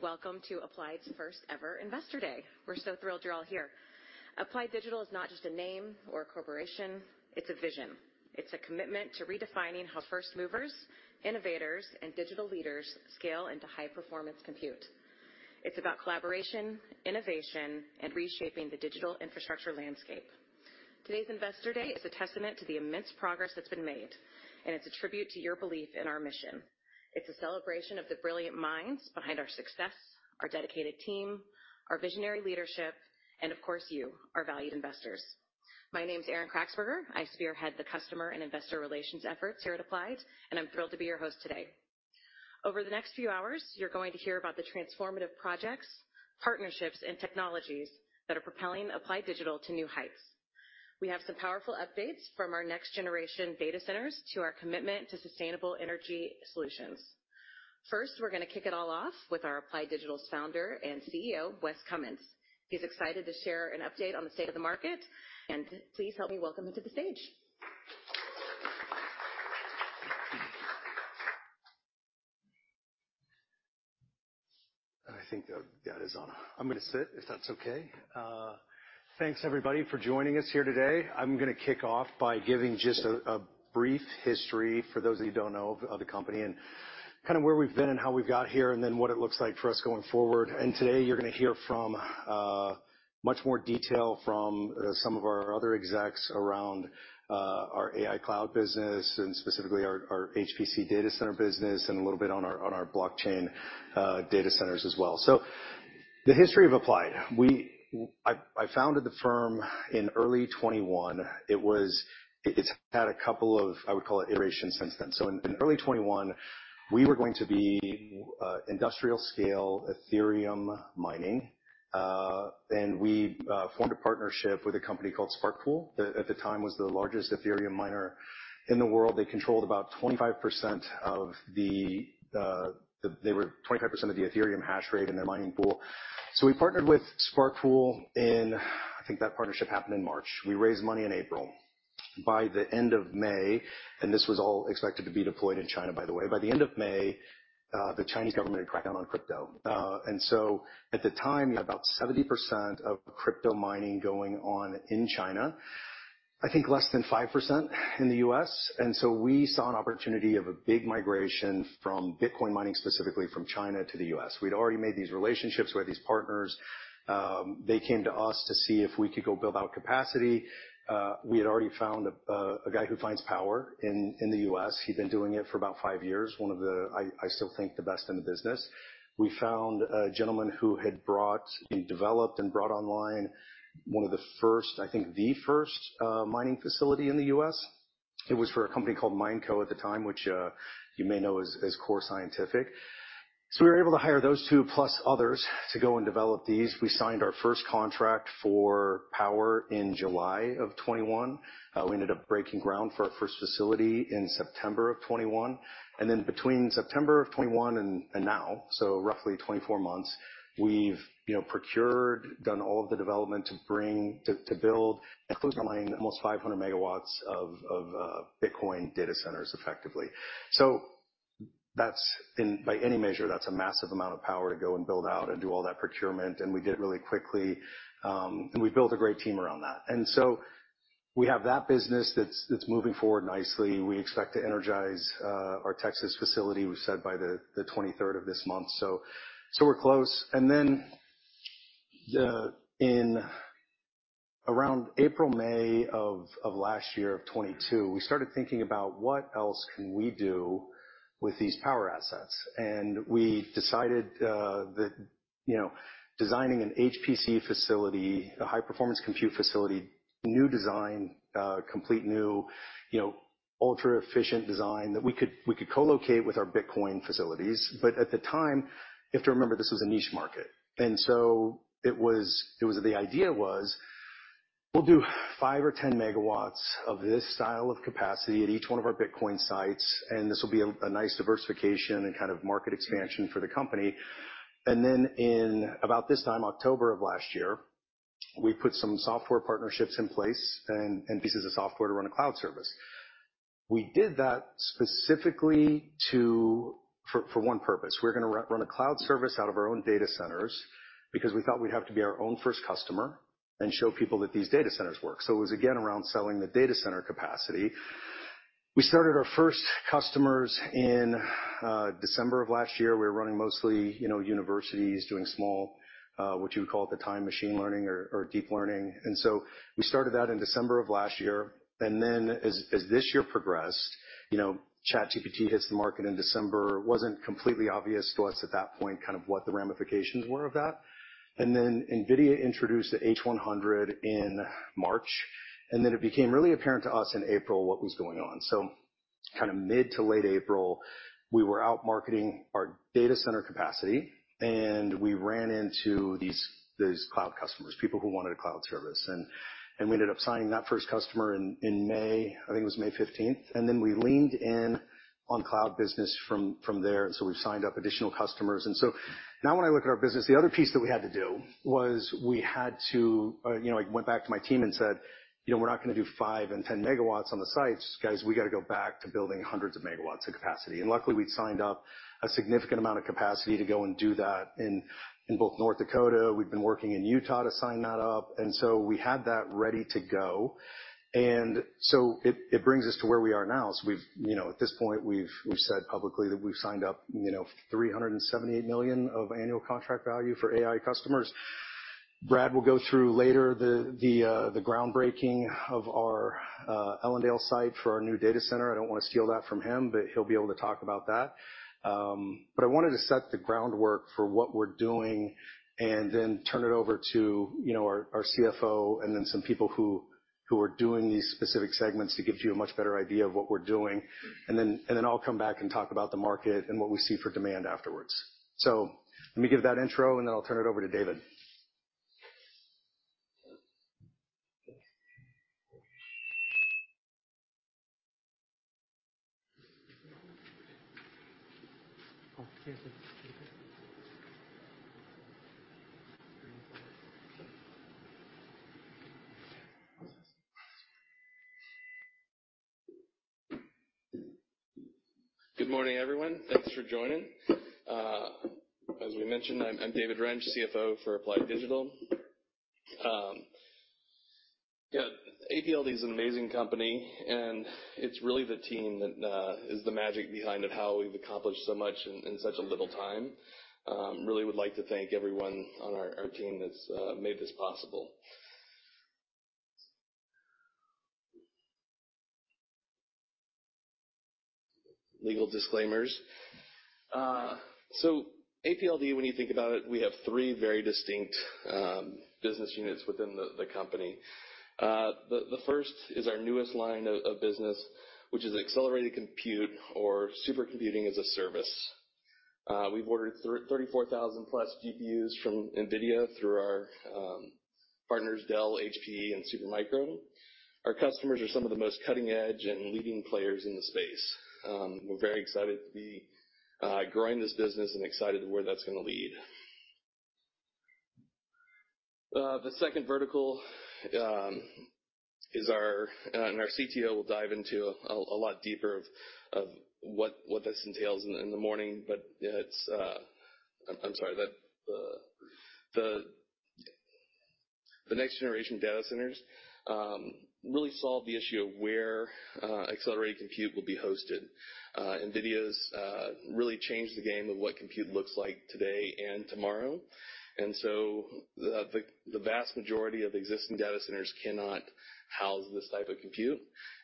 Welcome to Applied's first-ever Investor Day. We're so thrilled you're all here. Applied Digital is not just a name or a corporation, it's a vision. It's a commitment to redefining how first movers, innovators, and digital leaders scale into high-performance compute. It's about collaboration, innovation, and reshaping the digital infrastructure landscape. Today's Investor Day is a testament to the immense progress that's been made, and it's a tribute to your belief in our mission. It's a celebration of the brilliant minds behind our success, our dedicated team, our visionary leadership, and of course, you, our valued investors. My name is Erin Kraxberger. I spearhead the customer and investor relations efforts here at Applied, and I'm thrilled to be your host today. Over the next few hours, you're going to hear about the transformative projects, partnerships, and technologies that are propelling Applied Digital to new heights. We have some powerful updates from our next-generation data centers to our commitment to sustainable energy solutions. First, we're going to kick it all off with our Applied Digital's founder and CEO, Wes Cummins. He's excited to share an update on the state of the market, and please help me welcome him to the stage. I think that is on. I'm going to sit, if that's okay. Thanks, everybody, for joining us here today. I'm going to kick off by giving just a, a brief history for those of you who don't know of, of the company and kind of where we've been and how we've got here, and then what it looks like for us going forward. Today, you're going to hear from much more detail from some of our other execs around our AI cloud business and specifically our, our HPC data center business, and a little bit on our, on our blockchain data centers as well. The history of Applied. I, I founded the firm in early 2021. It's had a couple of, I would call it, iterations since then. So in early 2021, we were going to be industrial-scale Ethereum mining, and we formed a partnership with a company called SparkPool, that at the time was the largest Ethereum miner in the world. They controlled about 25% of the Ethereum hash rate in their mining pool. So we partnered with SparkPool. I think that partnership happened in March. We raised money in April. By the end of May, and this was all expected to be deployed in China, by the way. By the end of May, the Chinese government had cracked down on crypto. And so at the time, you had about 70% of crypto mining going on in China, I think less than 5% in the U.S. And so we saw an opportunity of a big migration from Bitcoin mining, specifically from China to the U.S. We'd already made these relationships. We had these partners. They came to us to see if we could go build out capacity. We had already found a guy who finds power in the U.S. He'd been doing it for about five years. One of the, I still think, the best in the business. We found a gentleman who had brought and developed and brought online one of the first, I think, the first, mining facility in the U.S. It was for a company called Mineco at the time, which you may know as Core Scientific. So we were able to hire those two plus others to go and develop these. We signed our first contract for power in July of 2021. We ended up breaking ground for our first facility in September of 2021. And then between September of 2021 and now, so roughly 24 months, we've, you know, procured, done all of the development to bring to build and close our line, almost 500 MW of Bitcoin data centers, effectively. So that's, and by any measure, that's a massive amount of power to go and build out and do all that procurement. And we did it really quickly, and we built a great team around that. And so we have that business that's moving forward nicely. We expect to energize our Texas facility, we said by the 23rd of this month. So we're close. And then, in around April, May of last year, of 2022, we started thinking about what else can we do with these power assets? And we decided, that, you know, designing an HPC facility, a high-performance compute facility, new design, complete new, you know, ultra-efficient design, that we could co-locate with our Bitcoin facilities. But at the time, you have to remember, this was a niche market. And so it was the idea was, we'll do five or 10 megawatts of this style of capacity at each one of our Bitcoin sites, and this will be a nice diversification and kind of market expansion for the company. And then in about this time, October of last year, we put some software partnerships in place and pieces of software to run a cloud service. We did that specifically to... For one purpose. We're going to run a cloud service out of our own data centers because we thought we'd have to be our own first customer and show people that these data centers work. So it was, again, around selling the data center capacity. We started our first customers in December of last year. We were running mostly, you know, universities doing small what you would call at the time, machine learning or deep learning. And so we started that in December of last year. And then as this year progressed, you know, ChatGPT hits the market in December. It wasn't completely obvious to us at that point, kind of what the ramifications were of that. And then NVIDIA introduced the H100 in March, and then it became really apparent to us in April what was going on. So kind of mid to late April, we were out marketing our data center capacity, and we ran into these cloud customers, people who wanted a cloud service. And we ended up signing that first customer in May, I think it was May fifteenth, and then we leaned in on cloud business from there. So we've signed up additional customers. Now, when I look at our business, the other piece that we had to do was we had to, you know, I went back to my team and said, "You know, we're not gonna do 5 and 10 MW on the sites. Guys, we got to go back to building hundreds of MW of capacity." And luckily, we'd signed up a significant amount of capacity to go and do that in both North Dakota. We've been working in Utah to sign that up, and so we had that ready to go. And so it brings us to where we are now. So we've, you know, at this point, we've said publicly that we've signed up, you know, $378 million of annual contract value for AI customers. Brad will go through later the groundbreaking of our Ellendale site for our new data center. I don't want to steal that from him, but he'll be able to talk about that. But I wanted to set the groundwork for what we're doing and then turn it over to, you know, our CFO, and then some people who are doing these specific segments, to give you a much better idea of what we're doing. Then I'll come back and talk about the market and what we see for demand afterwards. Let me give that intro, and then I'll turn it over to David. Good morning, everyone. Thanks for joining. As we mentioned, I'm David Rench, CFO for Applied Digital. Yeah, APLD is an amazing company, and it's really the team that is the magic behind of how we've accomplished so much in such a little time. Really would like to thank everyone on our team that's made this possible. Legal disclaimers. So APLD, when you think about it, we have three very distinct business units within the company. The first is our newest line of business, which is accelerated compute or supercomputing as a service. We've ordered 34,000+ GPUs from NVIDIA through our partners, Dell, HP, and Supermicro. Our customers are some of the most cutting-edge and leading players in the space. We're very excited to be growing this business and excited where that's gonna lead. The second vertical is our... and our CTO will dive into a lot deeper of what this entails in the morning, but, yeah, it's... I'm sorry, the next generation data centers really solve the issue of where accelerated compute will be hosted. NVIDIA's really changed the game of what compute looks like today and tomorrow, and so the vast majority of existing data centers cannot house this type of compute,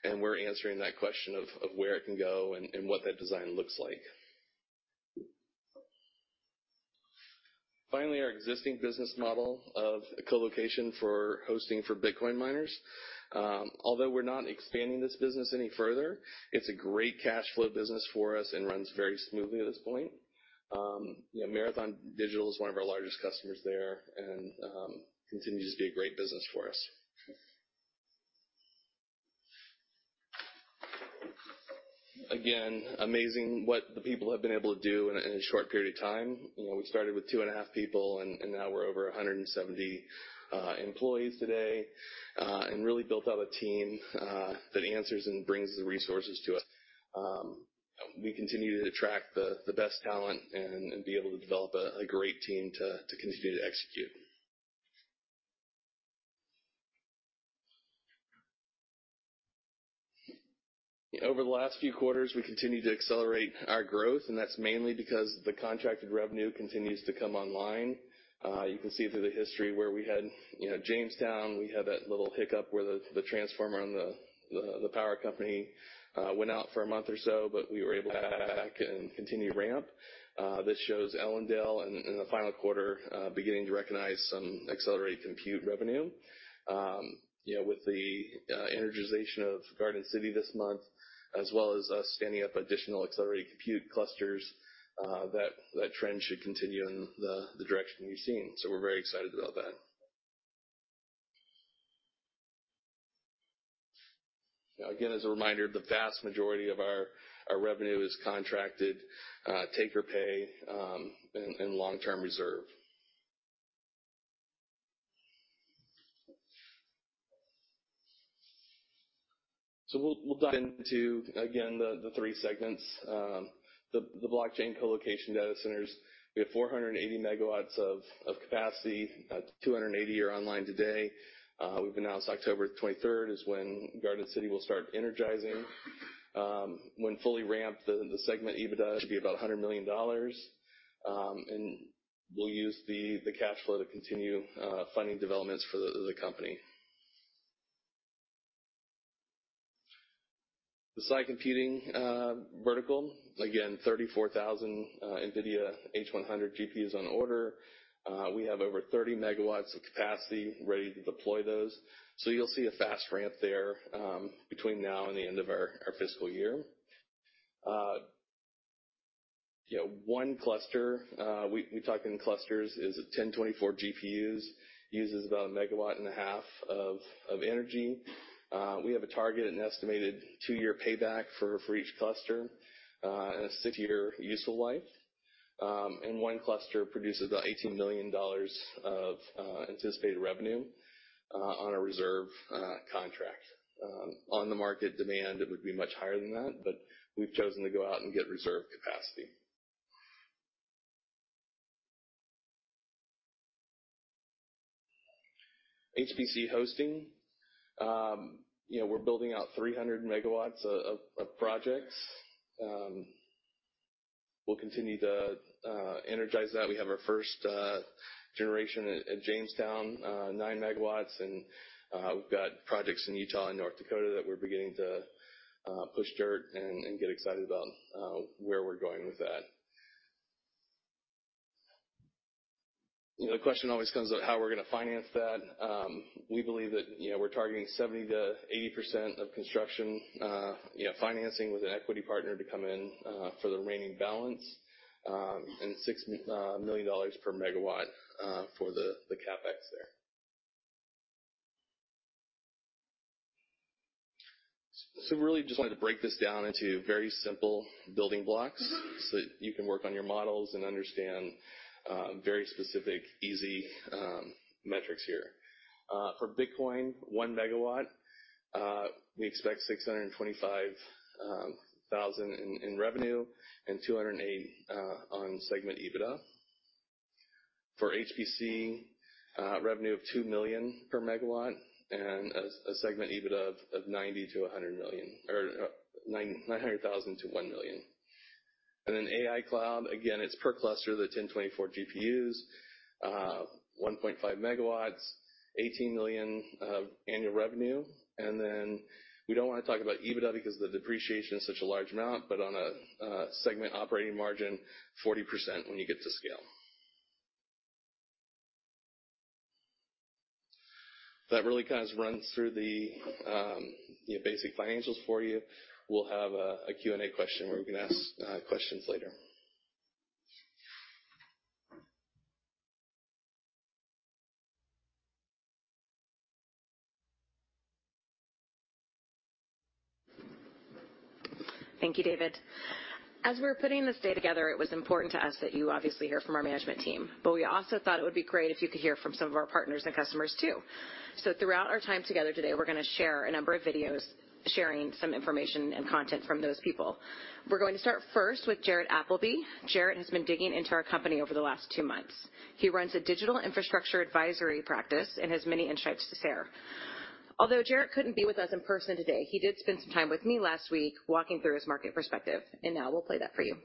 and we're answering that question of where it can go and what that design looks like. Finally, our existing business model of colocation for hosting for Bitcoin miners. Although we're not expanding this business any further, it's a great cash flow business for us and runs very smoothly at this point. You know, Marathon Digital is one of our largest customers there and continues to be a great business for us. Again, amazing what the people have been able to do in a short period of time. You know, we started with two and a half people, and now we're over 170 employees today, and really built out a team that answers and brings the resources to us. We continue to attract the best talent and be able to develop a great team to continue to execute. Over the last few quarters, we continued to accelerate our growth, and that's mainly because the contracted revenue continues to come online. You can see through the history where we had, you know, Jamestown, we had that little hiccup where the transformer and the power company went out for a month or so, but we were able to come back and continue ramp. This shows Ellendale in the final quarter beginning to recognize some accelerated compute revenue. You know, with the energization of Garden City this month, as well as us standing up additional accelerated compute clusters, that trend should continue in the direction we've seen. So we're very excited about that. Now, again, as a reminder, the vast majority of our revenue is contracted take or pay, and long-term reserve. So we'll dive into, again, the three segments. The blockchain colocation data centers, we have 480 megawatts of capacity. Two hundred and eighty are online today. We've announced October twenty-third is when Garden City will start energizing. When fully ramped, the segment EBITDA should be about $100 million. And we'll use the cash flow to continue funding developments for the company. The Sai Computing vertical, again, 34,000 NVIDIA H100 GPUs on order. We have over 30 megawatts of capacity ready to deploy those, so you'll see a fast ramp there, between now and the end of our fiscal year. You know, one cluster, we talked in clusters, is 1,024 GPUs, uses about 1.5 megawatts of energy. We have a target, an estimated two-year payback for each cluster, and a six-year useful life. And one cluster produces about $18 million of anticipated revenue on a reserve contract. On the market demand, it would be much higher than that, but we've chosen to go out and get reserve capacity. HPC hosting. You know, we're building out 300 MW of projects. We'll continue to energize that. We have our first generation at Jamestown, 9 MW, and we've got projects in Utah and North Dakota that we're beginning to push dirt and get excited about where we're going with that. The question always comes up, how we're gonna finance that. We believe that, you know, we're targeting 70%-80% of construction financing with an equity partner to come in for the remaining balance, and $6 million per megawatt for the CapEx there. Really just wanted to break this down into very simple building blocks so that you can work on your models and understand, you know, very specific, easy metrics here. For Bitcoin, 1 megawatt, we expect $625,000 in revenue and $208,000 on segment EBITDA. For HPC, revenue of $2 million per megawatt and a segment EBITDA of $900,000-$1 million. Then AI Cloud, again, it's per cluster, the 1,024 GPUs, 1.5 MW, $18 million of annual revenue. And then we don't want to talk about EBITDA because the depreciation is such a large amount, but on a segment operating margin, 40%, when you get to scale. That really kind of runs through the, you know, basic financials for you. We'll have a Q&A question where we can ask questions later. Thank you, David. As we were putting this day together, it was important to us that you obviously hear from our management team, but we also thought it would be great if you could hear from some of our partners and customers, too. So throughout our time together today, we're gonna share a number of videos, sharing some information and content from those people. We're going to start first with Jarrett Appleby. Jarrett has been digging into our company over the last two months. He runs a digital infrastructure advisory practice and has many insights to share. Although Jarrett couldn't be with us in person today, he did spend some time with me last week walking through his market perspective, and now we'll play that for you.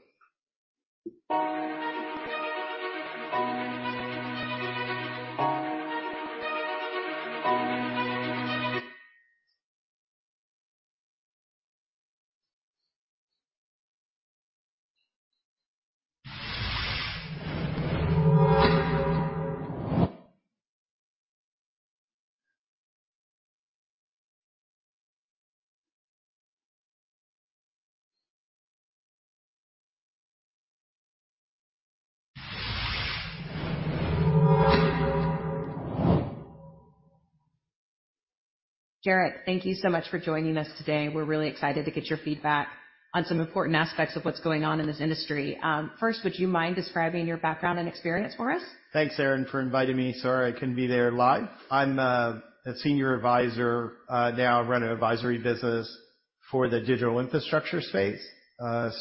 Jarrett, thank you so much for joining us today. We're really excited to get your feedback on some important aspects of what's going on in this industry. First, would you mind describing your background and experience for us? Thanks, Erin, for inviting me. Sorry I couldn't be there live. I'm a senior advisor. Now I run an advisory business for the digital infrastructure space.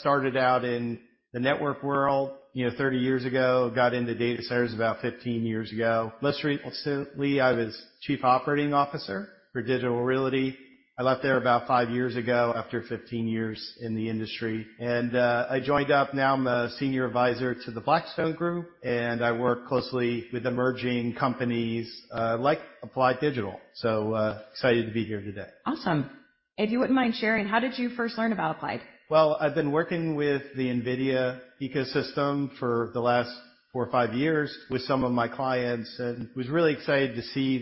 Started out in the network world, you know, 30 years ago. Got into data centers about 15 years ago. Most recently, I was Chief Operating Officer for Digital Realty. I left there about 5 years ago, after 15 years in the industry, and I joined up. Now I'm a senior advisor to the Blackstone Group, and I work closely with emerging companies like Applied Digital. So, excited to be here today. Awesome. If you wouldn't mind sharing, how did you first learn about Applied? Well, I've been working with the NVIDIA ecosystem for the last four or five years with some of my clients, and was really excited to see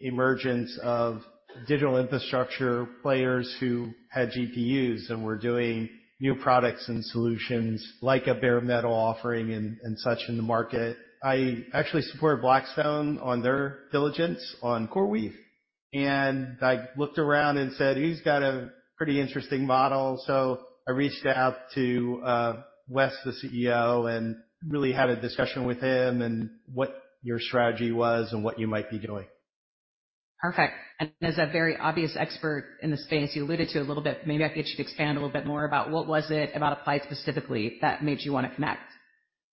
the emergence of digital infrastructure players who had GPUs and were doing new products and solutions like a bare metal offering and such in the market. I actually supported Blackstone on their diligence on CoreWeave, and I looked around and said, "He's got a pretty interesting model." So I reached out to Wes, the CEO, and really had a discussion with him and what your strategy was and what you might be doing. Perfect. And as a very obvious expert in the space, you alluded to a little bit, maybe I could get you to expand a little bit more about what was it about Applied specifically that made you want to connect?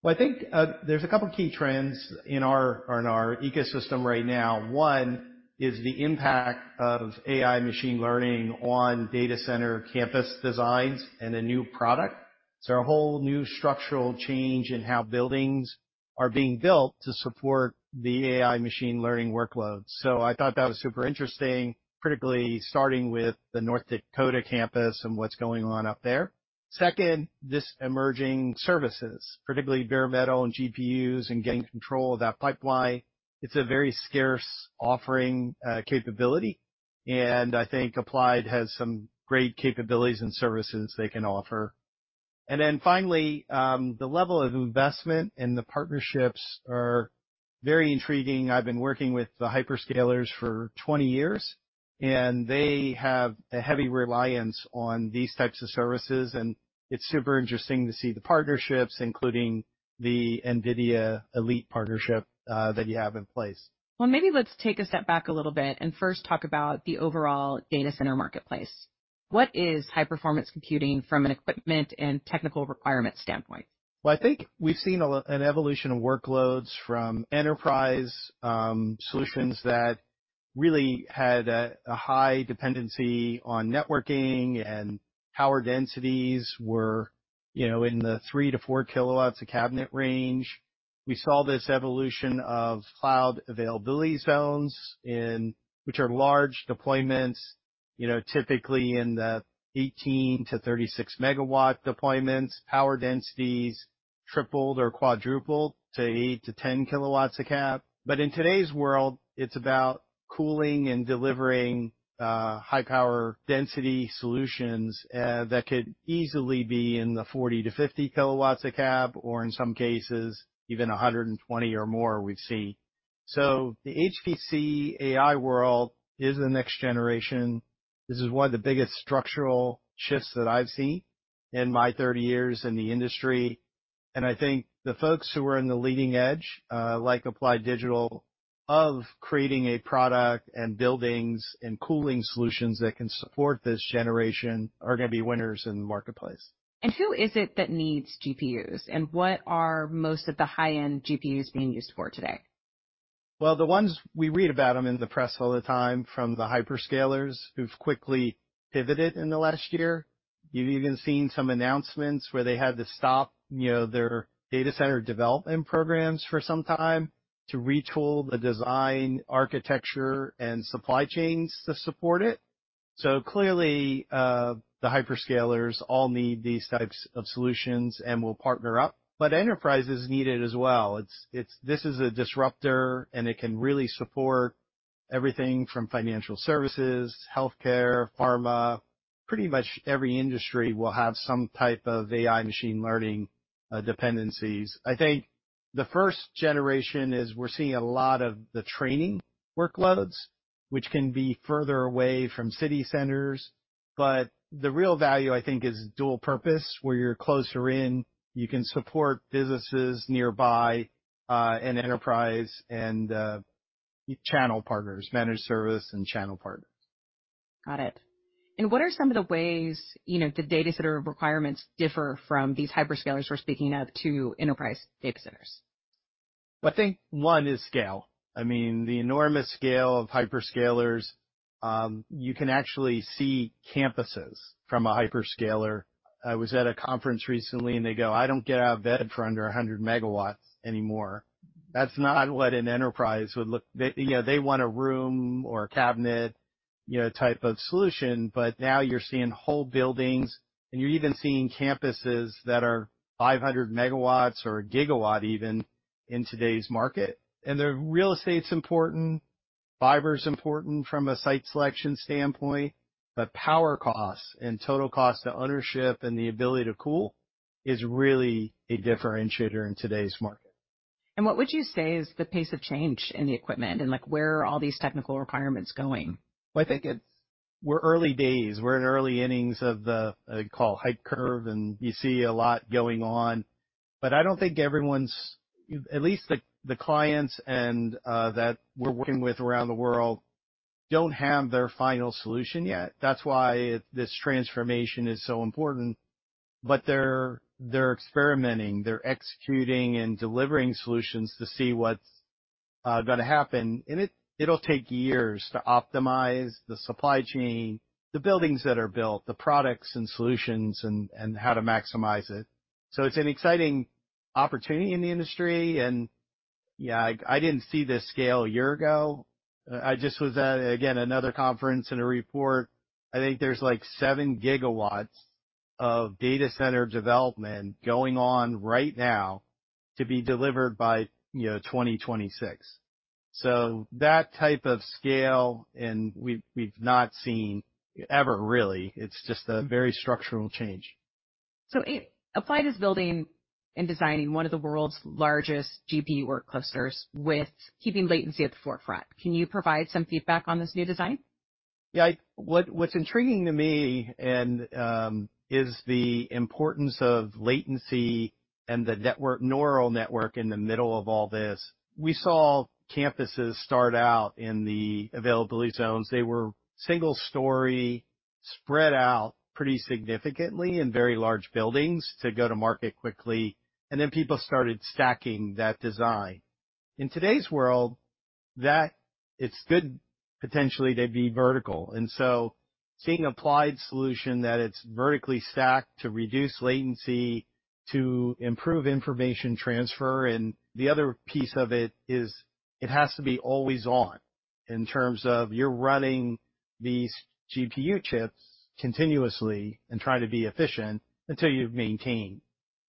Well, I think there's a couple of key trends in our ecosystem right now. One is the impact of AI machine learning on data center campus designs and the new product. So a whole new structural change in how buildings are being built to support the AI machine learning workloads. So I thought that was super interesting, critically, starting with the North Dakota campus and what's going on up there. Second, this emerging services, particularly bare metal and GPUs and getting control of that pipeline. It's a very scarce offering, capability, and I think Applied has some great capabilities and services they can offer. And then finally, the level of investment and the partnerships are very intriguing. I've been working with the hyperscalers for 20 years, and they have a heavy reliance on these types of services, and it's super interesting to see the partnerships, including the NVIDIA Elite partnership, that you have in place. Well, maybe let's take a step back a little bit and first talk about the overall data center marketplace. What is high-performance computing from an equipment and technical requirement standpoint? Well, I think we've seen an evolution of workloads from enterprise solutions that really had a high dependency on networking and power densities were, you know, in the 3-4 kW/cabinet range. We saw this evolution of cloud availability zones, which are large deployments, you know, typically in the 18-36 MW deployments, power densities tripled or quadrupled to 8-10 kW/cab. But in today's world, it's about cooling and delivering high power density solutions that could easily be in the 40-50 kW/cab, or in some cases, even 120 or more we've seen. So the HPC AI world is the next generation. This is one of the biggest structural shifts that I've seen in my 30 years in the industry. I think the folks who are in the leading edge, like Applied Digital, of creating a product and buildings and cooling solutions that can support this generation, are gonna be winners in the marketplace. Who is it that needs GPUs, and what are most of the high-end GPUs being used for today? Well, the ones we read about them in the press all the time, from the hyperscalers who've quickly pivoted in the last year. You've even seen some announcements where they had to stop, you know, their data center development programs for some time to retool the design, architecture, and supply chains to support it. So clearly, the hyperscalers all need these types of solutions and will partner up. But enterprises need it as well. It's-- this is a disruptor, and it can really support everything from financial services, healthcare, pharma. Pretty much every industry will have some type of AI machine learning dependencies. I think the first generation is we're seeing a lot of the training workloads, which can be further away from city centers, but the real value, I think, is dual purpose, where you're closer in, you can support businesses nearby, and enterprise and, channel partners, managed service and channel partners. Got it. And what are some of the ways, you know, the data center requirements differ from these hyperscalers we're speaking of to enterprise data centers? I think one is scale. I mean, the enormous scale of hyperscalers, you can actually see campuses from a hyperscaler. I was at a conference recently, and they go, "I don't get out of bed for under 100 megawatts anymore." That's not what an enterprise would look... They, you know, they want a room or a cabinet, you know, type of solution, but now you're seeing whole buildings, and you're even seeing campuses that are 500 megawatts or a gigawatt even in today's market. The real estate's important, fiber's important from a site selection standpoint, but power costs and total cost to ownership and the ability to cool is really a differentiator in today's market. What would you say is the pace of change in the equipment and, like, where are all these technical requirements going? Well, I think it's... We're early days. We're in early innings of the AI hype curve, and you see a lot going on, but I don't think everyone's, at least the clients and that we're working with around the world, don't have their final solution yet. That's why this transformation is so important. But they're experimenting, they're executing and delivering solutions to see what's gonna happen. And it, it'll take years to optimize the supply chain, the buildings that are built, the products and solutions, and how to maximize it. So it's an exciting opportunity in the industry, and yeah, I didn't see this scale a year ago. I just was at, again, another conference and a report. I think there's, like, 7 gigawatts of data center development going on right now to be delivered by, you know, 2026. So that type of scale, and we've not seen ever, really. It's just a very structural change. Applied is building and designing one of the world's largest GPU work clusters with keeping latency at the forefront. Can you provide some feedback on this new design? Yeah. What, what's intriguing to me and, is the importance of latency and the network, neural network in the middle of all this. We saw campuses start out in the availability zones. They were single story, spread out pretty significantly in very large buildings to go to market quickly, and then people started stacking that design. In today's world, that, it's good potentially to be vertical, and so seeing Applied's solution, that it's vertically stacked to reduce latency, to improve information transfer, and the other piece of it is, it has to be always on in terms of you're running these GPU chips continuously and trying to be efficient until you've maintained.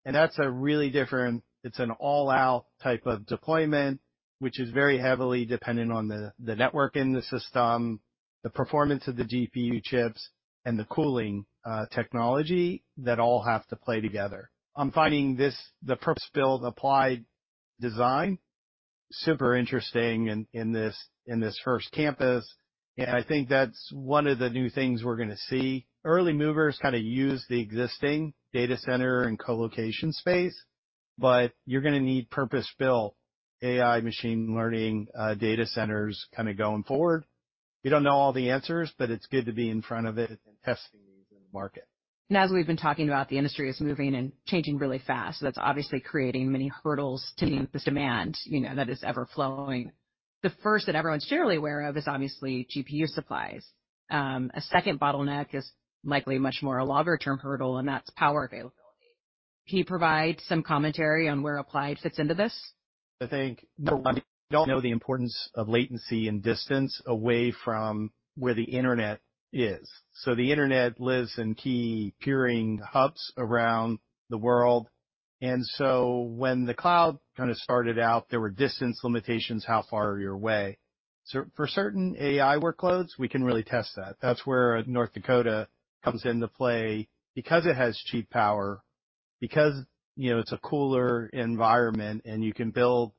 And that's a really different, it's an all-out type of deployment, which is very heavily dependent on the, the network in the system.... The performance of the GPU chips and the cooling technology that all have to play together. I'm finding this, the purpose-built Applied design, super interesting in, in this, in this first campus, and I think that's one of the new things we're gonna see. Early movers kinda use the existing data center and colocation space, but you're gonna need purpose-built AI machine learning data centers kinda going forward. We don't know all the answers, but it's good to be in front of it and testing these in the market. As we've been talking about, the industry is moving and changing really fast. So that's obviously creating many hurdles to meet this demand, you know, that is ever-flowing. The first that everyone's generally aware of is obviously GPU supplies. A second bottleneck is likely much more a longer term hurdle, and that's power availability. Can you provide some commentary on where Applied fits into this? I think, number one, we all know the importance of latency and distance away from where the internet is. The internet lives in key peering hubs around the world, and when the cloud kinda started out, there were distance limitations, how far you're away. For certain AI workloads, we can really test that. That's where North Dakota comes into play, because it has cheap power, because, you know, it's a cooler environment and you can build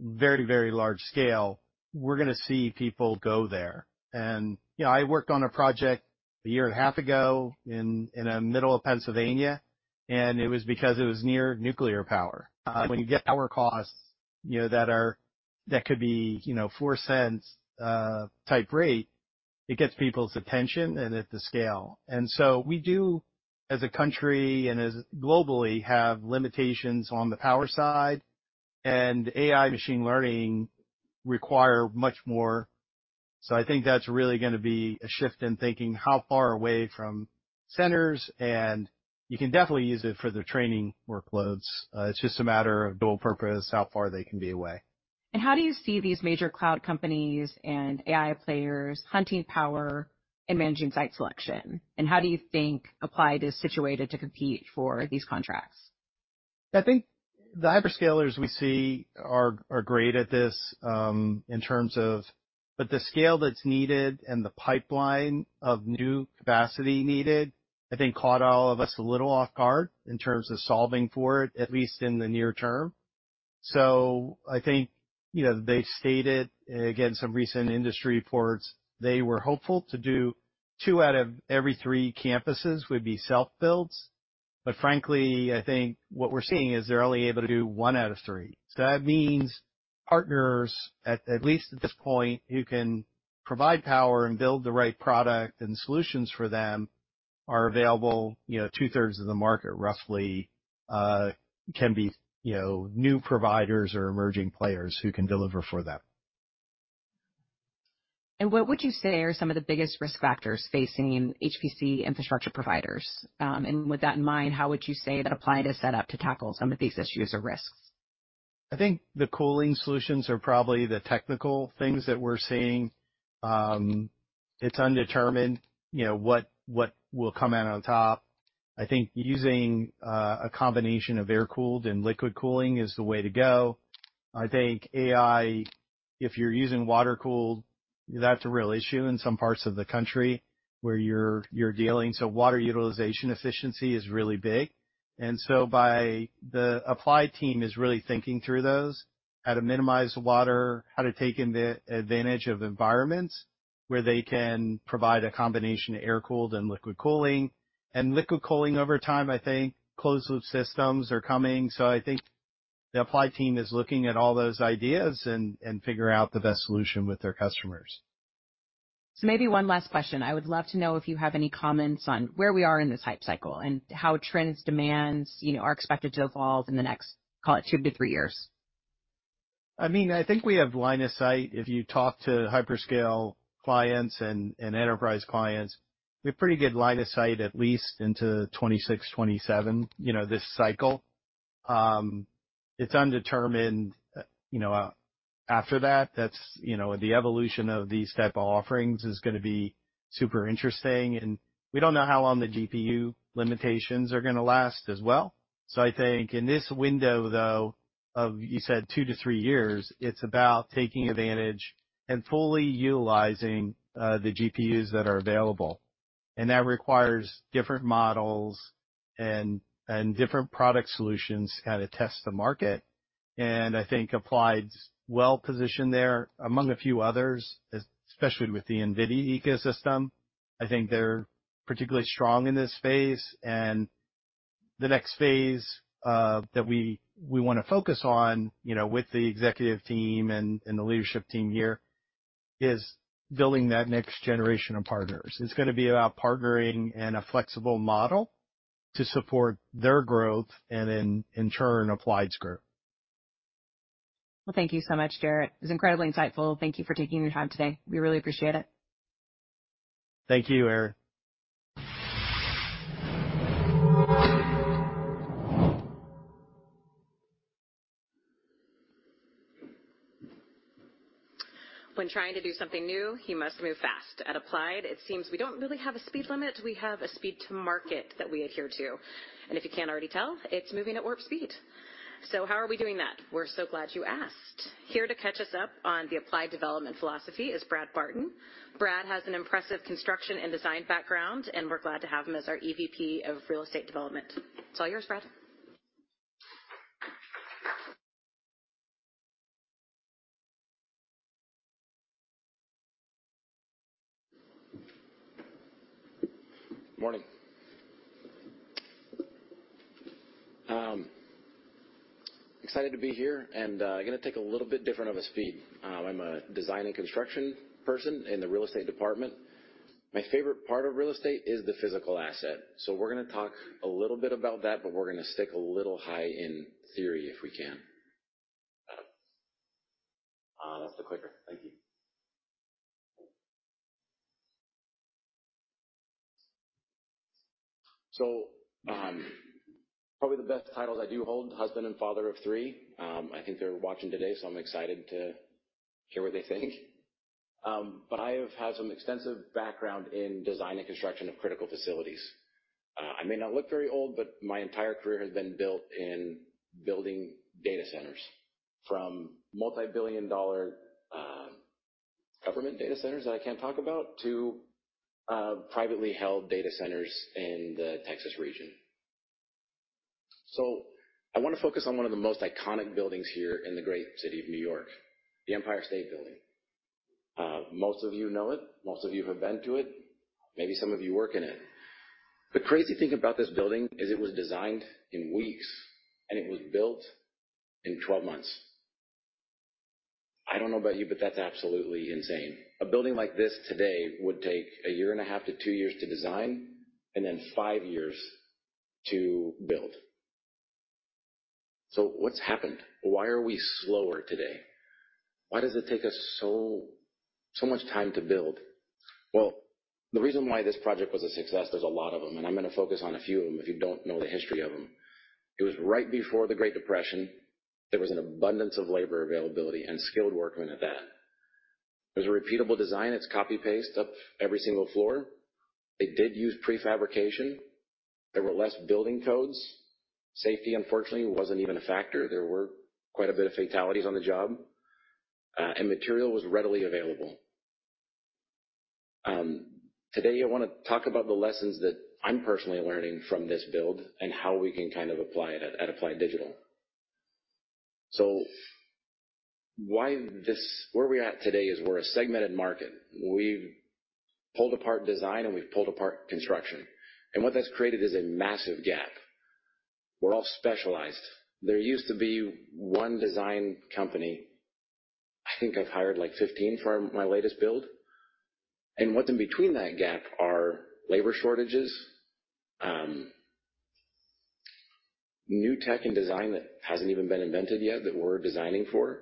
very, very large scale, we're gonna see people go there. You know, I worked on a project a year and a half ago in middle of Pennsylvania, and it was because it was near nuclear power. When you get power costs, you know, that are—that could be, you know, 4 cents, type rate, it gets people's attention and at the scale. And so we do, as a country and as globally, have limitations on the power side, and AI machine learning require much more. So I think that's really gonna be a shift in thinking, how far away from centers, and you can definitely use it for the training workloads. It's just a matter of dual purpose, how far they can be away. How do you see these major cloud companies and AI players hunting power and managing site selection? And how do you think Applied is situated to compete for these contracts? I think the hyperscalers we see are great at this, in terms of... But the scale that's needed and the pipeline of new capacity needed, I think, caught all of us a little off guard in terms of solving for it, at least in the near term. So I think, you know, they've stated, again, some recent industry reports, they were hopeful to do two out of every three campuses would be self-builds. But frankly, I think what we're seeing is they're only able to do one out of three. So that means partners, at least at this point, who can provide power and build the right product and solutions for them, are available, you know, two-thirds of the market roughly, can be, you know, new providers or emerging players who can deliver for them. What would you say are some of the biggest risk factors facing HPC infrastructure providers? And with that in mind, how would you say that Applied is set up to tackle some of these issues or risks? I think the cooling solutions are probably the technical things that we're seeing. It's undetermined, you know, what, what will come out on top. I think using a combination of air-cooled and liquid cooling is the way to go. I think AI, if you're using water-cooled, that's a real issue in some parts of the country where you're dealing. So water utilization efficiency is really big. And so the Applied team is really thinking through those, how to minimize water, how to take advantage of environments where they can provide a combination of air-cooled and liquid cooling. And liquid cooling, over time, I think closed-loop systems are coming. So I think the Applied team is looking at all those ideas and figuring out the best solution with their customers. So maybe one last question. I would love to know if you have any comments on where we are in this hype cycle, and how trends, demands, you know, are expected to evolve in the next, call it two-three years? I mean, I think we have line of sight. If you talk to hyperscale clients and, and enterprise clients, we have pretty good line of sight, at least into 2026, 2027, you know, this cycle. It's undetermined, you know, after that. That's, you know... The evolution of these type of offerings is gonna be super interesting, and we don't know how long the GPU limitations are gonna last as well. I think in this window, though, of, you said two-three years, it's about taking advantage and fully utilizing, the GPUs that are available. That requires different models and, and different product solutions how to test the market. I think Applied's well-positioned there, among a few others, especially with the NVIDIA ecosystem. I think they're particularly strong in this phase. The next phase that we wanna focus on, you know, with the executive team and the leadership team here, is building that next generation of partners. It's gonna be about partnering and a flexible model to support their growth and then, in turn, Applied's growth. Well, thank you so much, Jarrett. It was incredibly insightful. Thank you for taking your time today. We really appreciate it. Thank you, Erin. When trying to do something new, you must move fast. At Applied, it seems we don't really have a speed limit, we have a speed to market that we adhere to, and if you can't already tell, it's moving at warp speed. So how are we doing that? We're so glad you asked. Here to catch us up on the Applied development philosophy is Brad Barton. Brad has an impressive construction and design background, and we're glad to have him as our EVP of Real Estate Development. It's all yours, Brad. Morning. Excited to be here, and I'm gonna take a little bit different of a speed. I'm a design and construction person in the real estate department. My favorite part of real estate is the physical asset. So we're gonna talk a little bit about that, but we're gonna stick a little high in theory, if we can. That's the clicker. Thank you. So, probably the best titles I do hold, husband and father of three. I think they're watching today, so I'm excited to hear what they think. But I have had some extensive background in design and construction of critical facilities. I may not look very old, but my entire career has been built in building data centers. From multi-billion dollar government data centers that I can't talk about to privately held data centers in the Texas region. I want to focus on one of the most iconic buildings here in the great city of New York, the Empire State Building. Most of you know it, most of you have been to it, maybe some of you work in it. The crazy thing about this building is it was designed in weeks, and it was built in 12 months. I don't know about you, but that's absolutely insane. A building like this today would take a year and a half to two years to design and then five years to build. What's happened? Why are we slower today? Why does it take us so, so much time to build? Well, the reason why this project was a success, there's a lot of them, and I'm gonna focus on a few of them if you don't know the history of them. It was right before the Great Depression. There was an abundance of labor availability and skilled workmen at that. It was a repeatable design. It's copy-paste of every single floor. They did use pre-fabrication. There were less building codes. Safety, unfortunately, wasn't even a factor. There were quite a bit of fatalities on the job, and material was readily available. Today, I wanna talk about the lessons that I'm personally learning from this build and how we can kind of apply it at Applied Digital. So, where we're at today is we're a segmented market. We've pulled apart design, and we've pulled apart construction, and what that's created is a massive gap. We're all specialized. There used to be one design company. I think I've hired like 15 for my latest build, and what's in between that gap are labor shortages, new tech and design that hasn't even been invented yet, that we're designing for.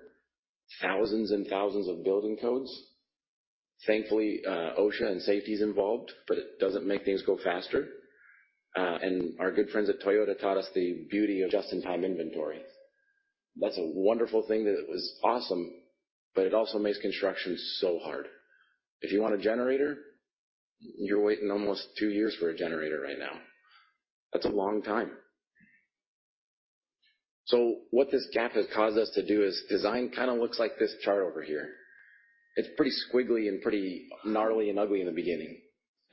Thousands and thousands of building codes. Thankfully, OSHA and safety's involved, but it doesn't make things go faster. And our good friends at Toyota taught us the beauty of just-in-time inventory. That's a wonderful thing, that was awesome, but it also makes construction so hard. If you want a generator, you're waiting almost two years for a generator right now. That's a long time. So what this gap has caused us to do is design kind of looks like this chart over here. It's pretty squiggly and pretty gnarly and ugly in the beginning.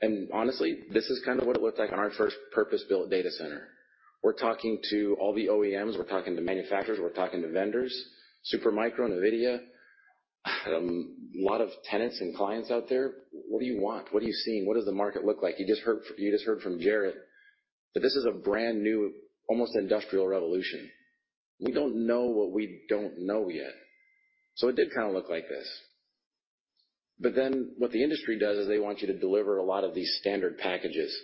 And honestly, this is kind of what it looked like on our first purpose-built data center. We're talking to all the OEMs, we're talking to manufacturers, we're talking to vendors, Supermicro, NVIDIA, a lot of tenants and clients out there. What do you want? What are you seeing? What does the market look like? You just heard, you just heard from Jarrett, that this is a brand new, almost industrial revolution. We don't know what we don't know yet. So it did kind of look like this. But then what the industry does is they want you to deliver a lot of these standard packages,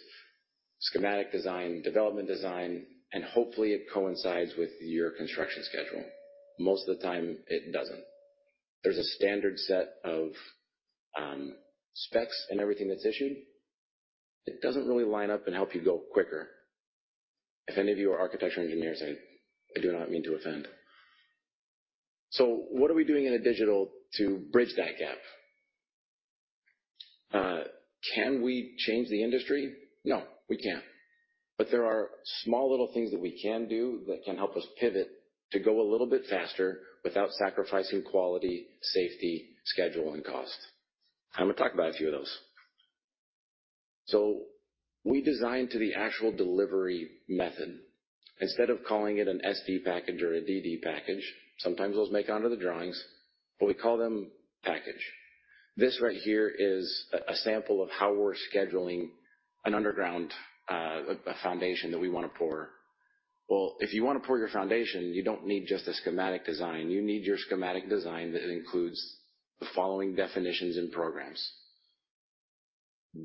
schematic design, development design, and hopefully it coincides with your construction schedule. Most of the time, it doesn't. There's a standard set of specs and everything that's issued. It doesn't really line up and help you go quicker. If any of you are architectural engineers, I, I do not mean to offend. So what are we doing in Applied Digital to bridge that gap? Can we change the industry? No, we can't. But there are small, little things that we can do that can help us pivot to go a little bit faster without sacrificing quality, safety, schedule, and cost. I'm gonna talk about a few of those. So we design to the actual delivery method. Instead of calling it an SD package or a DD package, sometimes those make it onto the drawings, but we call them package. This right here is a sample of how we're scheduling an underground, a foundation that we want to pour. Well, if you want to pour your foundation, you don't need just a schematic design. You need your schematic design that includes the following definitions and programs.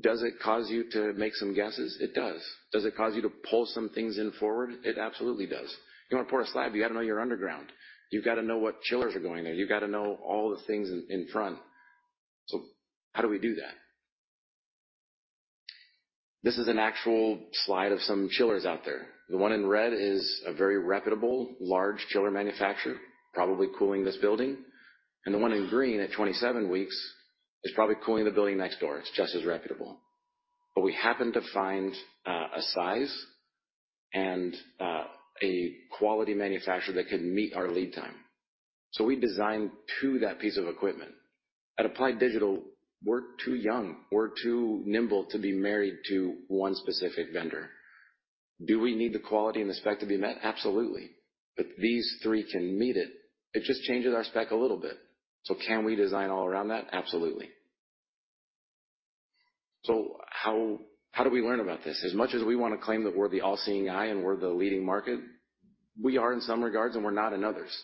Does it cause you to make some guesses? It does. Does it cause you to pull some things in forward? It absolutely does. You want to pour a slab, you got to know your underground. You've got to know what chillers are going there. You've got to know all the things in front. So how do we do that? This is an actual slide of some chillers out there. The one in red is a very reputable, large chiller manufacturer, probably cooling this building, and the one in green at 27 weeks is probably cooling the building next door. It's just as reputable. But we happened to find a size and a quality manufacturer that could meet our lead time. So we designed to that piece of equipment. At Applied Digital, we're too young, we're too nimble to be married to one specific vendor. Do we need the quality and the spec to be met? Absolutely. But these three can meet it. It just changes our spec a little bit. So can we design all around that? Absolutely. So how, how do we learn about this? As much as we want to claim that we're the all-seeing eye and we're the leading market, we are in some regards, and we're not in others.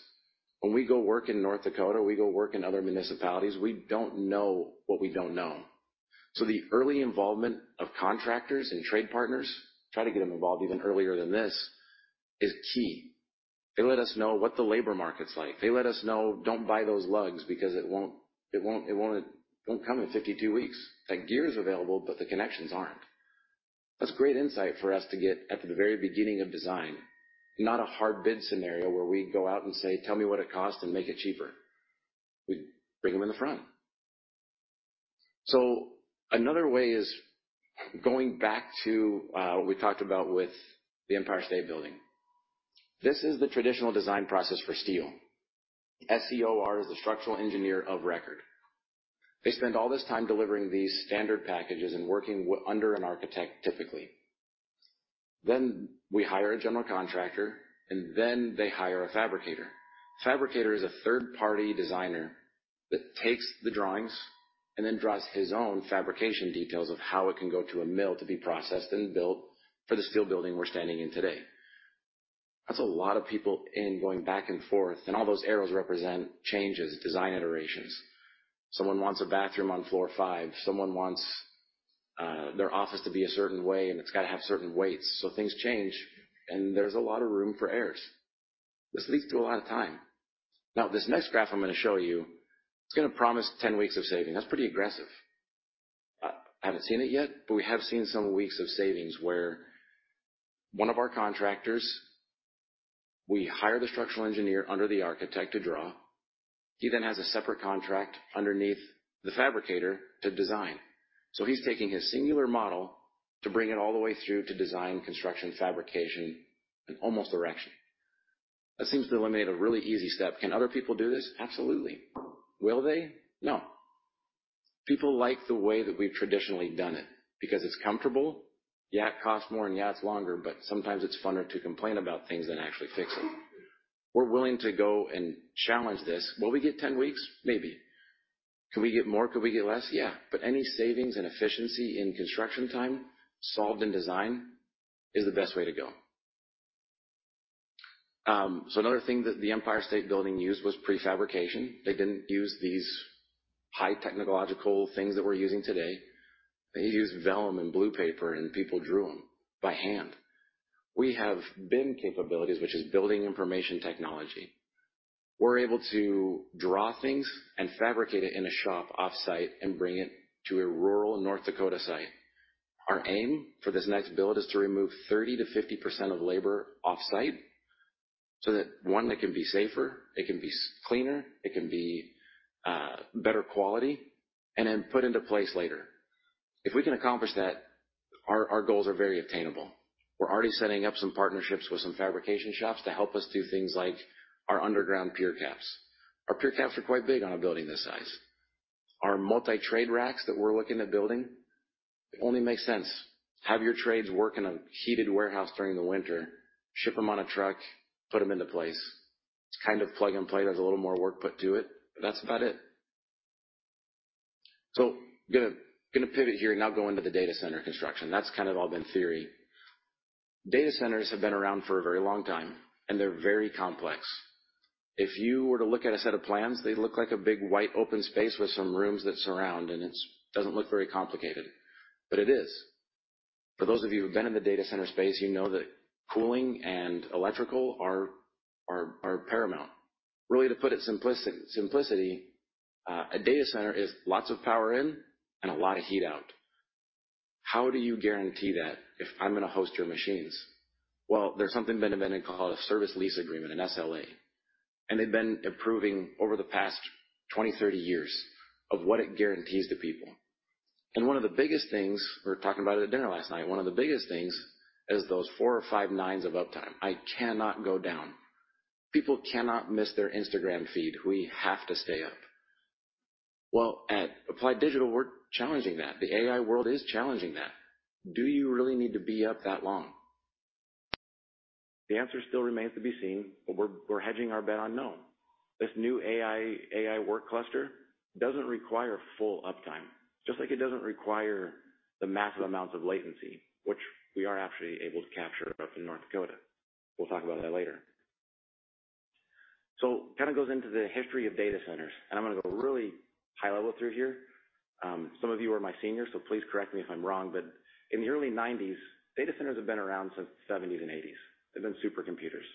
When we go work in North Dakota, we go work in other municipalities, we don't know what we don't know. So the early involvement of contractors and trade partners, try to get them involved even earlier than this, is key. They let us know what the labor market's like. They let us know, "Don't buy those lugs because it won't, it won't, it won't, it won't come in 52 weeks. That gear is available, but the connections aren't." That's great insight for us to get at the very beginning of design, not a hard bid scenario where we go out and say, "Tell me what it costs and make it cheaper." We bring them in the front. Another way is going back to what we talked about with the Empire State Building. This is the traditional design process for steel. SEOR is the structural engineer of record. They spend all this time delivering these standard packages and working under an architect, typically. Then we hire a general contractor, and then they hire a fabricator. Fabricator is a third-party designer that takes the drawings and then draws his own fabrication details of how it can go to a mill to be processed and built for the steel building we're standing in today. That's a lot of people in going back and forth, and all those arrows represent changes, design iterations. Someone wants a bathroom on floor five. Someone wants their office to be a certain way, and it's got to have certain weights. So things change, and there's a lot of room for errors. This leads to a lot of time. Now, this next graph I'm going to show you, it's going to promise 10 weeks of saving. That's pretty aggressive. I haven't seen it yet, but we have seen some weeks of savings where one of our contractors... We hire the structural engineer under the architect to draw. He then has a separate contract underneath the fabricator to design. So he's taking his singular model to bring it all the way through to design, construction, fabrication, and almost erection. That seems to eliminate a really easy step. Can other people do this? Absolutely. Will they? No. People like the way that we've traditionally done it because it's comfortable. Yeah, it costs more, and, yeah, it's longer, but sometimes it's funner to complain about things than actually fix them. We're willing to go and challenge this. Will we get 10 weeks? Maybe. Can we get more? Could we get less? Yeah, but any savings and efficiency in construction time solved in design is the best way to go. So another thing that the Empire State Building used was prefabrication. They didn't use these high technological things that we're using today. They used vellum and blue paper, and people drew them by hand. We have BIM capabilities, which is Building Information Technology. We're able to draw things and fabricate it in a shop off-site and bring it to a rural North Dakota site. Our aim for this next build is to remove 30%-50% of labor off-site, so that, one, it can be safer, it can be cleaner, it can be better quality, and then put into place later. If we can accomplish that, our, our goals are very attainable. We're already setting up some partnerships with some fabrication shops to help us do things like our underground pier caps. Our pier caps are quite big on a building this size. Our multi-trade racks that we're looking at building, it only makes sense. Have your trades work in a heated warehouse during the winter, ship them on a truck, put them into place. It's kind of plug-and-play. There's a little more work put to it, but that's about it. So going to, going to pivot here and now go into the data center construction. That's kind of all been theory. Data centers have been around for a very long time, and they're very complex. If you were to look at a set of plans, they'd look like a big, wide, open space with some rooms that surround it, and it doesn't look very complicated, but it is. For those of you who've been in the data center space, you know that cooling and electrical are, are, are paramount. Really, to put it simplicity, a data center is lots of power in and a lot of heat out. How do you guarantee that if I'm going to host your machines? Well, there's something been invented called a service lease agreement, an SLA, and they've been improving over the past 20, 30 years of what it guarantees to people. One of the biggest things, we were talking about it at dinner last night, one of the biggest things is those four or five nines of uptime. I cannot go down. People cannot miss their Instagram feed. We have to stay up. Well, at Applied Digital, we're challenging that. The AI world is challenging that. Do you really need to be up that long? The answer still remains to be seen, but we're, we're hedging our bet on no. This new AI, AI work cluster doesn't require full uptime, just like it doesn't require the massive amounts of latency, which we are actually able to capture up in North Dakota. We'll talk about that later. So kind of goes into the history of data centers, and I'm going to go really high level through here. Some of you are my seniors, so please correct me if I'm wrong, but in the early 1990s, data centers have been around since the 1970s and 1980s. They've been supercomputers.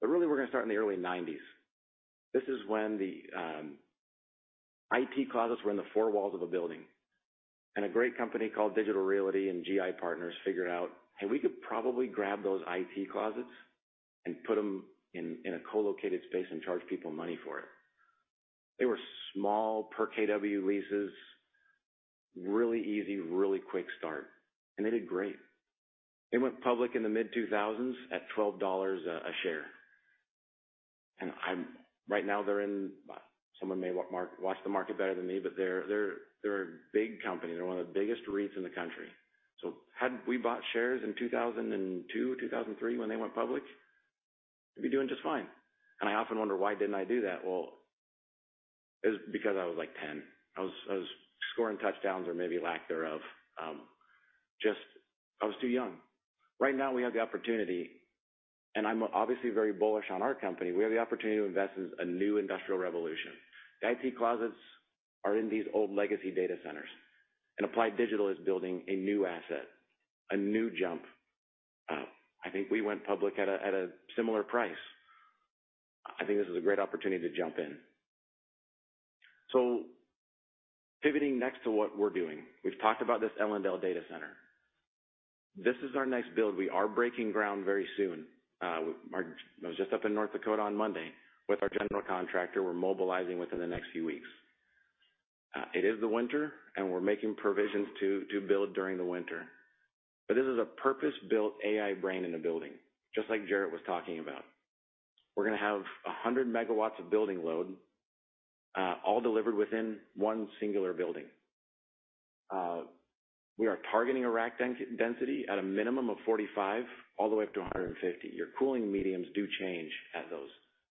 But really, we're going to start in the early 1990s. This is when the IT closets were in the four walls of a building, and a great company called Digital Realty and GI Partners figured out, "Hey, we could probably grab those IT closets and put them in a co-located space and charge people money for it. ... They were small per kW leases, really easy, really quick start, and they did great. They went public in the mid-2000s at $12 a share. Right now they're in, someone may watch the market better than me, but they're, they're, they're a big company. They're one of the biggest REITs in the country. So had we bought shares in 2002, 2003, when they went public, we'd be doing just fine. And I often wonder, why didn't I do that? Well, it was because I was, like, 10. I was, I was scoring touchdowns or maybe lack thereof. Just, I was too young. Right now, we have the opportunity, and I'm obviously very bullish on our company. We have the opportunity to invest in a new industrial revolution. The IT closets are in these old legacy data centers, and Applied Digital is building a new asset, a new jump. I think we went public at a similar price. I think this is a great opportunity to jump in. Pivoting next to what we're doing. We've talked about this Ellendale data center. This is our next build. We are breaking ground very soon. I was just up in North Dakota on Monday with our general contractor. We're mobilizing within the next few weeks. It is the winter, and we're making provisions to build during the winter. This is a purpose-built AI brain in a building, just like Jarrett was talking about. We're going to have 100 megawatts of building load, all delivered within one singular building. We are targeting a rack density at a minimum of 45, all the way up to 150. Your cooling mediums do change at those,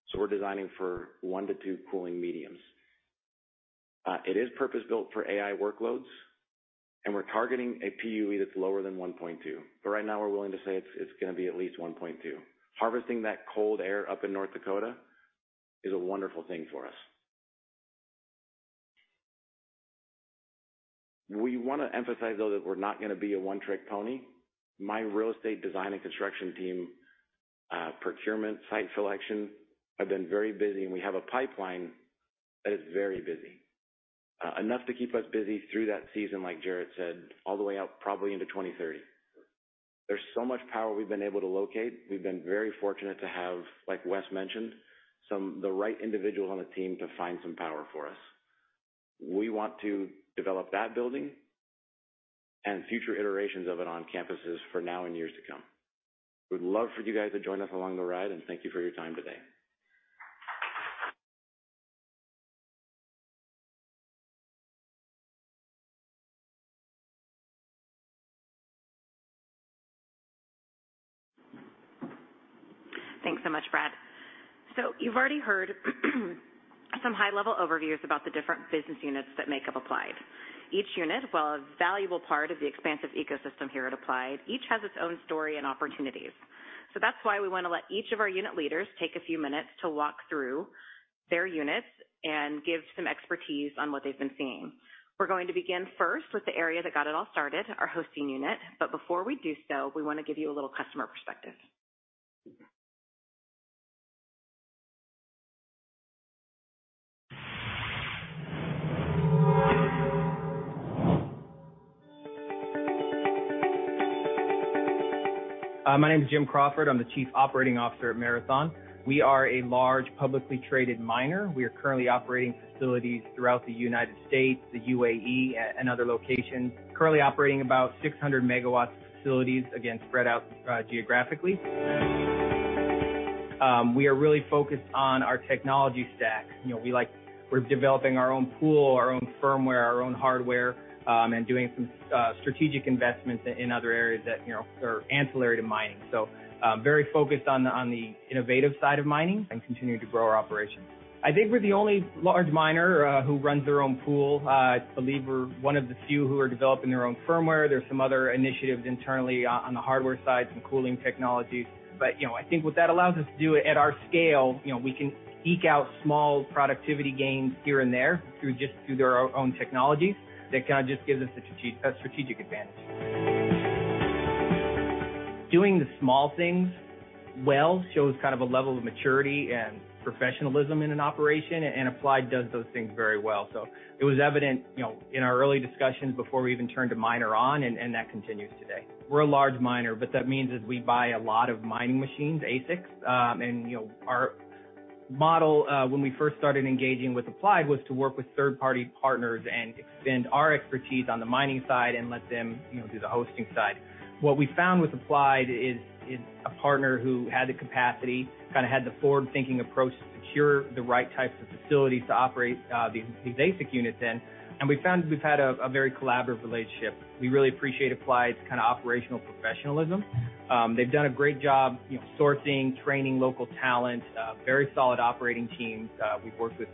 so we're designing for one-two cooling mediums. It is purpose-built for AI workloads, and we're targeting a PUE that's lower than 1.2. But right now we're willing to say it's, it's going to be at least 1.2. Harvesting that cold air up in North Dakota is a wonderful thing for us. We want to emphasize, though, that we're not going to be a one-trick pony. My real estate design and construction team, procurement, site selection, have been very busy, and we have a pipeline that is very busy, enough to keep us busy through that season, like Jarrett said, all the way out, probably into 2030. There's so much power we've been able to locate. We've been very fortunate to have, like Wes mentioned, the right individuals on the team to find some power for us. We want to develop that building and future iterations of it on campuses for now and years to come. We'd love for you guys to join us along the ride, and thank you for your time today. Thanks so much, Brad. So you've already heard some high-level overviews about the different business units that make up Applied. Each unit, while a valuable part of the expansive ecosystem here at Applied, each has its own story and opportunities. So that's why we want to let each of our unit leaders take a few minutes to walk through their units and give some expertise on what they've been seeing. We're going to begin first with the area that got it all started, our hosting unit. But before we do so, we want to give you a little customer perspective. My name is Jim Crawford. I'm the Chief Operating Officer at Marathon. We are a large, publicly traded miner. We are currently operating facilities throughout the United States, the UAE, and other locations. Currently operating about 600 megawatts of facilities, again, spread out geographically. You know, we are really focused on our technology stack. You know, we like-- We're developing our own pool, our own firmware, our own hardware, you know, and doing some, you know, strategic investments in other areas that, you know, are ancillary to mining. Very focused on the, on the innovative side of mining and continuing to grow our operations. I think we're the only large miner, you know, who runs their own pool. I believe we're one of the few who are developing their own firmware. There's some other initiatives internally on the hardware side, some cooling technologies. But, you know, I think what that allows us to do at our scale, you know, we can eke out small productivity gains here and there through just, through their own technologies. That kind of just gives us a strategic advantage. Doing the small things well shows kind of a level of maturity and professionalism in an operation, and Applied does those things very well. So it was evident, you know, in our early discussions before we even turned a miner on, and that continues today. We're a large miner, but that means is we buy a lot of mining machines, ASICs. And, you know, our model, when we first started engaging with Applied, was to work with third-party partners and extend our expertise on the mining side and let them, you know, do the hosting side. What we found with Applied is, is a partner who had the capacity, kind of had the forward-thinking approach to secure the right types of facilities to operate these ASIC units in, and we found that we've had a very collaborative relationship. We really appreciate Applied's kind of operational professionalism. They've done a great job, you know, sourcing, training, local talent, very solid operating teams. We've worked with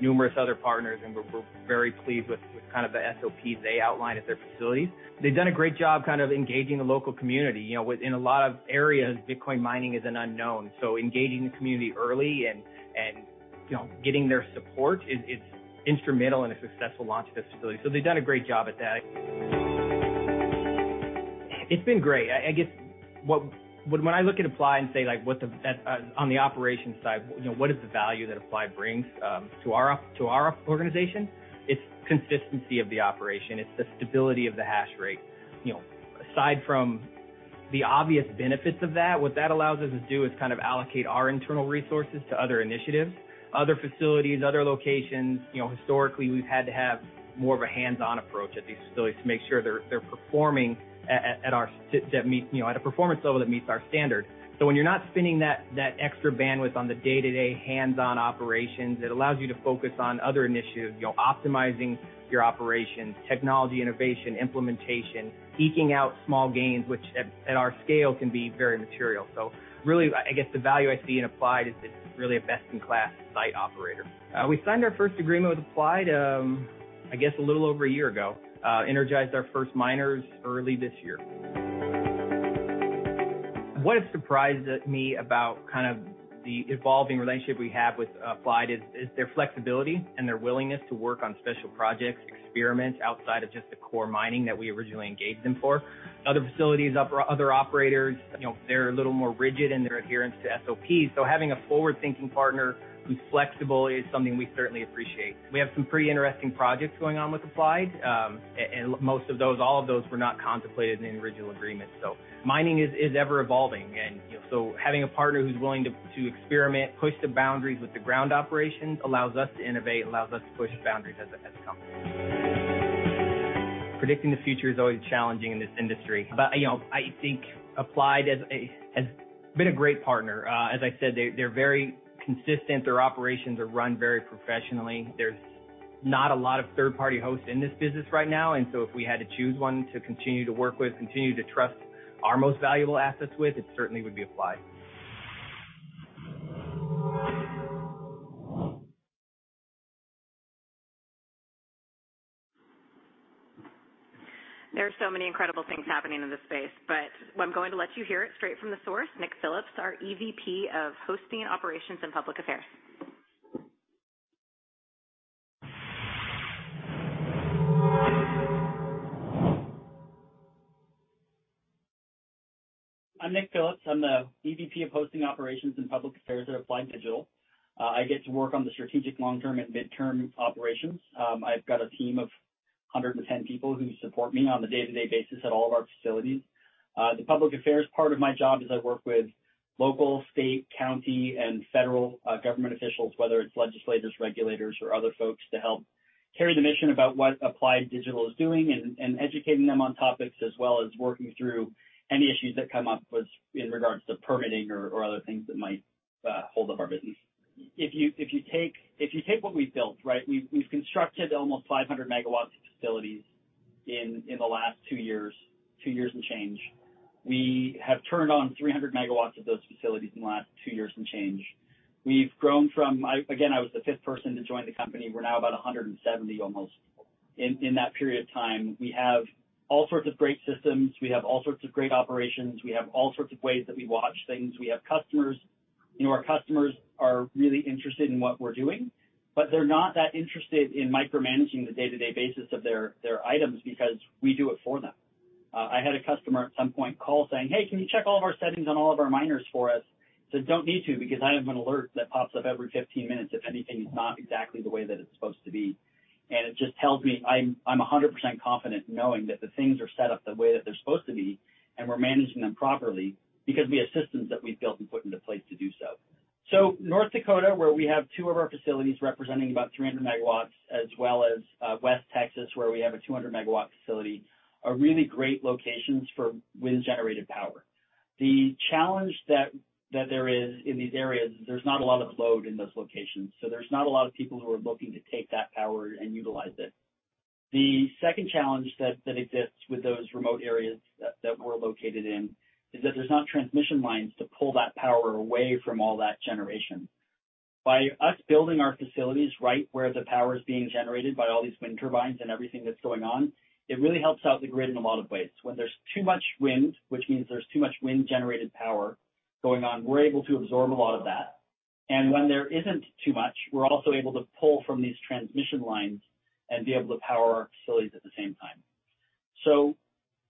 numerous other partners, and we're, we're very pleased with, with kind of the SOP they outline at their facilities. They've done a great job kind of engaging the local community. You know, in a lot of areas, Bitcoin mining is an unknown, so engaging the community early and, you know, getting their support is instrumental in a successful launch of this facility. They've done a great job at that. It's been great. I guess, what... When I look at Applied and say, like, what the, on the operations side, you know, what is the value that Applied brings to our, to our organization? It's consistency of the operation. It's the stability of the hash rate. You know, aside from the obvious benefits of that, what that allows us to do is kind of allocate our internal resources to other initiatives, other facilities, other locations. You know, historically, we've had to have more of a hands-on approach at these facilities to make sure they're performing at a performance level that meets our standards. When you're not spending that extra bandwidth on the day-to-day hands-on operations, it allows you to focus on other initiatives. You know, optimizing your operations, technology, innovation, implementation, eking out small gains, which at our scale can be very material. So really, I guess the value I see in Applied is it's really a best-in-class site operator. We signed our first agreement with Applied, I guess a little over a year ago. Energized our first miners early this year. What has surprised me about kind of the evolving relationship we have with Applied is their flexibility and their willingness to work on special projects, experiments outside of just the core mining that we originally engaged them for. Other facilities, other operators, you know, they're a little more rigid in their adherence to SOP. So having a forward-thinking partner who's flexible is something we certainly appreciate. We have some pretty interesting projects going on with Applied, and most of those—all of those were not contemplated in the original agreement. Mining is ever-evolving, and, you know, having a partner who's willing to experiment, push the boundaries with the ground operations, allows us to innovate and allows us to push boundaries as a company. Predicting the future is always challenging in this industry, but, you know, I think Applied has been a great partner. As I said, they're very consistent. Their operations are run very professionally. There's not a lot of third-party hosts in this business right now, and if we had to choose one to continue to work with, continue to trust our most valuable assets with, it certainly would be Applied. There are so many incredible things happening in this space, but I'm going to let you hear it straight from the source. Nick Phillips, our EVP of Hosting Operations and Public Affairs. I'm Nick Phillips. I'm the EVP of Hosting Operations and Public Affairs at Applied Digital. I get to work on the strategic long-term and midterm operations. I've got a team of 110 people who support me on a day-to-day basis at all of our facilities. The public affairs part of my job is I work with local, state, county, and federal government officials, whether it's legislators, regulators, or other folks, to help carry the mission about what Applied Digital is doing and educating them on topics, as well as working through any issues that come up in regards to permitting or other things that might hold up our business. If you take what we've built, right? We've constructed almost 500 megawatts of facilities in the last two years, two years and change. We have turned on 300 megawatts of those facilities in the last two years and change. We've grown from... I, again, I was the fifth person to join the company. We're now about 170 almost. In, in that period of time, we have all sorts of great systems. We have all sorts of great operations. We have all sorts of ways that we watch things. We have customers, you know, our customers are really interested in what we're doing, but they're not that interested in micromanaging the day-to-day basis of their, their items because we do it for them. I had a customer at some point call saying, "Hey, can you check all of our settings on all of our miners for us?" I said, "You don't need to, because I have an alert that pops up every 15 minutes if anything is not exactly the way that it's supposed to be." It just tells me I'm, I'm 100% confident knowing that the things are set up the way that they're supposed to be, and we're managing them properly because we have systems that we've built and put into place to do so. North Dakota, where we have two of our facilities representing about 300 megawatts, as well as West Texas, where we have a 200 megawatt facility, are really great locations for wind-generated power. The challenge that there is in these areas is there's not a lot of load in those locations, so there's not a lot of people who are looking to take that power and utilize it. The second challenge that exists with those remote areas that we're located in is that there's not transmission lines to pull that power away from all that generation. By us building our facilities right where the power is being generated by all these wind turbines and everything that's going on, it really helps out the grid in a lot of ways. When there's too much wind, which means there's too much wind-generated power going on, we're able to absorb a lot of that. When there isn't too much, we're also able to pull from these transmission lines and be able to power our facilities at the same time.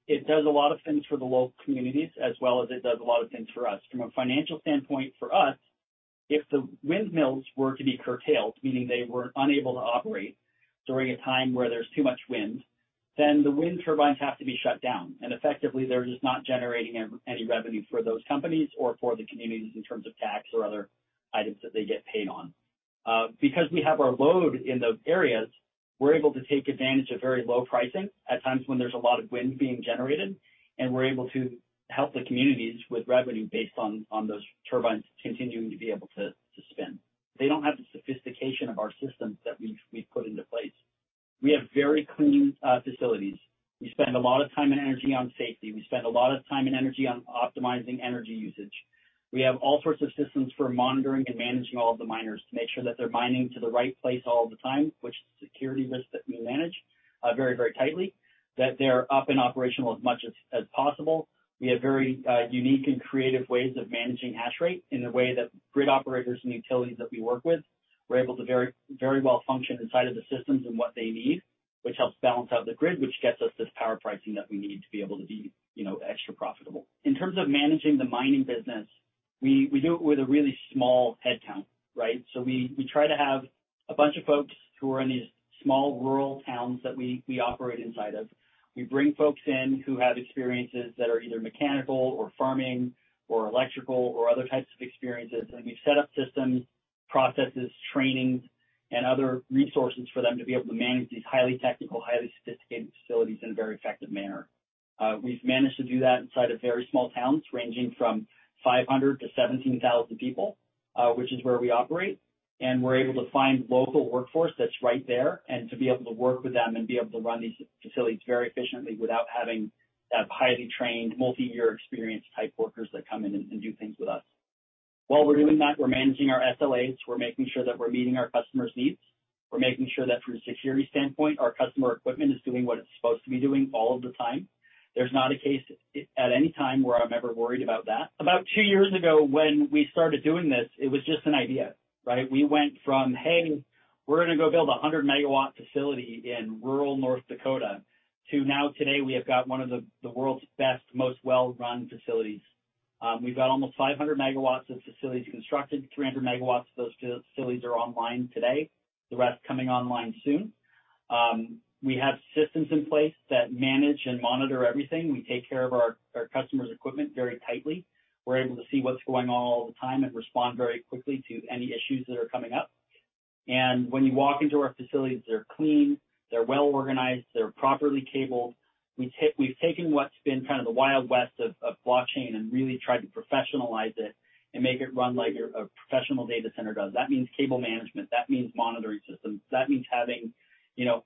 It does a lot of things for the local communities, as well as it does a lot of things for us. From a financial standpoint, for us, if the windmills were to be curtailed, meaning they were unable to operate during a time where there's too much wind, then the wind turbines have to be shut down, and effectively, they're just not generating any revenue for those companies or for the communities in terms of tax or other items that they get paid on. Because we have our load in those areas, we're able to take advantage of very low pricing at times when there's a lot of wind being generated, and we're able to help the communities with revenue based on those turbines continuing to be able to spin. They don't have the sophistication of our systems that we've put into place. We have very clean facilities. We spend a lot of time and energy on safety. We spend a lot of time and energy on optimizing energy usage. We have all sorts of systems for monitoring and managing all of the miners to make sure that they're mining to the right place all the time, which is a security risk that we manage very, very tightly, that they're up and operational as much as possible. We have very unique and creative ways of managing hash rate in a way that grid operators and utilities that we work with were able to very, very well function inside of the systems and what they need, which helps balance out the grid, which gets us this power pricing that we need to be able to be, you know, extra profitable. In terms of managing the mining business-... We do it with a really small headcount, right? So we try to have a bunch of folks who are in these small rural towns that we operate inside of. We bring folks in who have experiences that are either mechanical or farming or electrical or other types of experiences, and we've set up systems, processes, trainings, and other resources for them to be able to manage these highly technical, highly sophisticated facilities in a very effective manner. We've managed to do that inside of very small towns, ranging from 500-17,000 people, which is where we operate. We're able to find local workforce that's right there, and to be able to work with them and be able to run these facilities very efficiently without having that highly trained, multi-year, experienced type workers that come in and do things with us. While we're doing that, we're managing our SLAs. We're making sure that we're meeting our customers' needs. We're making sure that from a security standpoint, our customer equipment is doing what it's supposed to be doing all of the time. There's not a case at, at any time where I'm ever worried about that. About two years ago, when we started doing this, it was just an idea, right? We went from, "Hey, we're gonna go build a 100-megawatt facility in rural North Dakota," to now, today, we have got one of the, the world's best, most well-run facilities. We've got almost 500 megawatts of facilities constructed. 300 megawatts of those facilities are online today, the rest coming online soon. We have systems in place that manage and monitor everything. We take care of our, our customers' equipment very tightly. We're able to see what's going on all the time and respond very quickly to any issues that are coming up. When you walk into our facilities, they're clean, they're well organized, they're properly cabled. We've taken what's been kind of the Wild West of, of blockchain and really tried to professionalize it and make it run like a, a professional data center does. That means cable management. That means monitoring systems. That means having, you know,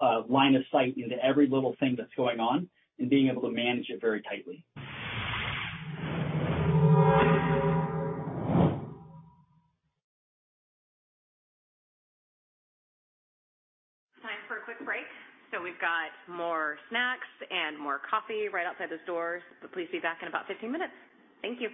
a line of sight into every little thing that's going on and being able to manage it very tightly. Time for a quick break. So we've got more snacks and more coffee right outside those doors, but please be back in about 15 minutes. Thank you.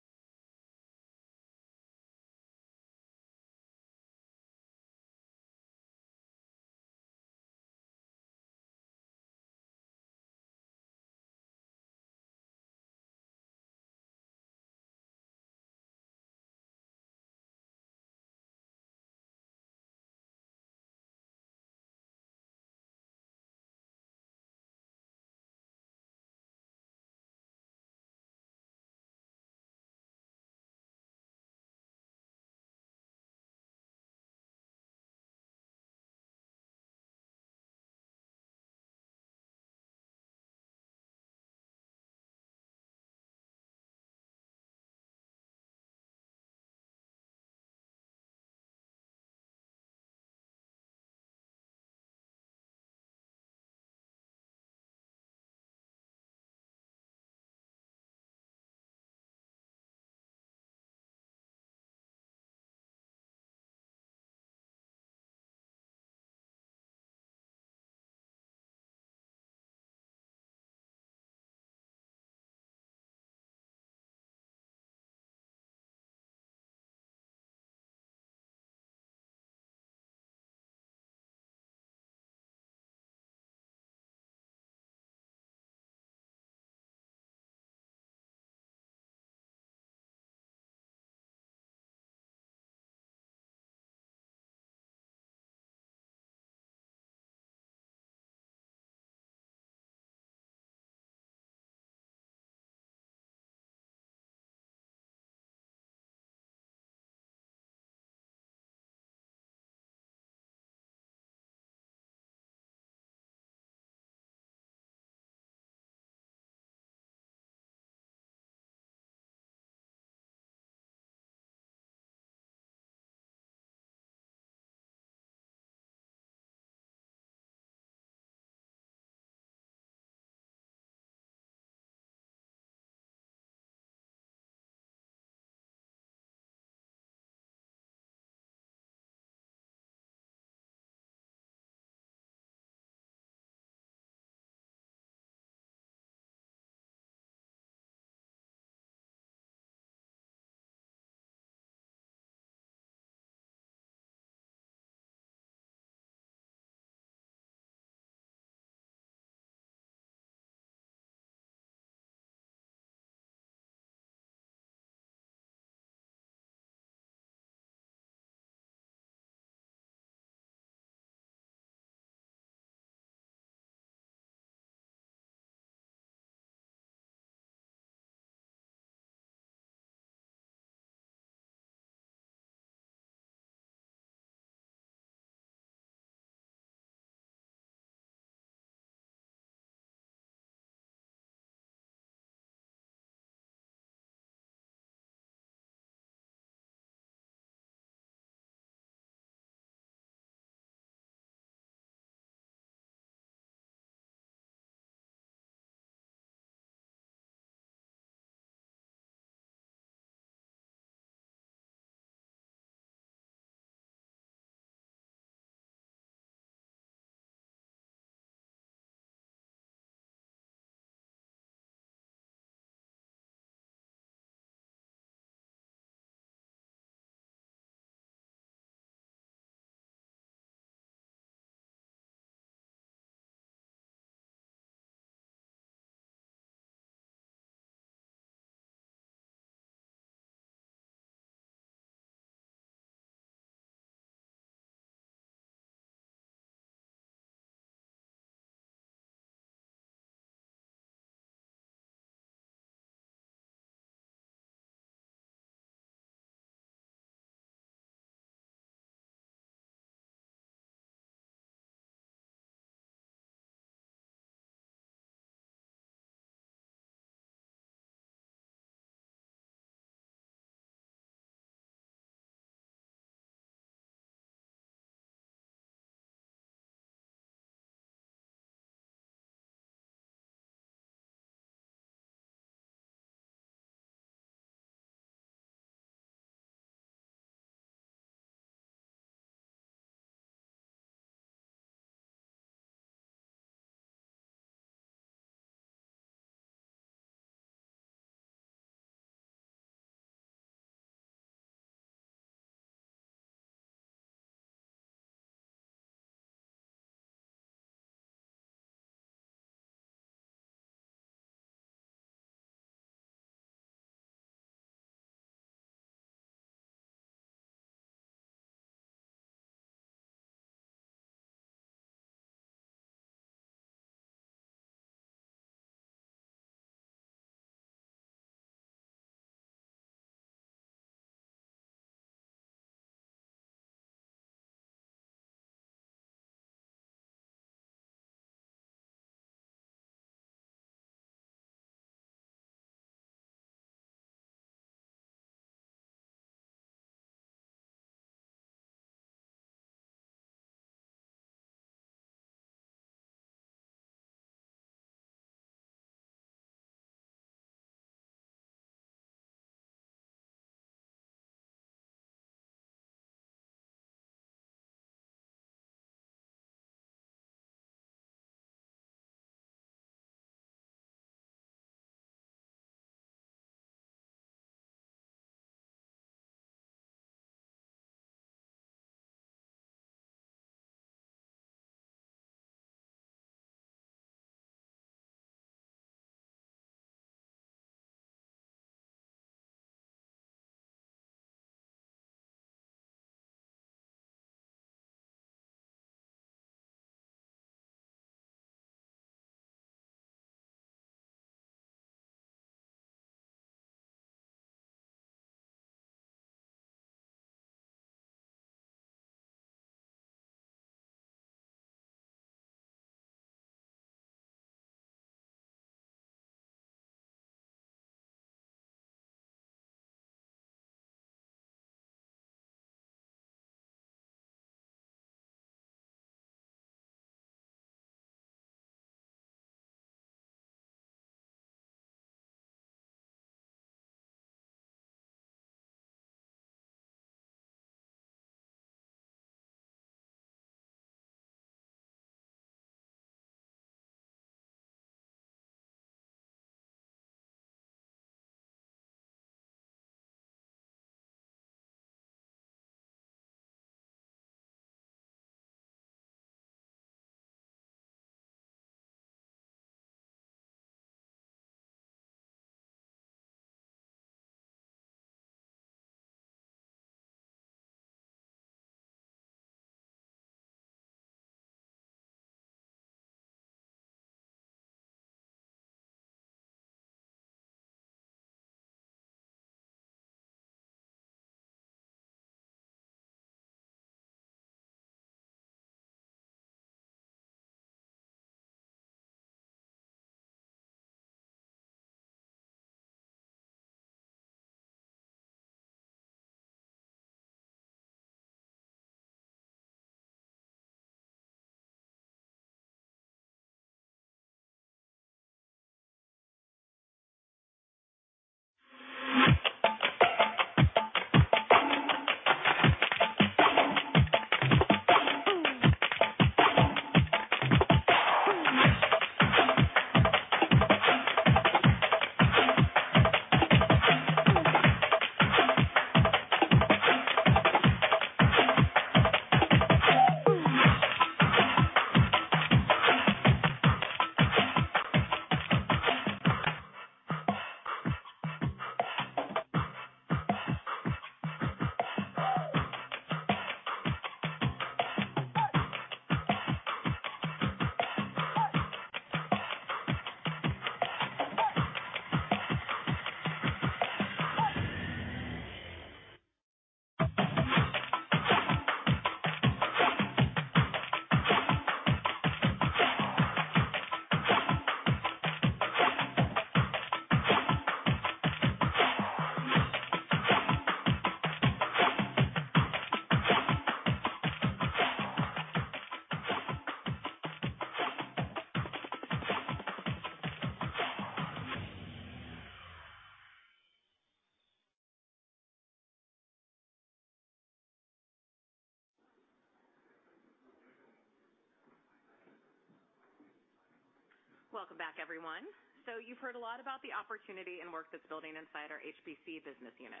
Welcome back, everyone. So you've heard a lot about the opportunity and work that's building inside our HPC business unit.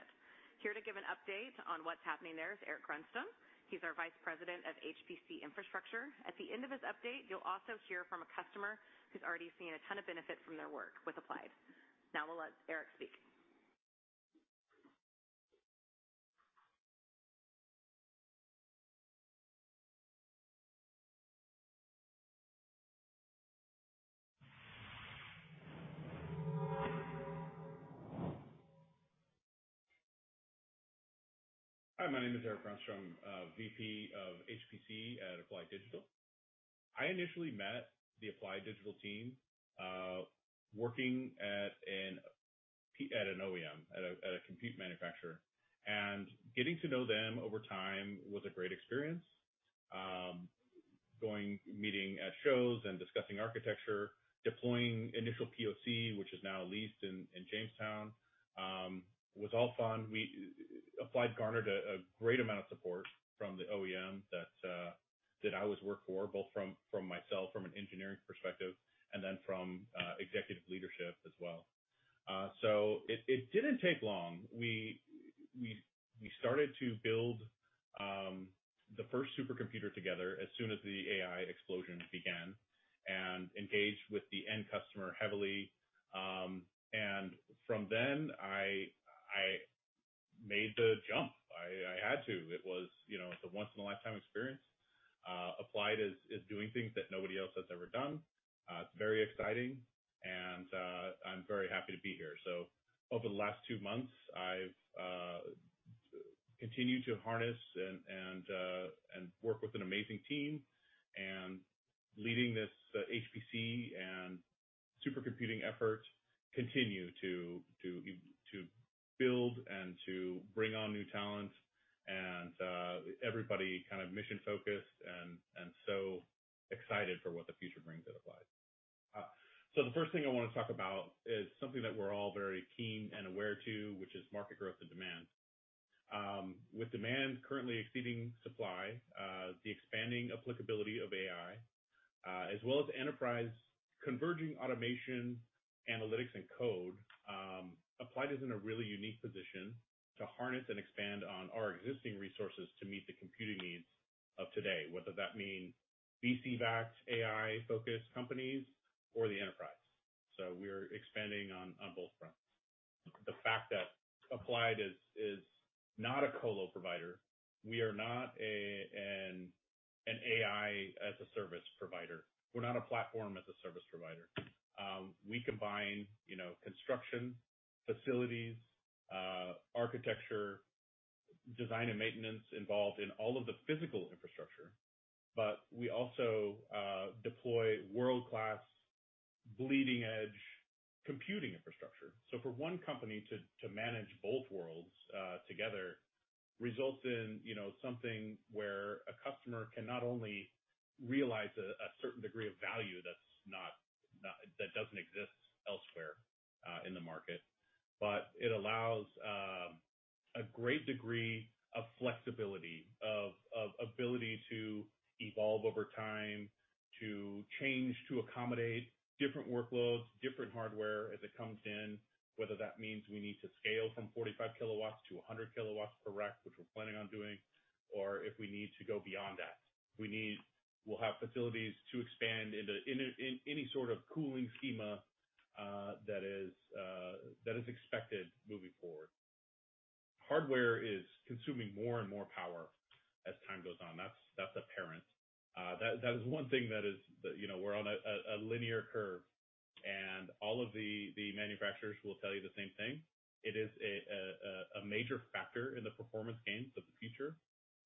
Here to give an update on what's happening there is Erik Grundstrom. He's our Vice President of HPC Infrastructure. At the end of his update, you'll also hear from a customer who's already seen a ton of benefit from their work with Applied. Now we'll let Erik speak. Hi, my name is Erik Grundstrom, VP of HPC at Applied Digital. I initially met the Applied Digital team, working at an OEM, at a compute manufacturer, and getting to know them over time was a great experience. Going, meeting at shows and discussing architecture, deploying initial POC, which is now leased in Jamestown, was all fun. Applied garnered a great amount of support from the OEM that I was working for, both from myself, from an engineering perspective, and then from executive leadership as well. So it didn't take long. We started to build the first supercomputer together as soon as the AI explosion began and engaged with the end customer heavily. And from then I made the jump. I had to. It was, you know, it's a once in a lifetime experience. Applied is doing things that nobody else has ever done. It's very exciting and I'm very happy to be here. So over the last two months, I've continued to harness and work with an amazing team, and leading this HPC and supercomputing effort, continue to build and to bring on new talent and everybody kind of mission-focused and so excited for what the future brings at Applied. So the first thing I want to talk about is something that we're all very keen and aware of, which is market growth and demand. With demand currently exceeding supply, the expanding applicability of AI, as well as enterprise converging automation, analytics, and code, Applied is in a really unique position to harness and expand on our existing resources to meet the computing needs of today, whether that mean VC-backed, AI-focused companies or the enterprise. So we're expanding on both fronts. The fact that Applied is not a colo provider, we are not an AI as a service provider. We're not a platform as a service provider. We combine, you know, construction, facilities, architecture, design and maintenance involved in all of the physical infrastructure, but we also deploy world-class, bleeding-edge computing infrastructure. For one company to manage both worlds together results in, you know, something where a customer can not only realize a certain degree of value that's not, not-- that doesn't exist elsewhere in the market, but it allows a great degree of flexibility, of ability to evolve over time, to change, to accommodate different workloads, different hardware as it comes in, whether that means we need to scale from 45 kW to 100 kW per rack, which we're planning on doing, or if we need to go beyond that. We'll have facilities to expand into any sort of cooling schema that is expected moving forward. Hardware is consuming more and more power as time goes on. That's apparent. That is one thing that is, you know, we're on a linear curve, and all of the manufacturers will tell you the same thing. It is a major factor in the performance gains of the future,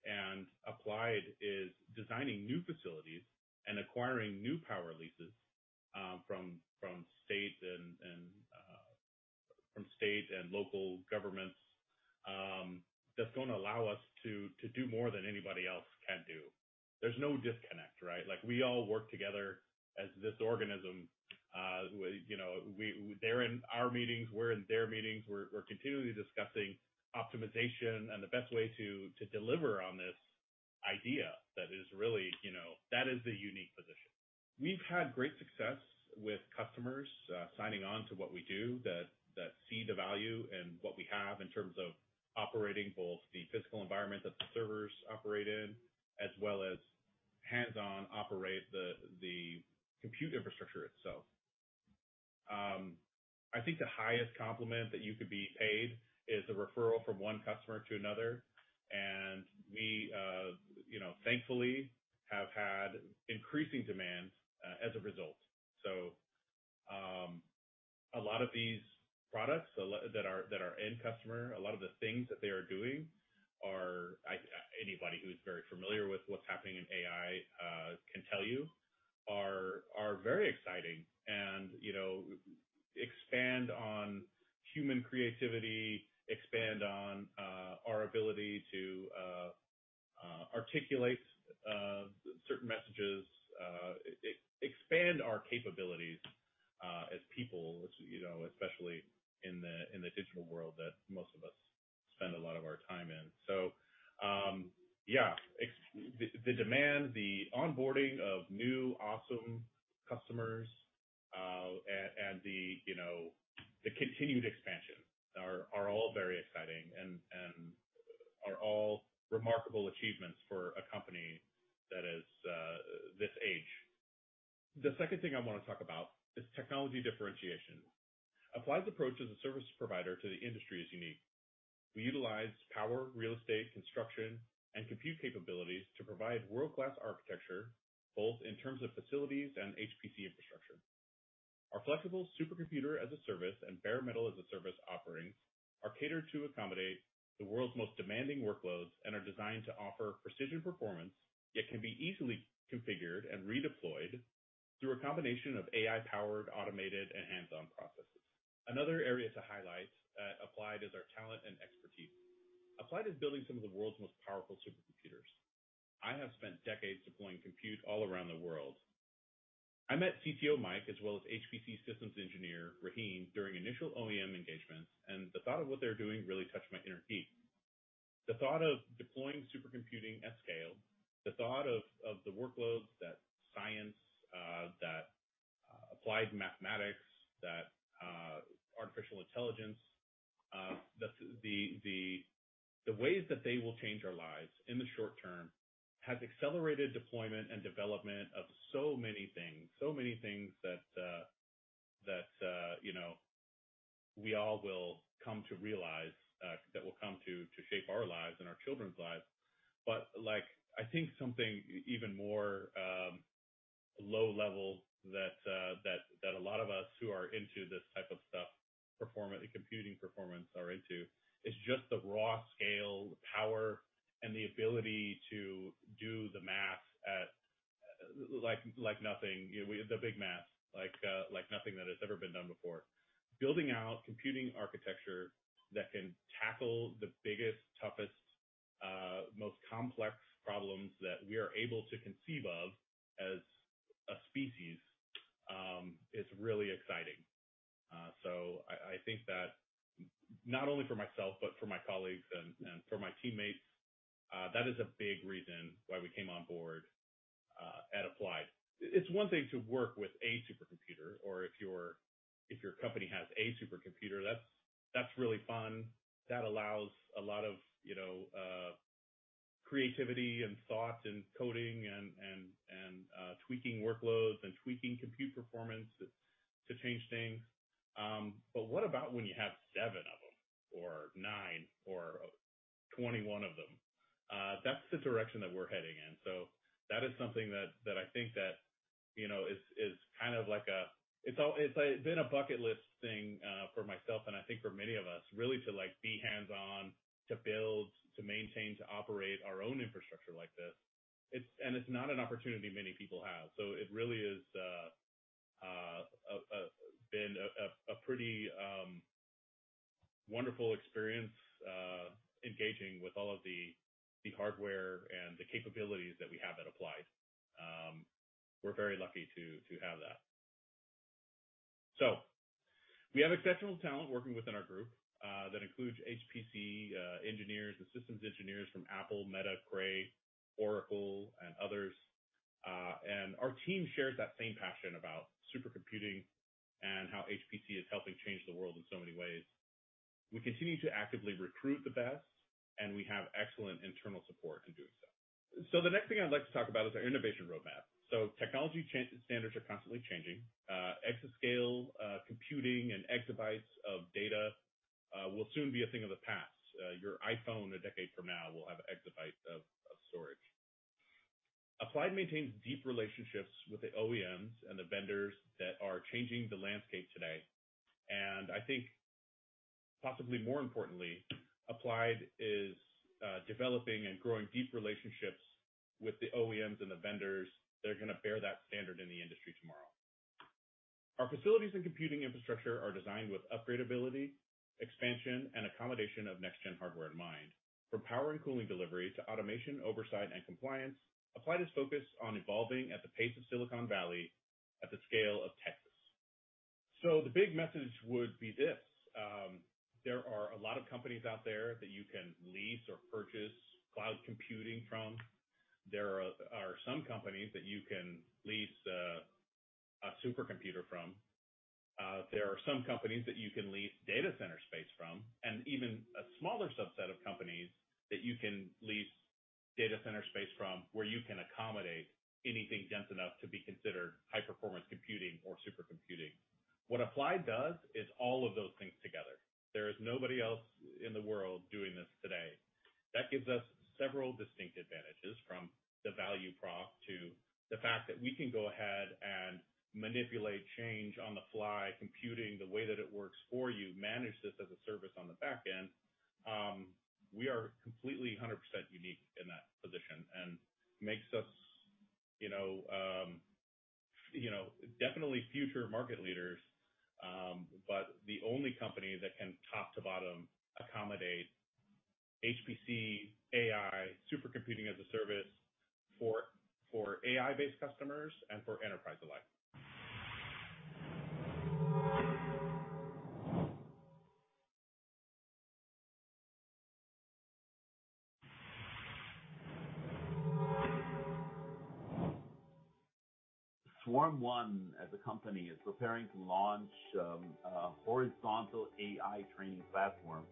and Applied is designing new facilities and acquiring new power leases from state and local governments. That's going to allow us to do more than anybody else can do. There's no disconnect, right? Like, we all work together as this organism. We, you know, we—they're in our meetings, we're in their meetings. We're continually discussing optimization and the best way to deliver on this idea that is really, you know, that is a unique position. We've had great success with customers signing on to what we do, that see the value in what we have in terms of operating both the physical environment that the servers operate in, as well as hands-on operate the compute infrastructure itself. I think the highest compliment that you could be paid is a referral from one customer to another, and we, you know, thankfully have had increasing demand as a result. So, a lot of these products that are end customer, a lot of the things that they are doing are, I... Anybody who's very familiar with what's happening in AI can tell you, are very exciting and, you know, expand on human creativity, expand on our ability to... Articulate certain messages, expand our capabilities, as people, as you know, especially in the digital world that most of us spend a lot of our time in. So, yeah, the demand, the onboarding of new awesome customers, and the, you know, the continued expansion are all very exciting and are all remarkable achievements for a company that is this age. The second thing I want to talk about is technology differentiation. Applied's approach as a service provider to the industry is unique. We utilize power, real estate, construction, and compute capabilities to provide world-class architecture, both in terms of facilities and HPC infrastructure. Our flexible supercomputer-as-a-service and bare metal-as-a-service offerings are catered to accommodate the world's most demanding workloads and are designed to offer precision performance, yet can be easily configured and redeployed through a combination of AI-powered, automated, and hands-on processes. Another area to highlight at Applied is our talent and expertise. Applied is building some of the world's most powerful supercomputers. I have spent decades deploying compute all around the world. I met CTO Mike, as well as HPC systems engineer, Raheem, during initial OEM engagements, and the thought of what they're doing really touched my inner geek. The thought of deploying supercomputing at scale, the thought of the workloads that science, applied mathematics, artificial intelligence, the ways that they will change our lives in the short term, has accelerated deployment and development of so many things. So many things that, you know, we all will come to realize, that will come to, to shape our lives and our children's lives. But like, I think something even more low level that, that a lot of us who are into this type of stuff, the computing performance are into, is just the raw scale, the power, and the ability to do the math at, like, like nothing. You know, we... The big math, like, like nothing that has ever been done before. Building out computing architecture that can tackle the biggest, toughest, most complex problems that we are able to conceive of as a species, is really exciting. I think that not only for myself, but for my colleagues and for my teammates, that is a big reason why we came on board at Applied. It's one thing to work with a supercomputer or if your company has a supercomputer, that's really fun. That allows a lot of, you know, creativity and thought and coding and tweaking workloads and tweaking compute performance to change things. What about when you have seven of them or nine or 21 of them? That's the direction that we're heading in. That is something that I think that, you know, is kind of like a... It's been a bucket list thing for myself, and I think for many of us, really, to, like, be hands-on, to build, to maintain, to operate our own infrastructure like this. It's-- And it's not an opportunity many people have. So it really is a pretty wonderful experience engaging with all of the hardware and the capabilities that we have at Applied. We're very lucky to have that. So we have exceptional talent working within our group that includes HPC engineers and systems engineers from Apple, Meta, Cray, Oracle, and others. And our team shares that same passion about supercomputing and how HPC is helping change the world in so many ways. We continue to actively recruit the best, and we have excellent internal support in doing so. The next thing I'd like to talk about is our innovation roadmap. Technology standards are constantly changing. Exascale computing and exabytes of data will soon be a thing of the past. Your iPhone a decade from now will have an exabyte of storage. Applied maintains deep relationships with the OEMs and the vendors that are changing the landscape today, and I think possibly more importantly, Applied is developing and growing deep relationships with the OEMs and the vendors that are gonna bear that standard in the industry tomorrow. Our facilities and computing infrastructure are designed with upgradeability, expansion, and accommodation of next-gen hardware in mind. From power and cooling delivery to automation, oversight, and compliance, Applied is focused on evolving at the pace of Silicon Valley at the scale of Texas. So the big message would be this: There are a lot of companies out there that you can lease or purchase cloud computing from. There are some companies that you can lease a supercomputer from. There are some companies that you can lease data center space from, and even a smaller subset of companies that you can lease data center space from, where you can accommodate anything dense enough to be considered high-performance computing or supercomputing. What Applied does is all of those things together. There is nobody else in the world doing this today. That gives us several distinct advantages, from the value prop to the fact that we can go ahead and manipulate change on the fly, computing the way that it works for you, manage this as a service on the back end. We are completely 100% unique in that position and makes us, you know,... you know, definitely future market leaders, but the only company that can top to bottom accommodate HPC, AI, supercomputing as a service for, for AI-based customers and for enterprise alike. SwarmOne as a company, is preparing to launch, a horizontal AI training platform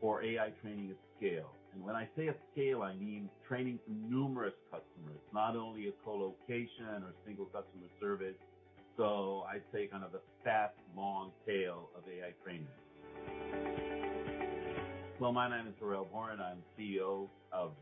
for AI training at scale. And when I say at scale, I mean training for numerous customers, not only a colocation or single customer service. So I'd say kind of a fast, long tail of AI training. Well, my name is Harel Cohen. I'm CEO of,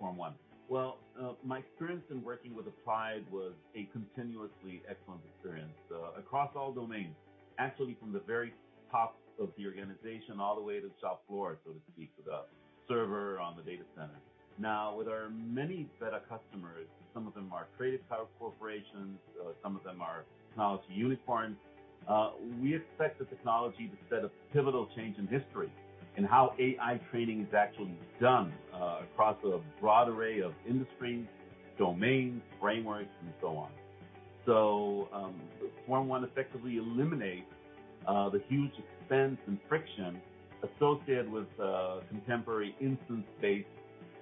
SwarmOne. Well, my experience in working with Applied was a continuously excellent experience, across all domains. Actually, from the very top of the organization, all the way to the shop floor, so to speak, to the server on the data center. Now, with our many beta customers, some of them are creative power corporations, some of them are technology unicorns. We expect the technology to set a pivotal change in history in how AI training is actually done, across a broad array of industries, domains, frameworks, and so on. SwarmOne effectively eliminates the huge expense and friction associated with contemporary instance-based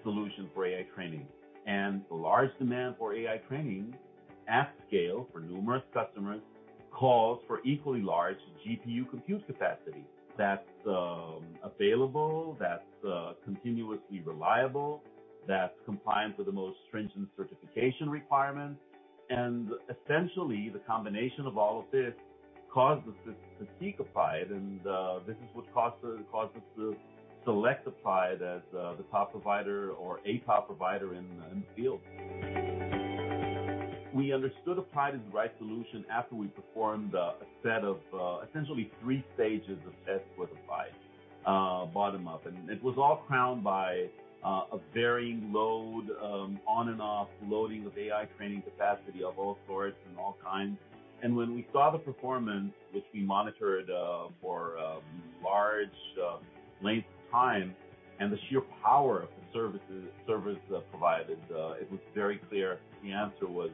solutions for AI training. The large demand for AI training at scale for numerous customers calls for equally large GPU compute capacity that's available, that's continuously reliable, that's compliant with the most stringent certification requirements. Essentially, the combination of all of this caused us to seek Applied, and this is what caused us to select Applied as the top provider or a top provider in the field. We understood Applied as the right solution after we performed a set of essentially three stages of tests with Applied bottom up. And it was all crowned by a varying load on and off loading of AI training capacity of all sorts and all kinds. And when we saw the performance, which we monitored for large lengths of time, and the sheer power of the services provided, it was very clear. The answer was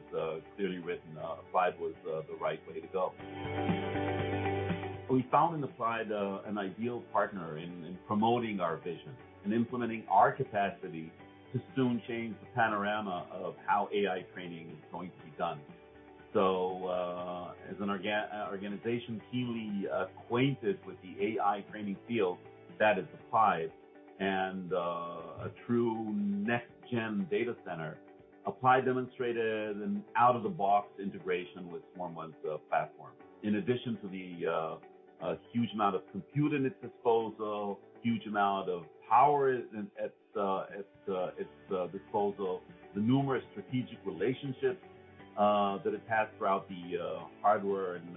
clearly written. Applied was the right way to go. We found in Applied an ideal partner in promoting our vision and implementing our capacity to soon change the panorama of how AI training is going to be done. As an organization keenly acquainted with the AI training field, that is Applied, and a true next-gen data center, Applied demonstrated an out-of-the-box integration with SwarmOne's platform. In addition to the huge amount of compute at its disposal, huge amount of power at its disposal, the numerous strategic relationships that it has throughout the hardware and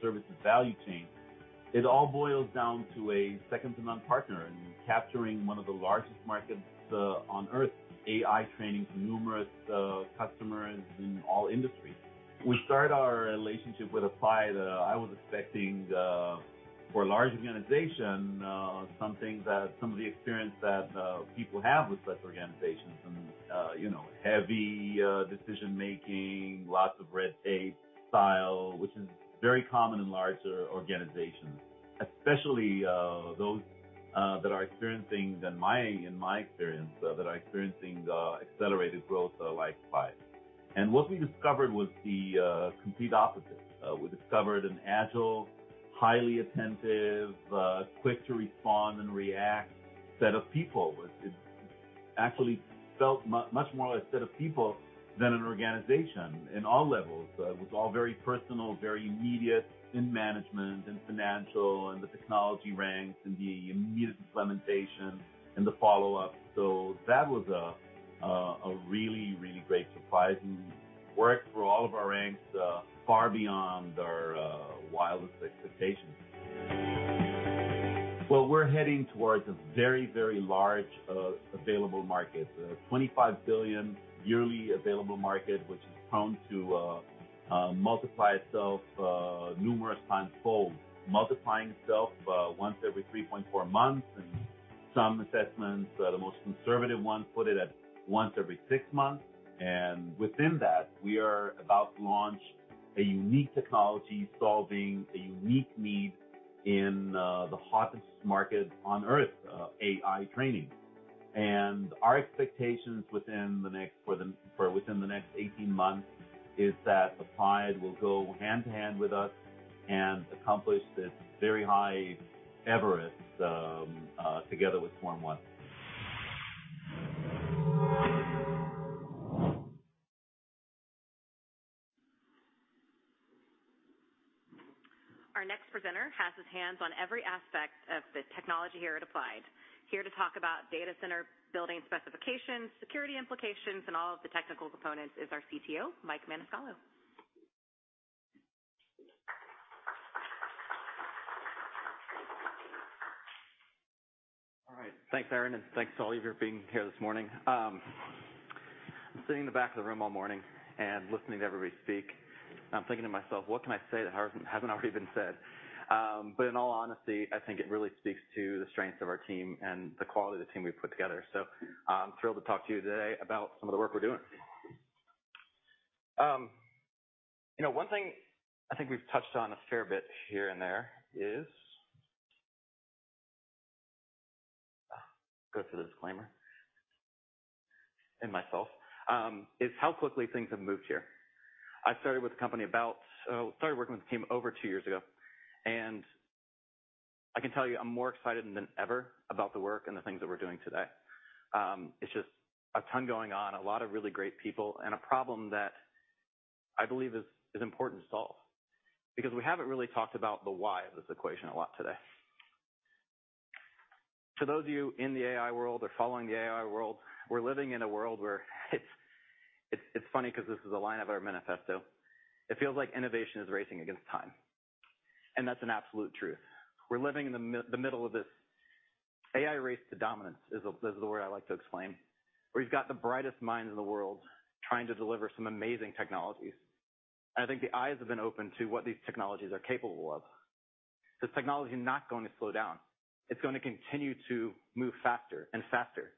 services value chain, it all boils down to a second-to-none partner in capturing one of the largest markets on Earth, AI training for numerous customers in all industries. We started our relationship with Applied. I was expecting, for a large organization, some of the experience that people have with such organizations and, you know, heavy decision making, lots of red tape style, which is very common in larger organizations, especially those that are experiencing accelerated growth like Applied. And what we discovered was the complete opposite. We discovered an agile, highly attentive, quick to respond and react set of people. It actually felt much more like a set of people than an organization in all levels. It was all very personal, very immediate in management, in financial, in the technology ranks, in the immediate implementation, in the follow-up. That was a really, really great surprise and worked through all of our ranks, far beyond our wildest expectations. Well, we're heading towards a very, very large available market. $25 billion yearly available market, which is prone to multiply itself numerous times fold, multiplying itself once every 3.4 months, and some assessments, the most conservative one, put it at once every 6 months. Within that, we are about to launch a unique technology, solving a unique need in the hottest market on Earth, AI training. Our expectations within the next—for within the next 18 months, is that Applied will go hand in hand with us and accomplish this very high Everest, together with SwarmOne. Our next presenter has his hands on every aspect of the technology here at Applied. Here to talk about data center building specifications, security implications, and all of the technical components is our CTO, Mike Maniscalco.... Thanks, Erin, and thanks to all of you for being here this morning. I'm sitting in the back of the room all morning and listening to everybody speak, and I'm thinking to myself: What can I say that hasn't already been said? But in all honesty, I think it really speaks to the strength of our team and the quality of the team we've put together. So I'm thrilled to talk to you today about some of the work we're doing. You know, one thing I think we've touched on a fair bit here and there is... Go through the disclaimer and myself, is how quickly things have moved here. I started with the company about, oh, started working with the team over two years ago, and I can tell you I'm more excited than ever about the work and the things that we're doing today. It's just a ton going on, a lot of really great people, and a problem that I believe is important to solve because we haven't really talked about the why of this equation a lot today. For those of you in the AI world or following the AI world, we're living in a world where it's, it's, it's funny because this is a line of our manifesto. It feels like innovation is racing against time, and that's an absolute truth. We're living in the middle of this AI race to dominance, is the word I like to explain, where you've got the brightest minds in the world trying to deliver some amazing technologies. I think the eyes have been opened to what these technologies are capable of. This technology is not going to slow down. It's going to continue to move faster and faster,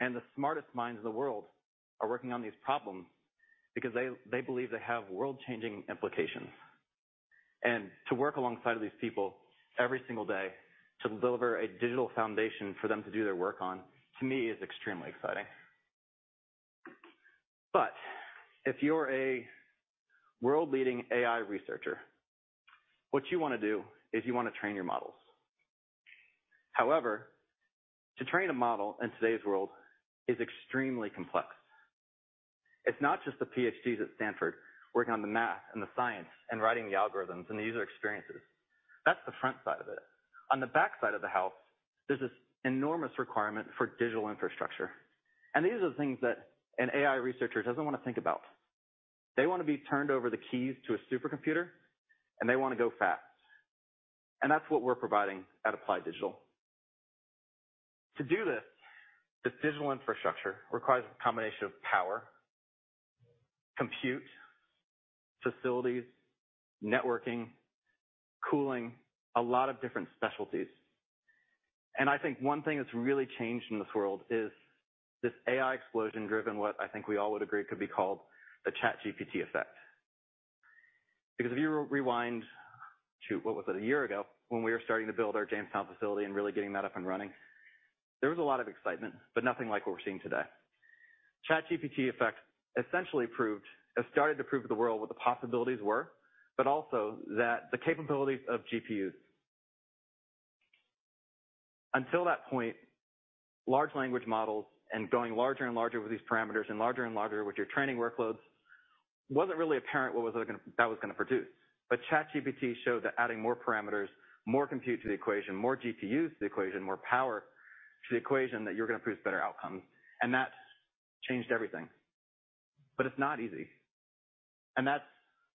and the smartest minds in the world are working on these problems because they believe they have world-changing implications. To work alongside these people every single day, to deliver a digital foundation for them to do their work on, to me, is extremely exciting. If you're a world-leading AI researcher, what you want to do is you want to train your models. However, to train a model in today's world is extremely complex. It's not just the PhDs at Stanford working on the math and the science and writing the algorithms and the user experiences. That's the front side of it. On the back side of the house, there's this enormous requirement for digital infrastructure, and these are the things that an AI researcher doesn't want to think about. They want to be turned over the keys to a supercomputer, and they want to go fast, and that's what we're providing at Applied Digital. To do this, this digital infrastructure requires a combination of power, compute, facilities, networking, cooling, a lot of different specialties. I think one thing that's really changed in this world is this AI explosion, driven what I think we all would agree could be called the ChatGPT effect. Because if you rewind to, what was it? A year ago, when we were starting to build our Jamestown facility and really getting that up and running, there was a lot of excitement, but nothing like what we're seeing today. The ChatGPT effect essentially proved, or started to prove to the world what the possibilities were, but also that the capabilities of GPUs. Until that point, large language models and going larger and larger with these parameters and larger and larger with your training workloads, wasn't really apparent what that was gonna produce. But ChatGPT showed that adding more parameters, more compute to the equation, more GPUs to the equation, more power to the equation, that you're going to produce better outcomes, and that's changed everything. But it's not easy, and that's,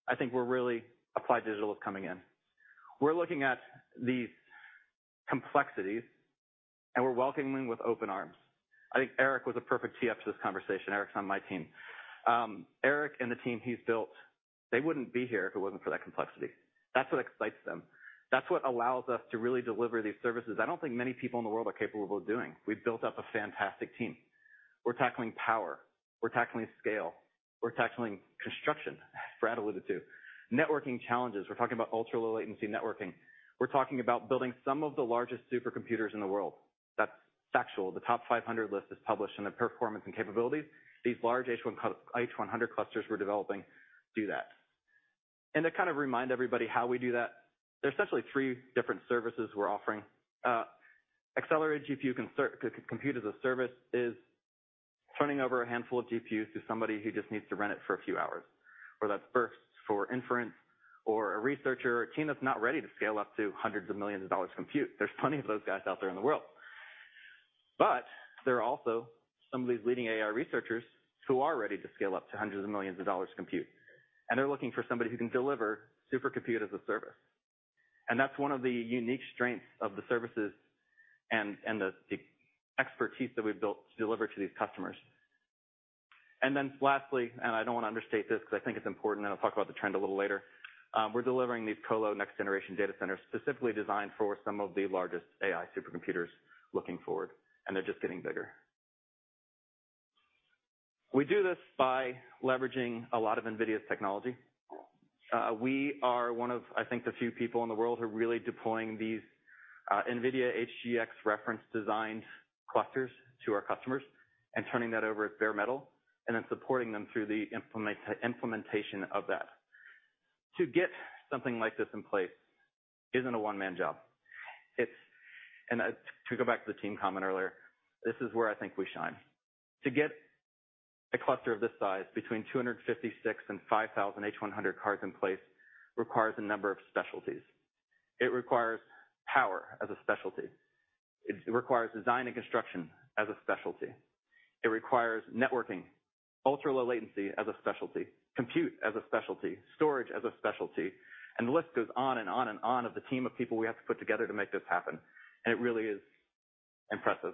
I think, where really Applied Digital is coming in. We're looking at these complexities, and we're welcoming with open arms. I think Eric was a perfect tee up to this conversation. Eric's on my team. Eric and the team he's built, they wouldn't be here if it wasn't for that complexity. That's what excites them. That's what allows us to really deliver these services I don't think many people in the world are capable of doing. We've built up a fantastic team. We're tackling power, we're tackling scale, we're tackling construction, Brad alluded to, networking challenges. We're talking about ultra-low latency networking. We're talking about building some of the largest supercomputers in the world. That's factual. The TOP500 list is published, and the performance and capabilities, these large H100 clusters we're developing do that. To kind of remind everybody how we do that, there's essentially three different services we're offering. Accelerated GPU compute as a service is turning over a handful of GPUs to somebody who just needs to rent it for a few hours, whether that's bursts for inference or a researcher or a team that's not ready to scale up to $hundreds of millions of compute. There's plenty of those guys out there in the world. But there are also some of these leading AI researchers who are ready to scale up to $hundreds of millions of compute, and they're looking for somebody who can deliver supercompute as a service. And that's one of the unique strengths of the services and the expertise that we've built to deliver to these customers. Lastly, and I don't want to understate this because I think it's important, I'll talk about the trend a little later, we're delivering these colo next-generation data centers, specifically designed for some of the largest AI supercomputers looking forward, and they're just getting bigger. We do this by leveraging a lot of NVIDIA's technology. We are one of, I think, the few people in the world who are really deploying these NVIDIA HGX reference design clusters to our customers and turning that over at bare metal and then supporting them through the implementation of that. To get something like this in place isn't a one-man job. It's... And to go back to the team comment earlier, this is where I think we shine. To get a cluster of this size, between 256 and 5,000 H100 cards in place, requires a number of specialties. It requires power as a specialty. It requires design and construction as a specialty. It requires networking, ultra-low latency as a specialty, compute as a specialty, storage as a specialty, and the list goes on and on and on of the team of people we have to put together to make this happen, and it really is impressive.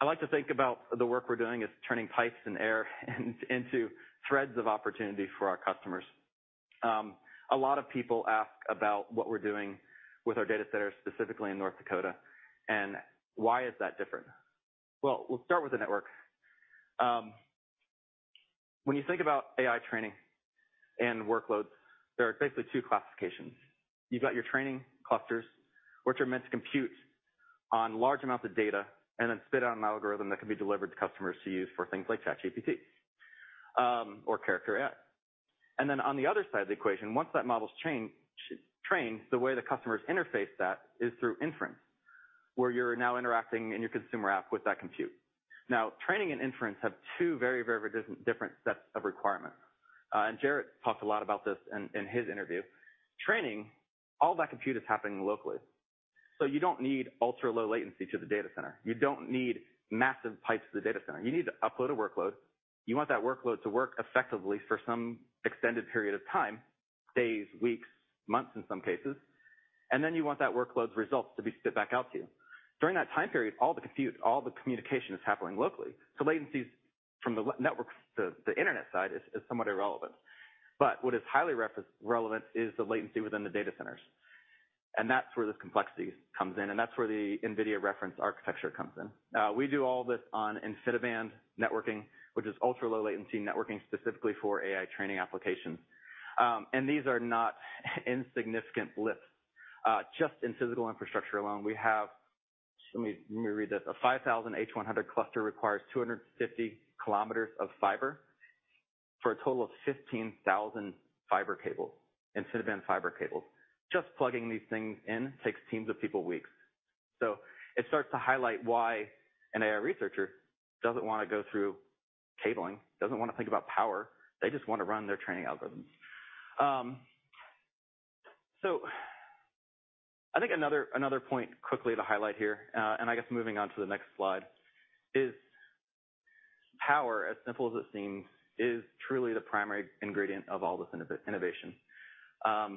I like to think about the work we're doing as turning pipes and air into threads of opportunity for our customers. A lot of people ask about what we're doing with our data centers, specifically in North Dakota, and why is that different? Well, we'll start with the network. When you think about AI training and workloads, there are basically two classifications. You've got your training clusters, which are meant to compute on large amounts of data and then spit out an algorithm that can be delivered to customers to use for things like ChatGPT, or Character.AI. Then on the other side of the equation, once that model's trained, the way the customers interface that is through inference, where you're now interacting in your consumer app with that compute. Now, training and inference have two very, very, very different sets of requirements. Jarrett talked a lot about this in his interview. Training, all that compute is happening locally, so you don't need ultra-low latency to the data center. You don't need massive pipes to the data center. You need to upload a workload. You want that workload to work effectively for some extended period of time, days, weeks, months, in some cases, and then you want that workload's results to be spit back out to you. During that time period, all the compute, all the communication is happening locally, so latencies from the LAN network, the internet side is somewhat irrelevant. But what is highly relevant is the latency within the data centers, and that's where this complexity comes in, and that's where the NVIDIA reference architecture comes in. We do all this on InfiniBand networking, which is ultra-low latency networking, specifically for AI training applications. And these are not insignificant lifts. Just in physical infrastructure alone, we have... Let me read this. A 5,000 H100 cluster requires 250 kilometers of fiber for a total of 15,000 fiber cables, InfiniBand fiber cables. Just plugging these things in takes teams of people weeks. So it starts to highlight why an AI researcher doesn't wanna go through cabling, doesn't wanna think about power, they just wanna run their training algorithms. So I think another point quickly to highlight here, and I guess moving on to the next slide, is power, as simple as it seems, is truly the primary ingredient of all this innovation. I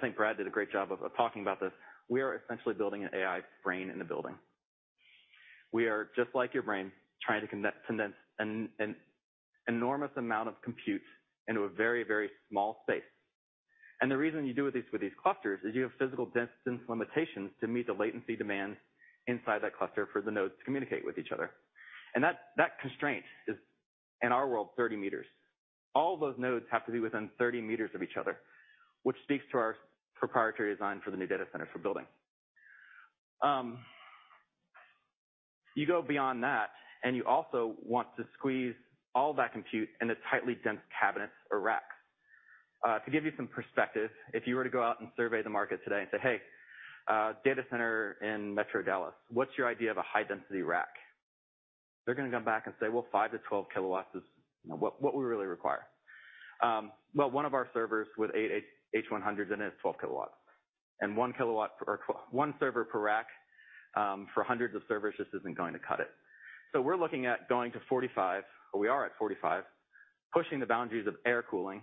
think Brad did a great job of talking about this. We are essentially building an AI brain in a building. We are, just like your brain, trying to condense an enormous amount of compute into a very, very small space. The reason you do with these, with these clusters, is you have physical distance limitations to meet the latency demands inside that cluster for the nodes to communicate with each other. And that, that constraint is, in our world, 30 meters. All those nodes have to be within 30 meters of each other, which speaks to our proprietary design for the new data centers we're building. You go beyond that, and you also want to squeeze all that compute into tightly dense cabinets or racks. To give you some perspective, if you were to go out and survey the market today and say, "Hey, data center in Metro Dallas, what's your idea of a high-density rack?" They're gonna come back and say, "Well, 5-12 kW is what we really require." Well, one of our servers with 8 H100 in it is 12 kW, and 1 kW, one server per rack, for hundreds of servers just isn't going to cut it. So we're looking at going to 45, or we are at 45, pushing the boundaries of air cooling,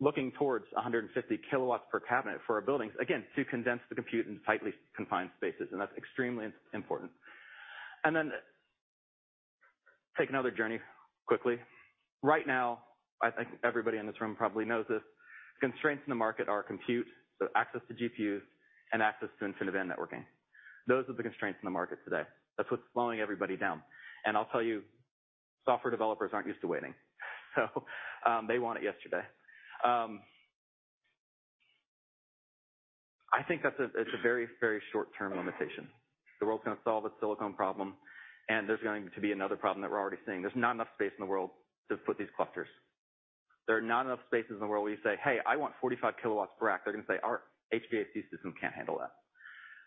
looking towards 150 kW per cabinet for our buildings, again, to condense the compute in tightly confined spaces, and that's extremely important. And then take another journey quickly. Right now, I think everybody in this room probably knows this, constraints in the market are compute, so access to GPUs and access to InfiniBand networking. Those are the constraints in the market today. That's what's slowing everybody down. And I'll tell you, software developers aren't used to waiting, so they want it yesterday. I think that's—it's a very, very short-term limitation. The world's gonna solve its silicon problem, and there's going to be another problem that we're already seeing. There's not enough space in the world to put these clusters. There are not enough spaces in the world where you say: Hey, I want 45 kW per rack. They're gonna say: Our HVAC system can't handle that.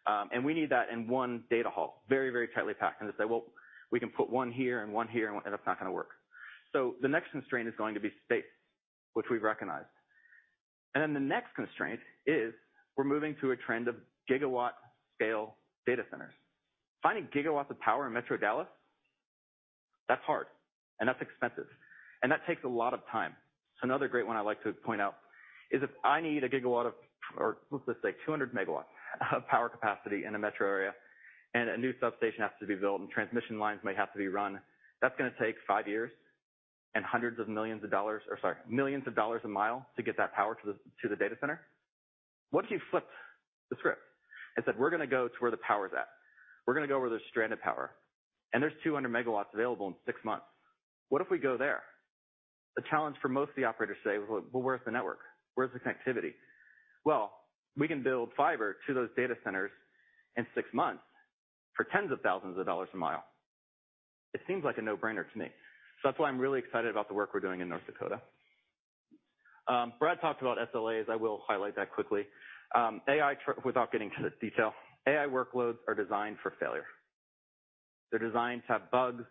And we need that in one data hall, very, very tightly packed. They say, "Well, we can put one here and one here," and that's not gonna work. The next constraint is going to be space, which we've recognized. The next constraint is we're moving to a trend of gigawatt-scale data centers. Finding gigawatts of power in Metro Dallas, that's hard, and that's expensive, and that takes a lot of time. Another great one I like to point out is, if I need a gigawatt of, or let's just say 200 megawatts of power capacity in a metro area, and a new substation has to be built, and transmission lines may have to be run, that's gonna take five years and hundreds of millions of dollars... or sorry, millions of dollars a mile to get that power to the, to the data center. What if you flip the script and said, "We're gonna go to where the power's at. We're gonna go where there's stranded power, and there's 200 megawatts available in six months." What if we go there? The challenge for most of the operators today, "Well, where's the network? Where's the connectivity?" Well, we can build fiber to those data centers in six months for tens of thousands of dollars a mile. It seems like a no-brainer to me. That's why I'm really excited about the work we're doing in North Dakota. Brad talked about SLAs. I will highlight that quickly. AI, tr- without getting into the detail, AI workloads are designed for failure.... They're designed to have bugs,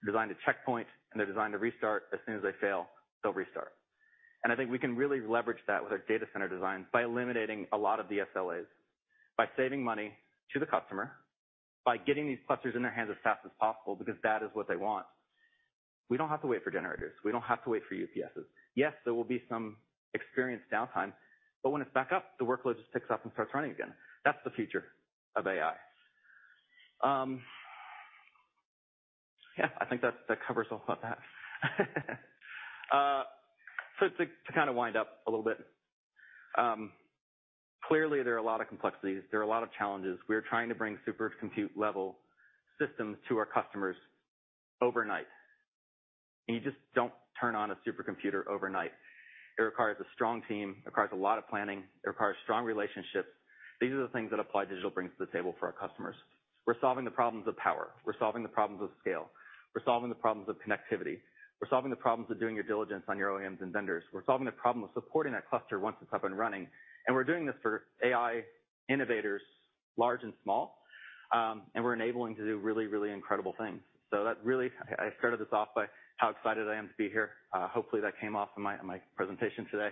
they're designed to checkpoint, and they're designed to restart. As soon as they fail, they'll restart. And I think we can really leverage that with our data center design by eliminating a lot of the SLAs, by saving money to the customer, by getting these clusters in their hands as fast as possible, because that is what they want. We don't have to wait for generators. We don't have to wait for UPSes. Yes, there will be some expected downtime, but when it's back up, the workload just picks up and starts running again. That's the future of AI. Yeah, I think that covers all about that. So to kind of wind up a little bit, clearly there are a lot of complexities, there are a lot of challenges. We're trying to bring super compute-level systems to our customers overnight, and you just don't turn on a supercomputer overnight. It requires a strong team, it requires a lot of planning, it requires strong relationships. These are the things that Applied Digital brings to the table for our customers. We're solving the problems of power. We're solving the problems of scale. We're solving the problems of connectivity. We're solving the problems of doing your diligence on your OEMs and vendors. We're solving the problem of supporting that cluster once it's up and running. And we're doing this for AI innovators, large and small, and we're enabling to do really, really incredible things. So that really—I started this off by how excited I am to be here. Hopefully, that came off in my presentation today,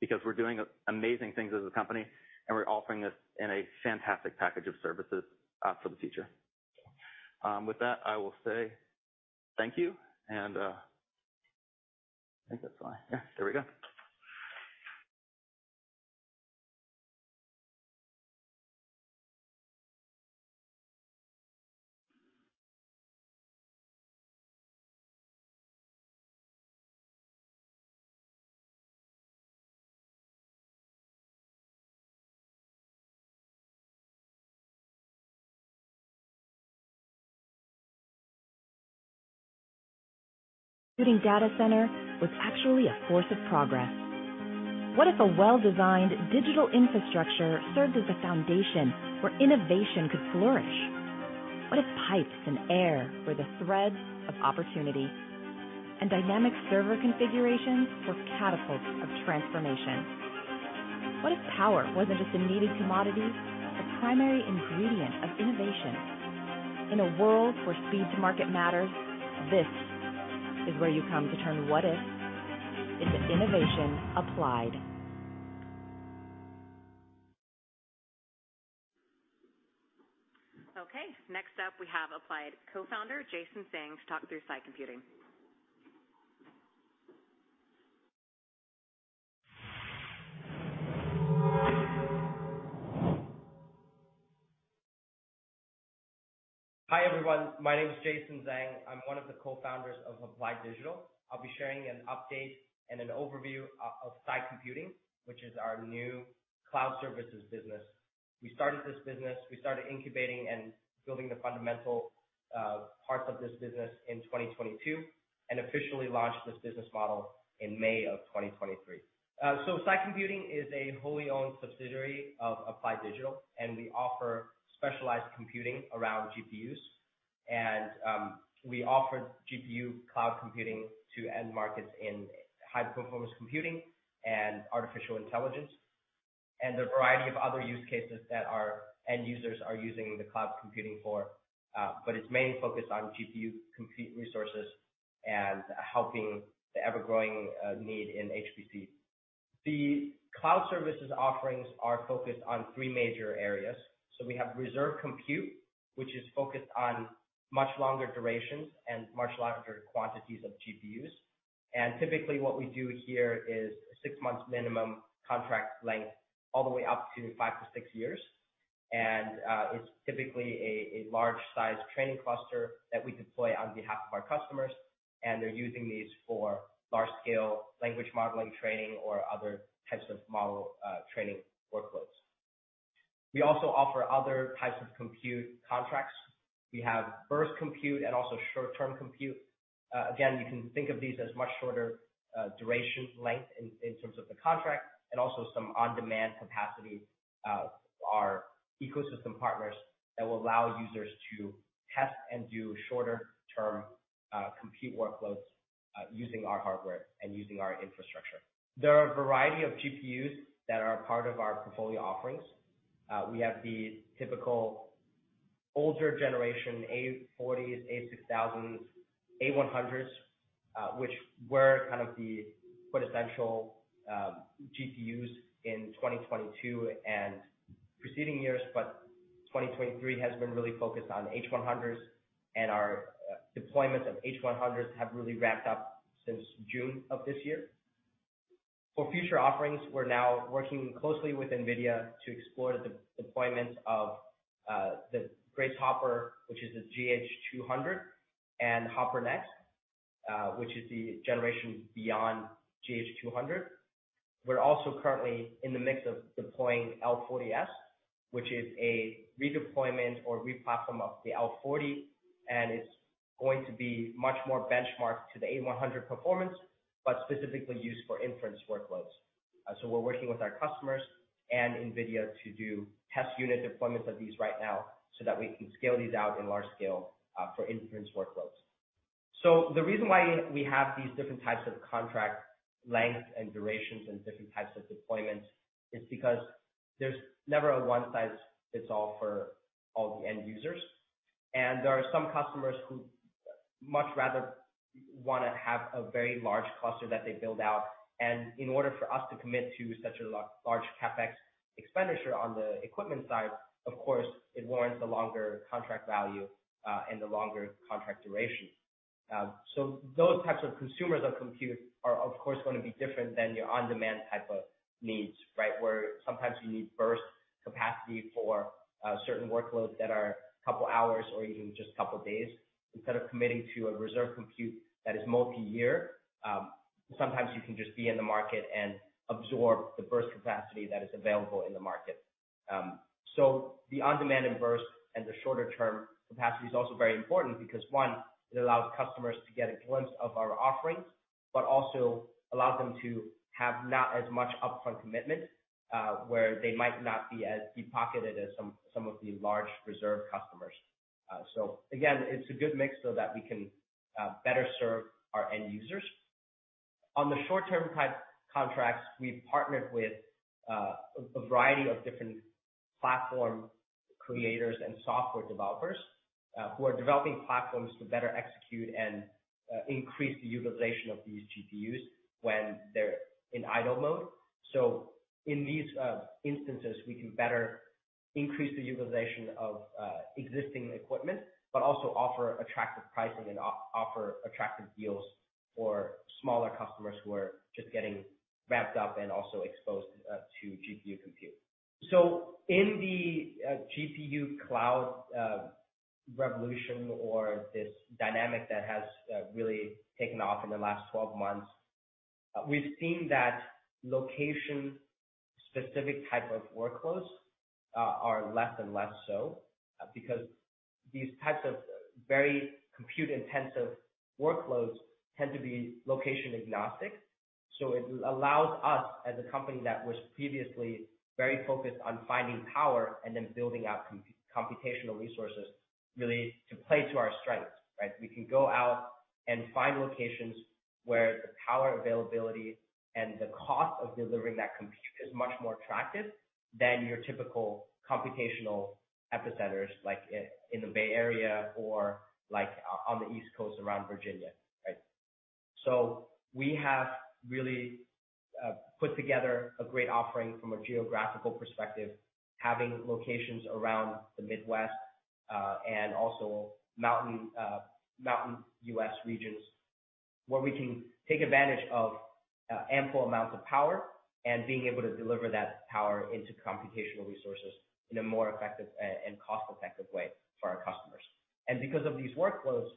because we're doing amazing things as a company, and we're offering this in a fantastic package of services for the future. With that, I will say thank you, and, I think that's fine. Yeah, there we go. Building data center was actually a force of progress. What if a well-designed digital infrastructure served as a foundation where innovation could flourish? What if pipes and air were the threads of opportunity, and dynamic server configurations were catapults of transformation? What if power wasn't just a needed commodity, but the primary ingredient of innovation? In a world where speed to market matters, this is where you come to turn what if into innovation applied. Okay, next up, we have Applied co-founder, Jason Zhang, to talk through Sai Computing. Hi, everyone, my name is Jason Zhang. I'm one of the co-founders of Applied Digital. I'll be sharing an update and an overview of Sai Computing, which is our new cloud services business. We started incubating and building the fundamental parts of this business in 2022, and officially launched this business model in May of 2023. So Sai Computing is a wholly owned subsidiary of Applied Digital, and we offer specialized computing around GPUs. And we offer GPU cloud computing to end markets in high-performance computing and artificial intelligence, and a variety of other use cases that our end users are using the cloud computing for. But it's mainly focused on GPU compute resources and helping the ever-growing need in HPC. The cloud services offerings are focused on three major areas. We have reserve compute, which is focused on much longer durations and much larger quantities of GPUs. Typically, what we do here is a six-month minimum contract length, all the way up to five to six years. It's typically a large-sized training cluster that we deploy on behalf of our customers, and they're using these for large-scale language modeling, training, or other types of model training workloads. We also offer other types of compute contracts. We have burst compute and also short-term compute. You can think of these as much shorter duration length in terms of the contract and also some on-demand capacity, our ecosystem partners that will allow users to test and do shorter-term compute workloads using our hardware and using our infrastructure. There are a variety of GPUs that are a part of our portfolio offerings. We have the typical older generation, A40s, A6000, A100s, which were kind of the quintessential GPUs in 2022 and preceding years. 2023 has been really focused on H100s, and our deployments of H100s have really ramped up since June of this year. For future offerings, we're now working closely with NVIDIA to explore the deployments of the Grace Hopper, which is the GH200, and Hopper Next, which is the generation beyond GH200. We're also currently in the mix of deploying L40Ss, which is a redeployment or replatform of the L40, and it's going to be much more benchmarked to the A100 performance, but specifically used for inference workloads. We're working with our customers and NVIDIA to do test unit deployments of these right now, so that we can scale these out in large scale for inference workloads. The reason why we have these different types of contract lengths and durations and different types of deployments is because there's never a one size fits all for all the end users. There are some customers who much rather wanna have a very large cluster that they build out. In order for us to commit to such a large CapEx expenditure on the equipment side, of course, it warrants the longer contract value and the longer contract duration. Those types of consumers of compute are, of course, going to be different than your on-demand type of needs, right? Where sometimes you need burst capacity for certain workloads that are a couple of hours or even just a couple of days, instead of committing to a reserve compute that is multi-year. Sometimes you can just be in the market and absorb the burst capacity that is available in the market. So the on-demand and burst and the shorter term capacity is also very important because, one, it allows customers to get a glimpse of our offerings, but also allows them to have not as much upfront commitment, where they might not be as deep-pocketed as some of the large reserve customers. So again, it's a good mix so that we can better serve our end users. On the short-term type contracts, we've partnered with a variety of different platform creators and software developers who are developing platforms to better execute and increase the utilization of these GPUs when they're in idle mode. So in these instances, we can better increase the utilization of existing equipment, but also offer attractive pricing and offer attractive deals for smaller customers who are just getting ramped up and also exposed to GPU compute. So in the GPU cloud revolution or this dynamic that has really taken off in the last 12 months, we've seen that location-specific type of workloads are less and less so, because these types of very compute-intensive workloads tend to be location-agnostic. So it allows us, as a company that was previously very focused on finding power and then building out computational resources, really to play to our strengths, right? We can go out and find locations where the power availability and the cost of delivering that compute is much more attractive than your typical computational epicenters, like in the Bay Area or like on the East Coast around Virginia, right? So we have really put together a great offering from a geographical perspective, having locations around the Midwest and also Mountain U.S. regions, where we can take advantage of ample amounts of power and being able to deliver that power into computational resources in a more effective and cost-effective way for our customers. And because of these workloads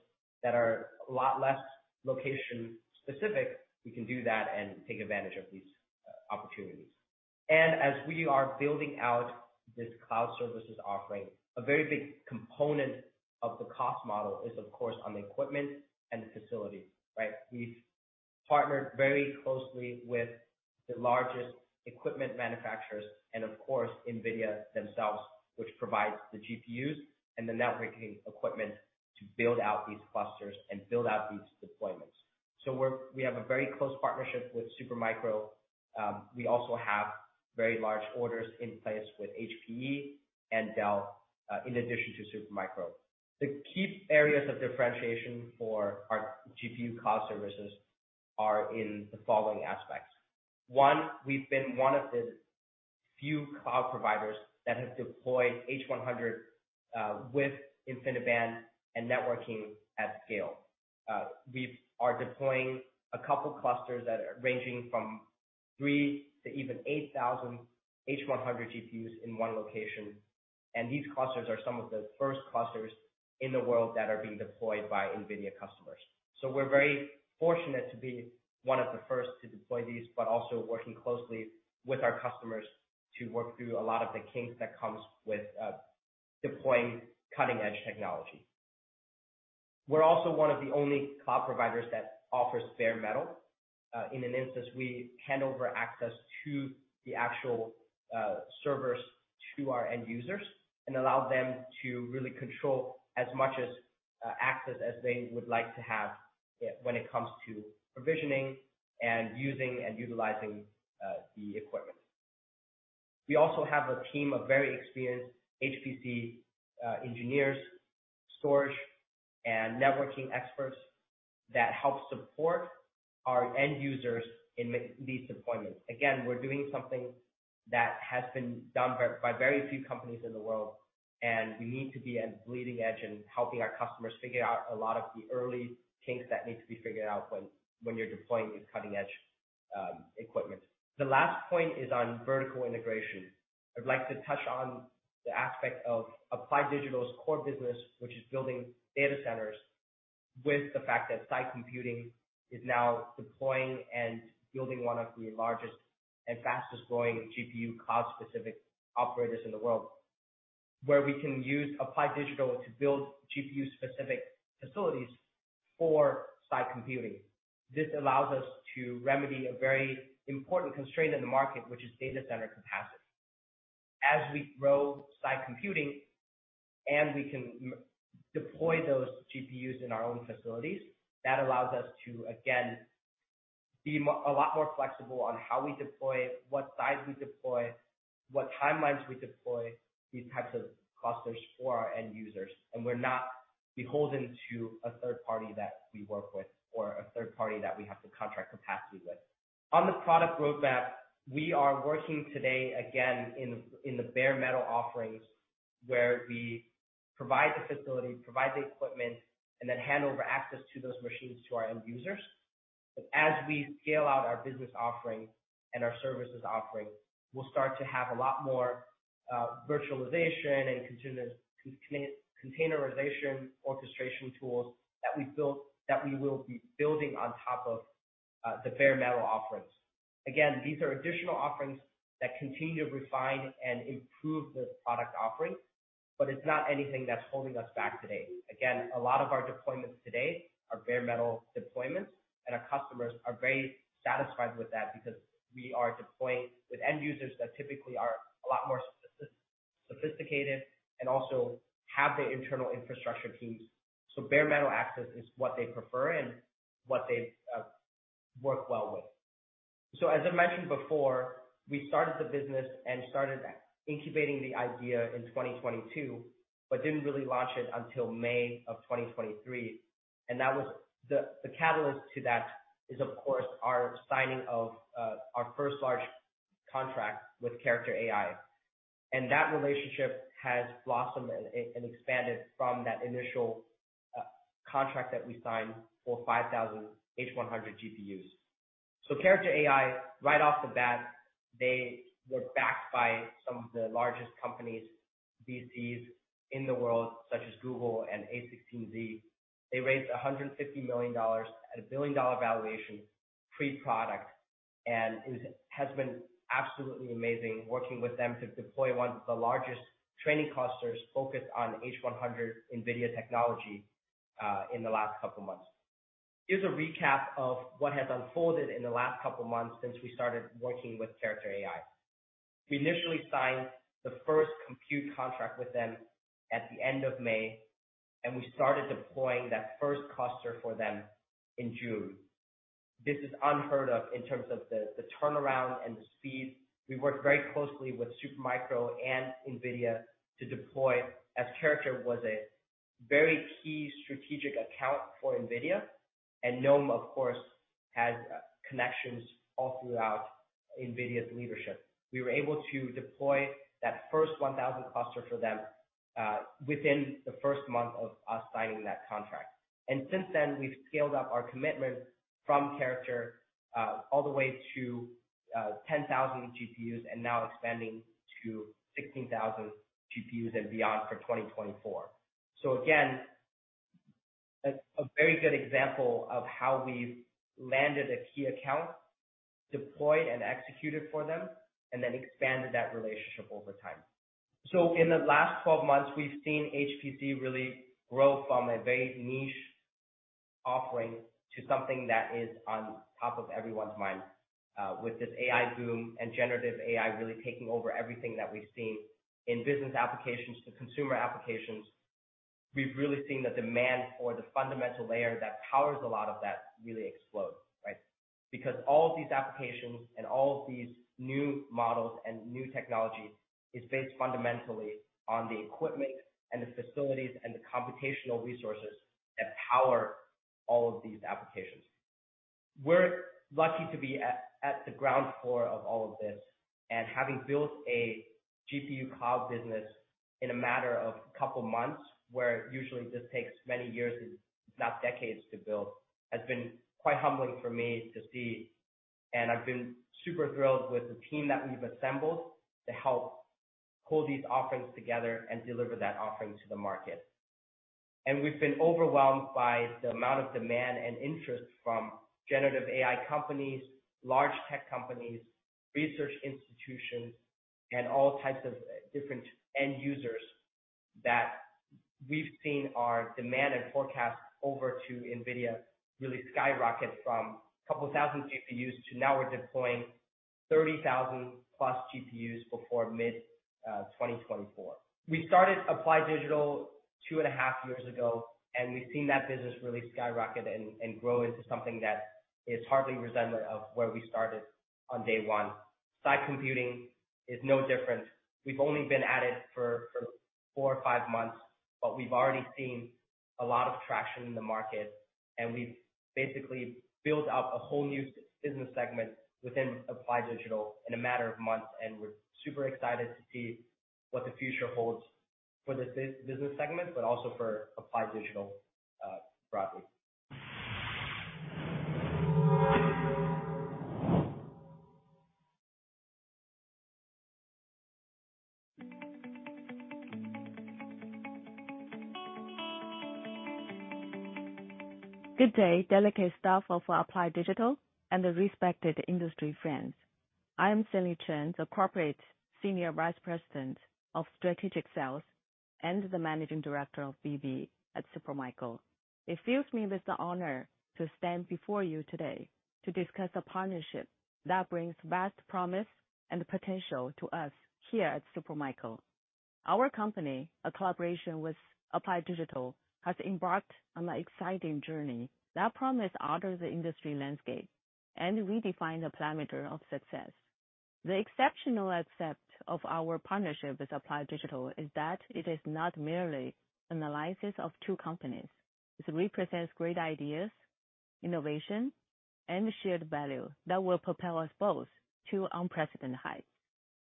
that are a lot less location-specific, we can do that and take advantage of these opportunities. As we are building out this cloud services offering, a very big component of the cost model is, of course, on the equipment and the facilities, right? We've partnered very closely with the largest equipment manufacturers and, of course, NVIDIA themselves, which provides the GPUs and the networking equipment to build out these clusters and build out these deployments. We're—we have a very close partnership with Supermicro. We also have very large orders in place with HPE and Dell, in addition to Supermicro. The key areas of differentiation for our GPU cloud services are in the following aspects: One, we've been one of the few cloud providers that have deployed H100 with InfiniBand and networking at scale. We are deploying a couple of clusters that are ranging from three to even 8,000 H100 GPUs in one location, and these clusters are some of the first clusters in the world that are being deployed by NVIDIA customers. We're very fortunate to be one of the first to deploy these, but also working closely with our customers to work through a lot of the kinks that comes with deploying cutting-edge technology. We're also one of the only cloud providers that offers bare metal. In an instance, we hand over access to the actual servers to our end users and allow them to really control as much access as they would like to have when it comes to provisioning and using and utilizing the equipment. We also have a team of very experienced HPC engineers, storage, and networking experts that help support our end users in these deployments. Again, we're doing something that has been done by very few companies in the world, and we need to be at bleeding edge and helping our customers figure out a lot of the early kinks that need to be figured out when you're deploying these cutting-edge equipments. The last point is on vertical integration. I'd like to touch on the aspect of Applied Digital's core business, which is building data centers, with the fact that Sai Computing is now deploying and building one of the largest and fastest-growing GPU cloud-specific operators in the world, where we can use Applied Digital to build GPU-specific facilities for Sai Computing. This allows us to remedy a very important constraint in the market, which is data center capacity. As we grow Sai Computing and we can deploy those GPUs in our own facilities, that allows us to, again, be a lot more flexible on how we deploy, what size we deploy, what timelines we deploy these types of clusters for our end users, and we're not beholden to a third party that we work with or a third party that we have to contract capacity with. On the product roadmap, we are working today, again, in the bare metal offerings, where we provide the facility, provide the equipment, and then hand over access to those machines to our end users. But as we scale out our business offering and our services offering, we'll start to have a lot more virtualization and container containerization orchestration tools that we built, that we will be building on top of the bare metal offerings. Again, these are additional offerings that continue to refine and improve this product offering, but it's not anything that's holding us back today. Again, a lot of our deployments today are bare metal deployments, and our customers are very satisfied with that because we are deploying with end users that typically are a lot more sophisticated and also have the internal infrastructure teams. So bare metal access is what they prefer and what they work well with. So as I mentioned before, we started the business and started incubating the idea in 2022, but didn't really launch it until May of 2023. That was... The catalyst to that is, of course, our signing of our first large contract with Character.AI. That relationship has blossomed and expanded from that initial contract that we signed for 5,000 H100 GPUs. Character.AI, right off the bat, they were backed by some of the largest companies, VCs in the world, such as Google and a16z. They raised $150 million at a billion-dollar valuation, pre-product, and it has been absolutely amazing working with them to deploy one of the largest training clusters focused on H100 NVIDIA technology in the last couple of months. Here's a recap of what has unfolded in the last couple of months since we started working with Character.AI. We initially signed the first compute contract with them at the end of May, and we started deploying that first cluster for them in June. This is unheard of in terms of the turnaround and the speed. We worked very closely with Supermicro and NVIDIA to deploy, as Character was a very key strategic account for NVIDIA, and Noam, of course, had connections all throughout NVIDIA's leadership. We were able to deploy that first 1,000 cluster for them within the first month of us signing that contract. Since then, we've scaled up our commitment from Character all the way to 10,000 GPUs and now expanding to 16,000 GPUs and beyond for 2024. Again, a very good example of how we've landed a key account, deployed and executed for them, and then expanded that relationship over time. So in the last 12 months, we've seen HPC really grow from a very niche offering to something that is on top of everyone's mind. With this AI boom and generative AI really taking over everything that we've seen in business applications to consumer applications, we've really seen the demand for the fundamental layer that powers a lot of that really explode, right? Because all of these applications and all of these new models and new technologies is based fundamentally on the equipment and the facilities, and the computational resources that power all of these applications. We're lucky to be at the ground floor of all of this, and having built a GPU cloud business in a matter of a couple of months, where usually this takes many years, if not decades, to build, has been quite humbling for me to see. And I've been super thrilled with the team that we've assembled to help pull these offerings together and deliver that offering to the market. And we've been overwhelmed by the amount of demand and interest from generative AI companies, large tech companies, research institutions, and all types of, different end users, that we've seen our demand and forecast over to NVIDIA really skyrocket from a couple thousand GPUs to now we're deploying 30,000+ GPUs before mid-2024. We started Applied Digital two and a half years ago, and we've seen that business really skyrocket and grow into something that is hardly resemblant of where we started on day one. Sai Computing is no different. We've only been at it for four or five months, but we've already seen a lot of traction in the market, and we've basically built out a whole new business segment within Applied Digital in a matter of months, and we're super excited to see what the future holds for this business segment, but also for Applied Digital, broadly. Good day, dedicated staff of Applied Digital and the respected industry friends. I am Cenly Chen, the Corporate Senior Vice President of Strategic Sales.... and the Managing Director of B.V at Supermicro. It fills me with the honor to stand before you today to discuss a partnership that brings vast promise and potential to us here at Supermicro. Our company, a collaboration with Applied Digital, has embarked on an exciting journey that promise alter the industry landscape and redefine the parameter of success. The exceptional aspect of our partnership with Applied Digital is that it is not merely an alliance of two companies. It represents great ideas, innovation, and shared value that will propel us both to unprecedented heights.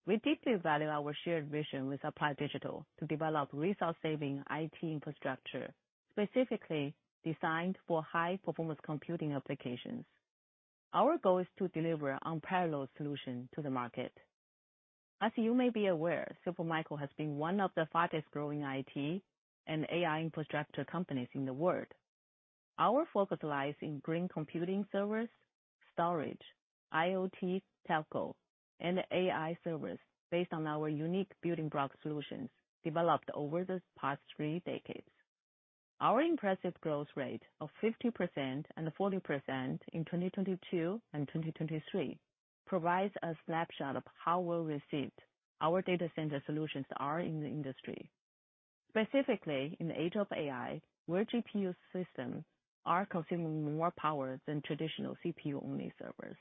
We deeply value our shared vision with Applied Digital to develop resource-saving IT infrastructure, specifically designed for high-performance computing applications. Our goal is to deliver unparalleled solution to the market. As you may be aware, Supermicro has been one of the fastest growing IT and AI infrastructure companies in the world. Our focus lies in green computing servers, storage, IoT, telco, and AI servers based on our unique building block solutions developed over the past three decades. Our impressive growth rate of 50% and 40% in 2022 and 2023 provides a snapshot of how well received our data center solutions are in the industry, specifically in the age of AI, where GPU systems are consuming more power than traditional CPU-only servers.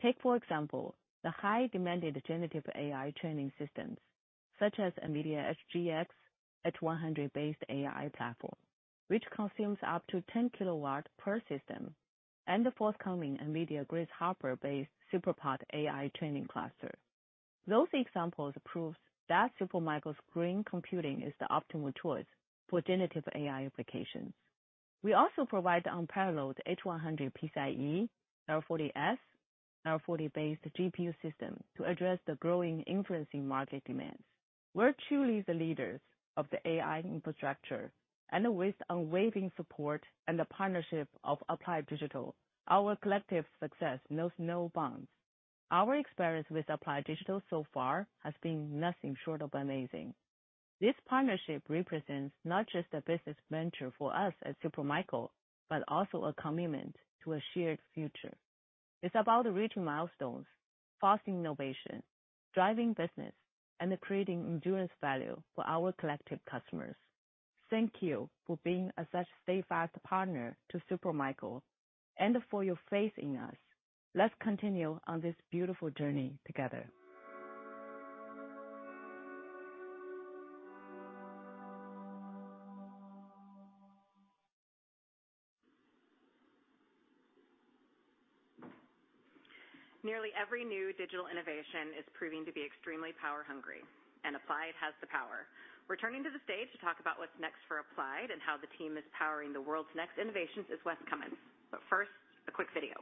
Take, for example, the high demanded generative AI training systems such as NVIDIA HGX H100 based AI platform, which consumes up to 10 kW per system, and the forthcoming NVIDIA Grace Hopper-based SuperPOD AI training cluster. Those examples proves that Supermicro's green computing is the optimal choice for generative AI applications. We also provide unparalleled H100 PCIe, L40S, L40-based GPU system to address the growing inference market demands. We're truly the leaders of the AI infrastructure, and with unwavering support and the partnership of Applied Digital, our collective success knows no bounds. Our experience with Applied Digital so far has been nothing short of amazing. This partnership represents not just a business venture for us at Supermicro, but also a commitment to a shared future. It's about reaching milestones, fostering innovation, driving business, and creating endurance value for our collective customers. Thank you for being such a steadfast partner to Supermicro and for your faith in us. Let's continue on this beautiful journey together. Nearly every new digital innovation is proving to be extremely power hungry, and Applied has the power. Returning to the stage to talk about what's next for Applied and how the team is powering the world's next innovations is Wes Cummins. But first, a quick video.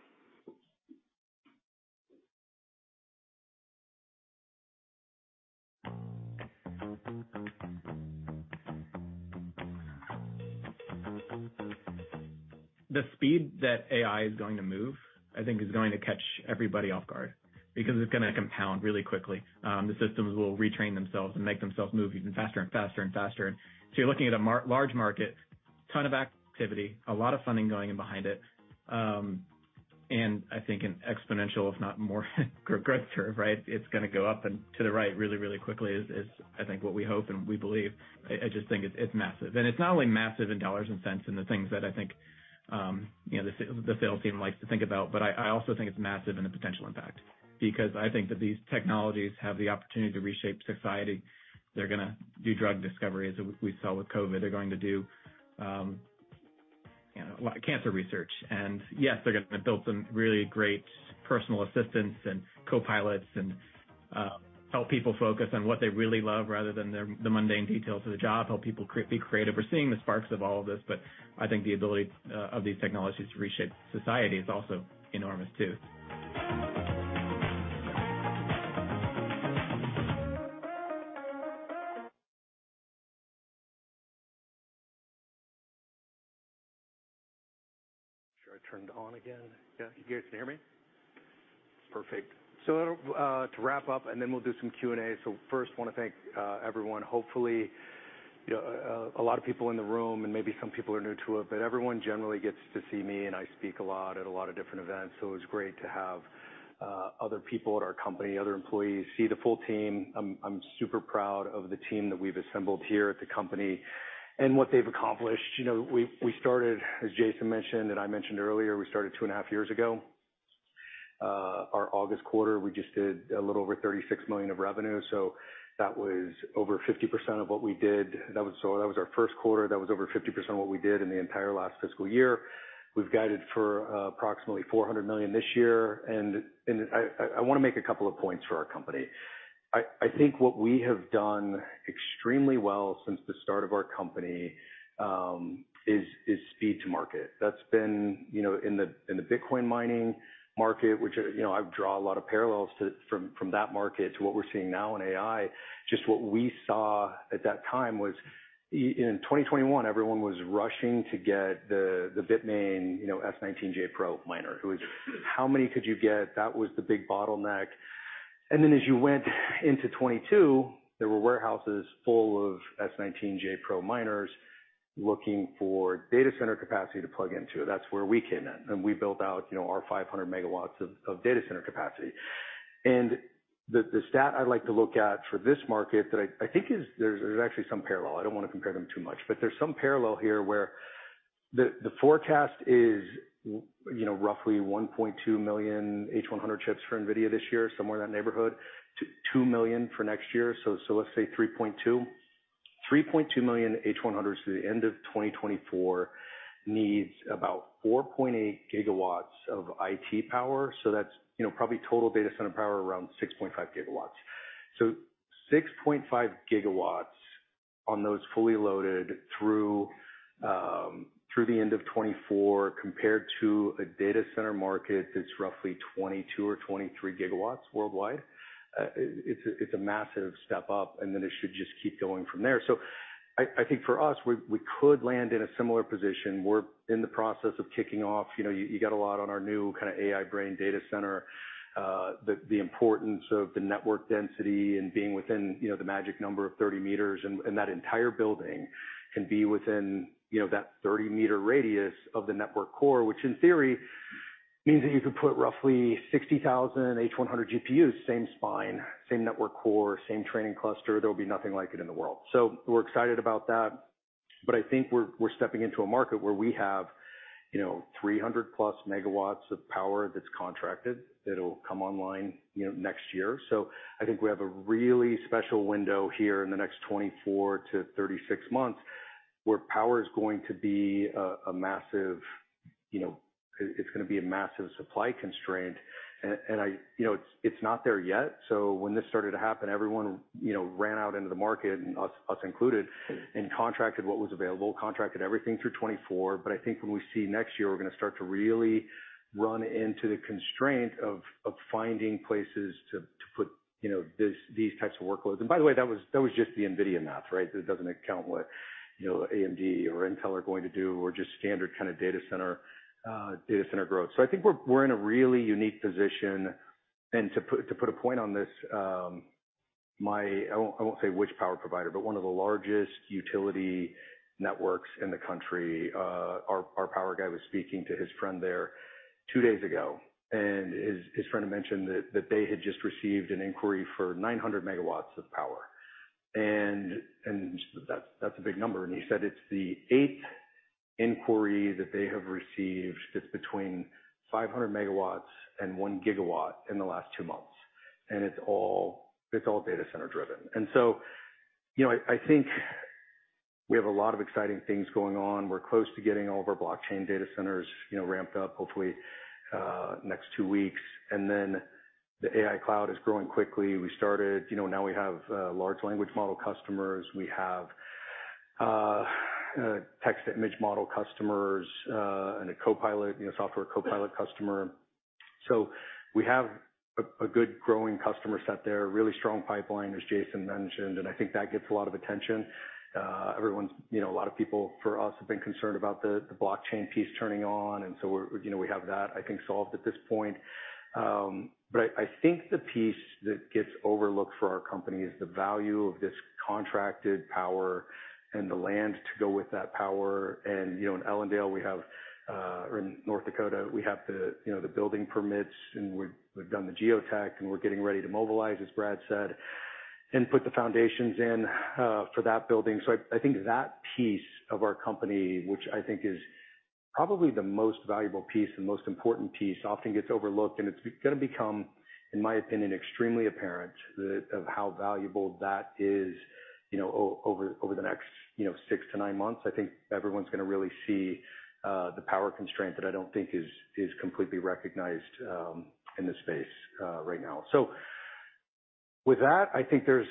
The speed that AI is going to move, I think, is going to catch everybody off guard because it's gonna compound really quickly. The systems will retrain themselves and make themselves move even faster and faster and faster. So you're looking at a large market, ton of activity, a lot of funding going in behind it, and I think an exponential, if not more, growth curve, right? It's gonna go up and to the right really, really quickly is, I think, what we hope and we believe. I just think it's massive. And it's not only massive in dollars and cents and the things that I think, you know, the sales team likes to think about, but I also think it's massive in the potential impact, because I think that these technologies have the opportunity to reshape society. They're gonna do drug discovery, as we saw with COVID. They're going to do, you know, a lot of cancer research. And yes, they're gonna build some really great personal assistants and copilots and help people focus on what they really love, rather than the mundane details of the job, help people be creative. We're seeing the sparks of all of this, but I think the ability of these technologies to reshape society is also enormous, too. Sure, I turned on again? Yeah, you guys can hear me? Perfect. So, to wrap up, and then we'll do some Q&A. So first, I wanna thank everyone. Hopefully, you know, a lot of people in the room and maybe some people are new to it, but everyone generally gets to see me, and I speak a lot at a lot of different events. So it's great to have other people at our company, other employees, see the full team. I'm super proud of the team that we've assembled here at the company and what they've accomplished. You know, we started, as Jason mentioned, and I mentioned earlier, we started two and a half years ago. Our August quarter, we just did a little over $36 million of revenue, so that was over 50% of what we did. That was... So that was our first quarter. That was over 50% of what we did in the entire last fiscal year. We've guided for approximately $400 million this year, and I wanna make a couple of points for our company. I think what we have done extremely well since the start of our company is speed to market. That's been, you know, in the Bitcoin mining market, which, you know, I draw a lot of parallels to from that market to what we're seeing now in AI. Just what we saw at that time was. In 2021, everyone was rushing to get the Bitmain S19j Pro miner. It was, how many could you get? That was the big bottleneck. Then as you went into 2022, there were warehouses full of S19j Pro miners looking for data center capacity to plug into. That's where we came in, and we built out, you know, our 500 MW of data center capacity. The stat I'd like to look at for this market that I think is—there's actually some parallel. I don't wanna compare them too much, but there's some parallel here where the forecast is, you know, roughly 1.2 million H100 chips for NVIDIA this year, somewhere in that neighborhood, two million for next year. So let's say 3.2. 3.2 million H100s through the end of 2024 needs about 4.8 GW of IT power, so that's, you know, probably total data center power around 6.5 GW. So 6.5 gigawatts on those fully loaded through the end of 2024, compared to a data center market that's roughly 22 or 23 gigawatts worldwide, it's a massive step up, and then it should just keep going from there. So I think for us, we could land in a similar position. We're in the process of kicking off... You know, you got a lot on our new kind of AI brain data center, the importance of the network density and being within, you know, the magic number of 30 meters, and that entire building can be within, you know, that 30-meter radius of the network core. Which in theory, means that you could put roughly 60,000 H100 GPUs, same spine, same network core, same training cluster. There will be nothing like it in the world. So we're excited about that, but I think we're stepping into a market where we have, you know, 300+ megawatts of power that's contracted, that'll come online, you know, next year. So I think we have a really special window here in the next 24-36 months, where power is going to be a massive supply constraint. And I... You know, it's not there yet, so when this started to happen, everyone, you know, ran out into the market, and us included, and contracted what was available, contracted everything through 2024. But I think when we see next year, we're gonna start to really run into the constraint of finding places to put, you know, these types of workloads. And by the way, that was just the NVIDIA math, right? It doesn't account what, you know, AMD or Intel are going to do or just standard kind of data center data center growth. So I think we're in a really unique position. And to put a point on this, I won't say which power provider, but one of the largest utility networks in the country, our power guy was speaking to his friend there two days ago, and his friend mentioned that they had just received an inquiry for 900 MW of power. And that's a big number, and he said it's the eighth inquiry that they have received that's between 500 MW and 1 GW in the last two months. And it's all data center driven. You know, I think we have a lot of exciting things going on. We're close to getting all of our blockchain data centers, you know, ramped up, hopefully, next two weeks. The AI cloud is growing quickly. We started-- you know, now we have large language model customers. We have text-to-image model customers, and a Copilot, you know, software Copilot customer. So we have a good growing customer set there, a really strong pipeline, as Jason mentioned, and I think that gets a lot of attention. Everyone's, you know, a lot of people for us have been concerned about the blockchain piece turning on, and so we're, you know, we have that, I think, solved at this point. But I think the piece that gets overlooked for our company is the value of this contracted power and the land to go with that power. And, you know, in Ellendale, we have, or in North Dakota, we have the, you know, the building permits, and we've done the geotech, and we're getting ready to mobilize, as Brad said, and put the foundations in, for that building. So I think that piece of our company, which I think is probably the most valuable piece and most important piece, often gets overlooked, and it's gonna become, in my opinion, extremely apparent that, of how valuable that is, you know, over the next, you know, six to nine months. I think everyone's gonna really see the power constraint that I don't think is completely recognized in this space right now. So with that, I think there's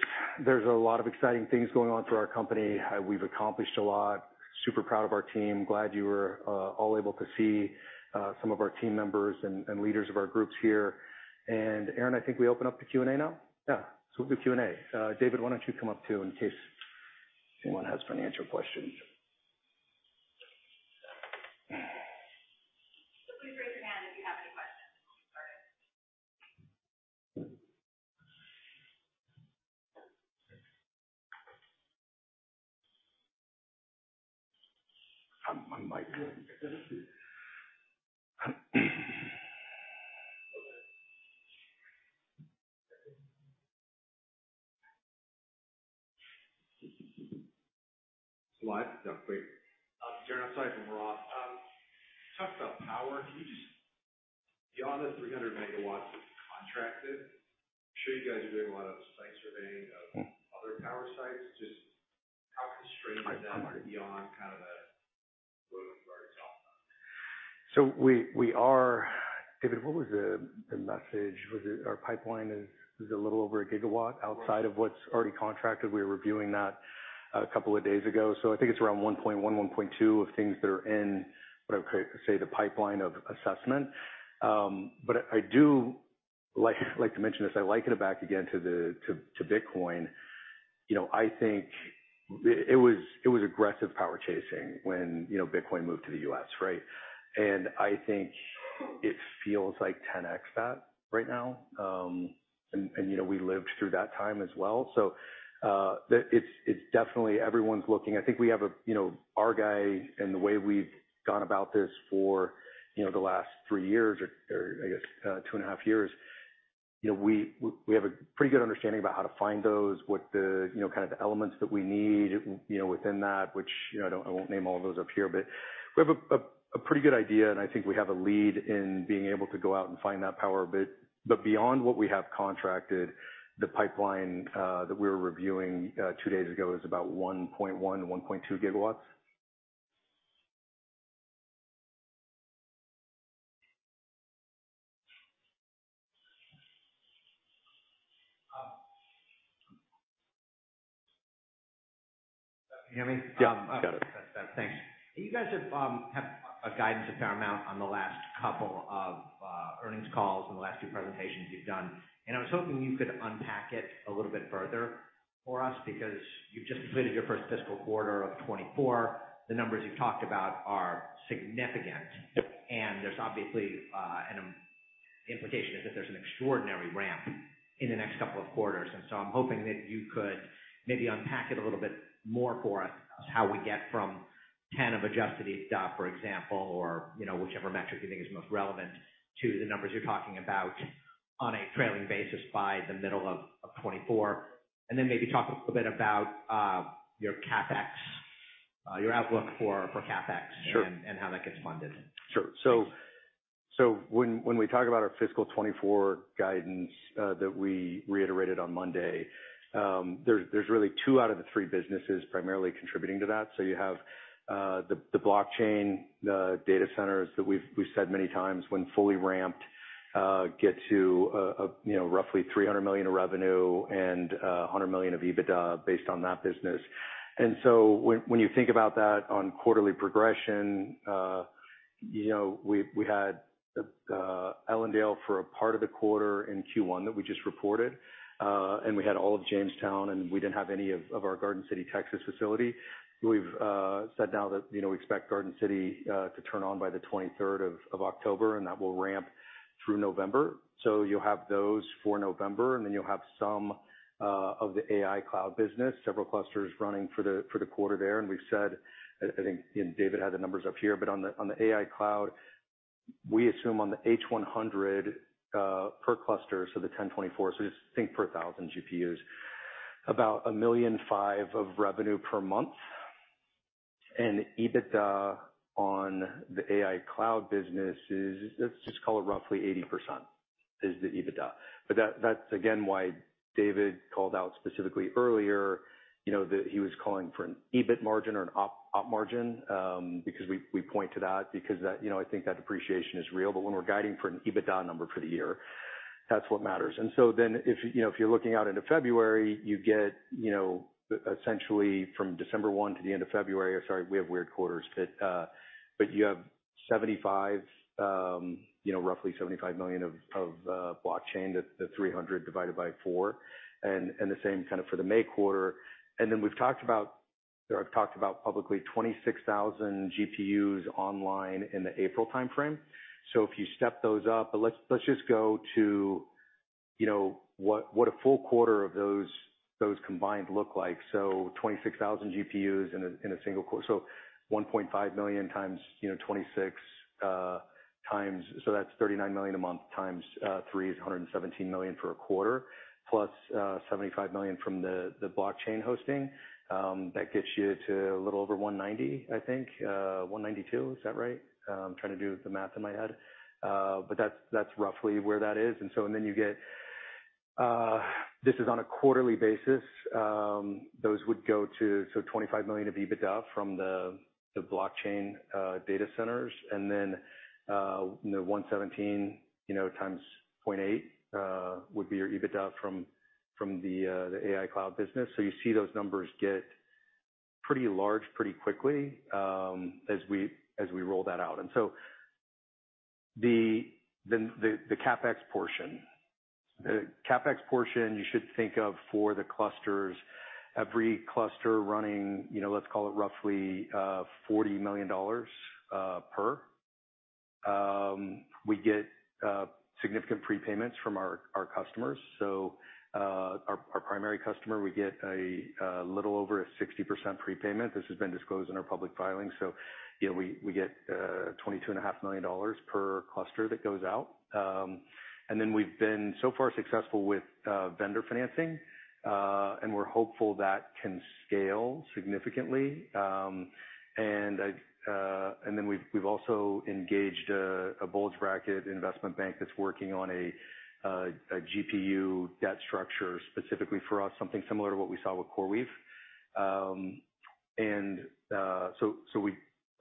a lot of exciting things going on through our company. We've accomplished a lot. Super proud of our team. Glad you were all able to see some of our team members and leaders of our groups here. And Erin, I think we open up the Q&A now? Yeah. So we'll do Q&A. David, why don't you come up, too, in case anyone has financial questions. Please raise your hand if you have any questions. Sorry. My mic isn't gonna... Slide. Yeah, great. Darren Aftahi from Roth. You talked about power. Can you just—beyond the 300 MW that's contracted, I'm sure you guys are doing a lot of site surveying of- Mm-hmm. other power sites. Just how constrained is that beyond kind of the loads you already talked about? David, what was the message? Was it our pipeline is a little over a gigawatt outside of what's already contracted? We were reviewing that a couple of days ago. So I think it's around 1.1, 1.2 of things that are in what I would say, the pipeline of assessment. But like, I'd like to mention this. I liken it back again to Bitcoin. You know, I think it was aggressive power chasing when, you know, Bitcoin moved to the U.S., right? And I think it feels like 10x that right now. And, you know, we lived through that time as well. So, it's definitely everyone's looking. I think we have a, you know, our guy and the way we've gone about this for, you know, the last three years or I guess 2.5 years, you know, we have a pretty good understanding about how to find those, what the, you know, kind of the elements that we need, you know, within that, which, you know, I don't, I won't name all those up here. But we have a pretty good idea, and I think we have a lead in being able to go out and find that power. But beyond what we have contracted, the pipeline that we were reviewing two days ago is about 1.1-1.2 gigawatts. Can you hear me? Yeah. We got it. Thanks. You guys have had a guidance of paramount on the last couple of earnings calls and the last two presentations you've done. I was hoping you could unpack it a little bit further for us, because you've just completed your first fiscal quarter of 2024. The numbers you've talked about are significant- Yep. - and there's obviously an implication is that there's an extraordinary ramp in the next couple of quarters. And so I'm hoping that you could maybe unpack it a little bit more for us, how we get from $10 million of adjusted EBITDA, for example, or, you know, whichever metric you think is most relevant to the numbers you're talking about on a trailing basis by the middle of 2024. And then maybe talk a little bit about your CapEx, your outlook for CapEx- Sure. and how that gets funded. Sure. So when we talk about our fiscal 2024 guidance that we reiterated on Monday, there's really two out of the three businesses primarily contributing to that. So you have the blockchain, the data centers that we've said many times, when fully ramped, get to you know, roughly $300 million of revenue and $100 million of EBITDA based on that business. And so when you think about that on quarterly progression, you know, we had Ellendale for a part of the quarter in Q1 that we just reported, and we had all of Jamestown, and we didn't have any of our Garden City, Texas, facility. We've said now that, you know, we expect Garden City to turn on by the 23rd of October, and that will ramp through November. You'll have those for November, and then you'll have some, you know, of the AI cloud business, several clusters running for the quarter there. We've said, I think, and David had the numbers up here, but on the AI cloud, we assume on the H100, per cluster, so the 1,024, so just think per 1,000 GPUs, about $1.5 million of revenue per month. EBITDA on the AI cloud business is... Let's just call it roughly 80%, is the EBITDA. But that, that's again, why David called out specifically earlier, you know, that he was calling for an EBIT margin or an op, op margin, because we, we point to that because that, you know, I think that depreciation is real. But when we're guiding for an EBITDA number for the year, that's what matters. And so then if, you know, if you're looking out into February, you get, you know, essentially from December one to the end of February, or sorry, we have weird quarters, but, but you have $75 million of blockchain, that the 300 divided by four, and the same kind of for the May quarter. And then we've talked about, or I've talked about publicly, 26,000 GPUs online in the April timeframe. So if you step those up... But let's just go to, you know, what a full quarter of those combined look like. So 26,000 GPUs in a single quarter. So $1.5 million times, you know, 26 times. So that's $39 million a month, times 3 is $117 million for a quarter, plus $75 million from the blockchain hosting. That gets you to a little over 190, I think. 192, is that right? I'm trying to do the math in my head. But that's roughly where that is. And so then you get, this is on a quarterly basis. Those would go to, so $25 million of EBITDA from the blockchain data centers, and then, you know, 117, you know, times 0.8, would be your EBITDA from the AI cloud business. So you see those numbers get pretty large pretty quickly, as we roll that out. So then the CapEx portion. The CapEx portion you should think of for the clusters, every cluster running, you know, let's call it roughly, $40 million, per. We get significant prepayments from our customers. So, our primary customer, we get a little over a 60% prepayment. This has been disclosed in our public filings. So, you know, we get $22.5 million per cluster that goes out. And then we've been so far successful with vendor financing, and we're hopeful that can scale significantly. And then we've also engaged a bulge bracket investment bank that's working on a GPU debt structure specifically for us, something similar to what we saw with CoreWeave.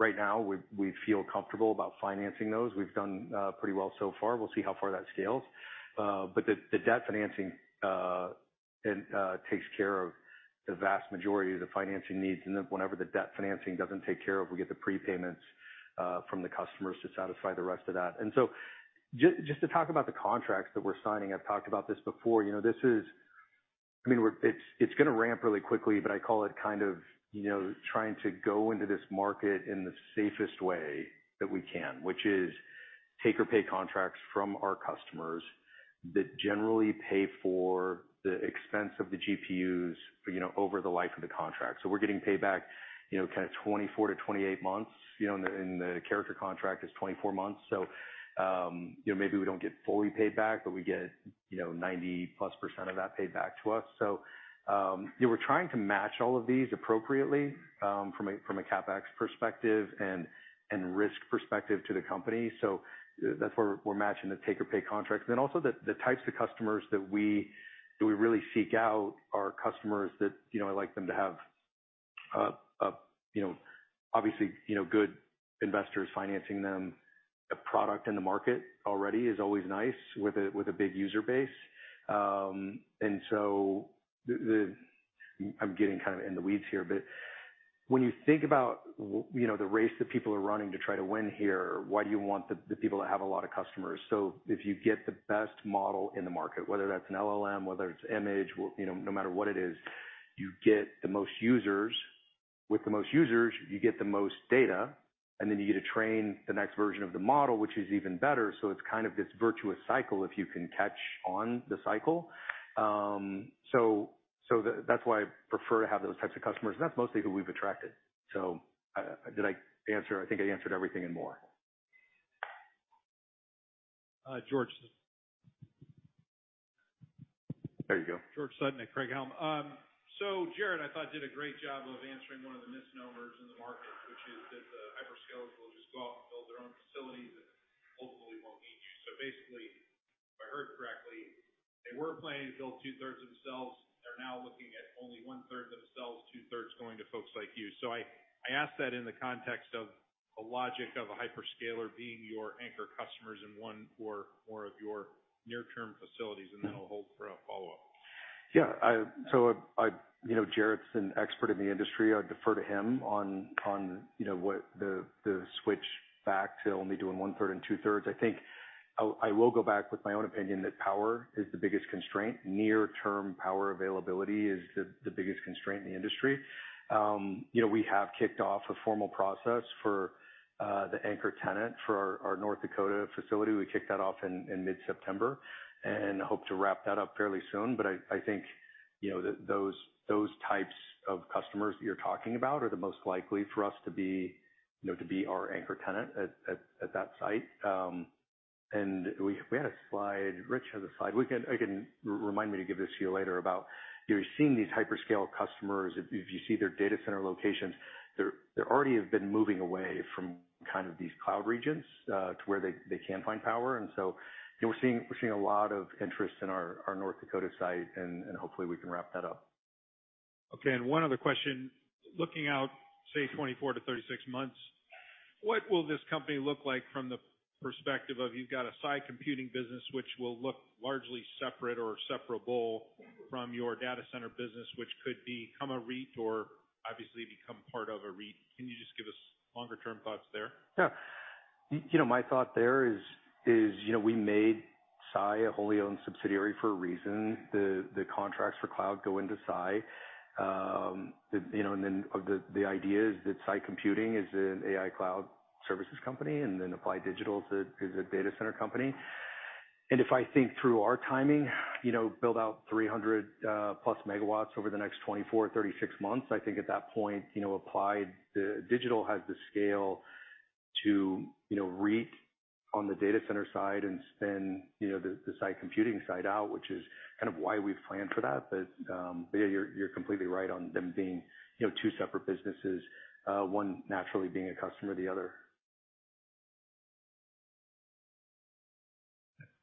Right now, we feel comfortable about financing those. We've done pretty well so far. We'll see how far that scales. But the debt financing takes care of the vast majority of the financing needs. And then whenever the debt financing doesn't take care of, we get the prepayments from the customers to satisfy the rest of that. And so just to talk about the contracts that we're signing, I've talked about this before, you know, this is—I mean, we're, it's gonna ramp really quickly, but I call it kind of, you know, trying to go into this market in the safest way that we can, which is Take or Pay contracts from our customers that generally pay for the expense of the GPUs, you know, over the life of the contract. So we're getting paid back, you know, kind of 24-28 months. You know, and the Character contract is 24 months. So, you know, maybe we don't get fully paid back, but we get, you know, 90%+ of that paid back to us. So, we're trying to match all of these appropriately, from a CapEx perspective and risk perspective to the company. So that's why we're matching the take-or-pay contracts. And then also the types of customers that we really seek out are customers that, you know, I like them to have, you know, obviously, you know, good investors financing them. A product in the market already is always nice, with a big user base. And so, I'm getting kind of in the weeds here, but when you think about, you know, the race that people are running to try to win here, why do you want the people that have a lot of customers? So if you get the best model in the market, whether that's an LLM, whether it's image, you know, no matter what it is, you get the most users. With the most users, you get the most data, and then you get to train the next version of the model, which is even better. So it's kind of this virtuous cycle if you can catch on the cycle. That's why I prefer to have those types of customers, and that's mostly who we've attracted. So, did I answer? I think I answered everything and more. Uh, George. There you go. George Sutton, Craig-Hallum. So Jared, I thought, did a great job of answering one of the misnomers in the market, which is that the hyperscalers will just go off and build their own facilities and ultimately won't need you. So basically, if I heard correctly, they were planning to build two-thirds themselves. They're now looking at only one-third themselves, two-thirds going to folks like you. So I, I ask that in the context of the logic of a hyperscaler being your anchor customers in one or more of your near-term facilities, and then I'll hold for a follow-up. Yeah, I-- You know, Jarrett's an expert in the industry. I'd defer to him on, you know, what the switch back to only doing one-third and two-thirds. I think I will go back with my own opinion that power is the biggest constraint. Near-term power availability is the biggest constraint in the industry. You know, we have kicked off a formal process for the anchor tenant for our North Dakota facility. We kicked that off in mid-September and hope to wrap that up fairly soon. I think, you know, those types of customers you're talking about are the most likely for us to be our anchor tenant at that site. You know, we had a slide. Rich has a slide. We can-- Again, remind me to give this to you later, about, you're seeing these hyperscale customers. If you see their data center locations, they already have been moving away from kind of these cloud regions, you know, to where they can find power. And so, you know, we're seeing, we're seeing a lot of interest in our North Dakota site, and hopefully, we can wrap that up. Okay, one other question. Looking out, say, 24-36 months, what will this company look like from the perspective of you've got a Sai Computing business, which will look largely separate or separable from your data center business, which could become a REIT or obviously become part of a REIT? Can you just give us longer-term thoughts there? Yeah. You know, my thought there is, you know, we made Sai a wholly owned subsidiary for a reason. The contracts for cloud go into Sai. The idea is that Sai Computing is an AI cloud services company, and then Applied Digital is a data center company. And if I think through our timing, you know, build out 300+ MW over the next 24-36 months, I think at that point, you know, Applied Digital has the scale to, you know, REIT on the data center side and spin the Sai Computing side out, which is kind of why we've planned for that. But yeah, you're completely right on them being, you know, two separate businesses, one naturally being a customer of the other.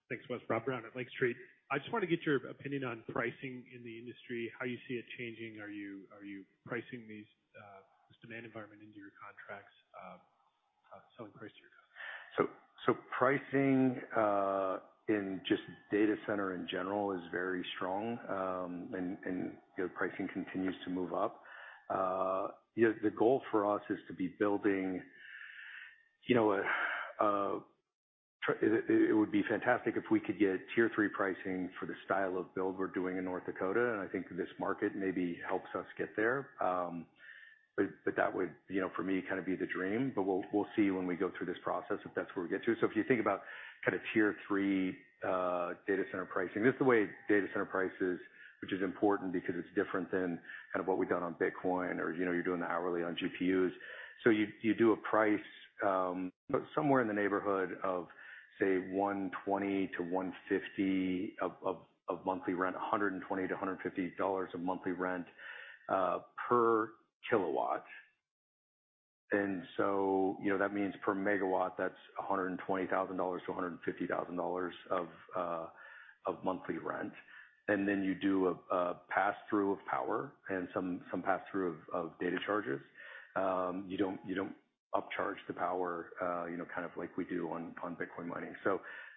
Thanks, Wes. Rob Brown at Lake Street. I just want to get your opinion on pricing in the industry, how you see it changing. Are you pricing this demand environment into your contracts, how so in price your- Pricing in just data center in general is very strong, and, you know, pricing continues to move up. You know, the goal for us is to be building, you know, a... It would be fantastic if we could get Tier III pricing for the style of build we're doing in North Dakota, and I think this market maybe helps us get there. But that would, you know, for me, kind of be the dream. But we'll see when we go through this process, if that's where we get to. So if you think about kind of Tier III, data center pricing, this is the way data center prices, which is important because it's different than kind of what we've done on Bitcoin or, you know, you're doing the hourly on GPUs. You do a price, but somewhere in the neighborhood of, say, $120-$150 of monthly rent, $120-$150 of monthly rent per kilowatt. You know, that means per megawatt, that's $120,000-$150,000 of monthly rent. Then you do a pass-through of power and some pass-through of data charges. You don't up-charge the power, you know, kind of like we do on Bitcoin mining.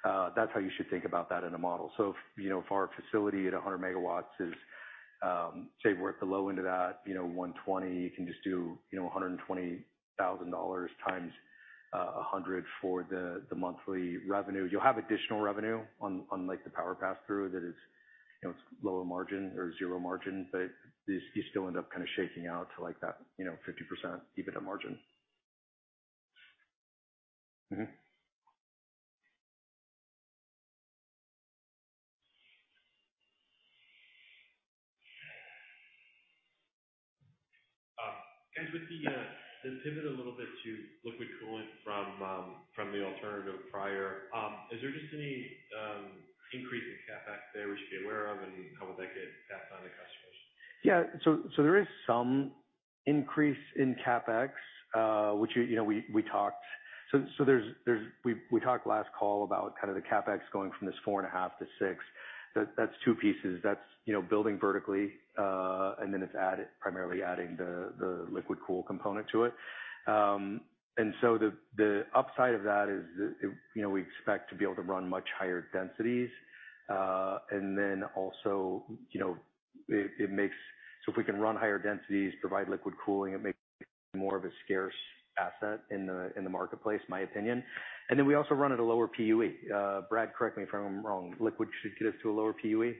That's how you should think about that in a model. You know, if our facility at 100 megawatts is-... Say we're at the low end of that, you know, $120, you can just do, you know, $120,000 times 100 for the monthly revenue. You'll have additional revenue on, like, the power pass-through that is, you know, it's lower margin or zero margin, but you still end up kind of shaking out to, like, that, you know, 50% EBITDA margin. Mm-hmm. With the pivot a little bit to liquid cooling from the alternative prior, is there just any increase in CapEx there we should be aware of, and how would that get passed on to customers? Yeah. So there is some increase in CapEx, which, you know, we talked... So there's, there's-- we talked last call about kind of the CapEx going from this $4.5-$6. That's two pieces. That's, you know, building vertically, and then it's added, primarily adding the liquid cool component to it. And so the upside of that is that, you know, we expect to be able to run much higher densities. And then also, you know, it makes-- So if we can run higher densities, provide liquid cooling, it makes more of a scarce asset in the marketplace, my opinion. And then we also run at a lower PUE. Brad, correct me if I'm wrong. Liquid should get us to a lower PUE?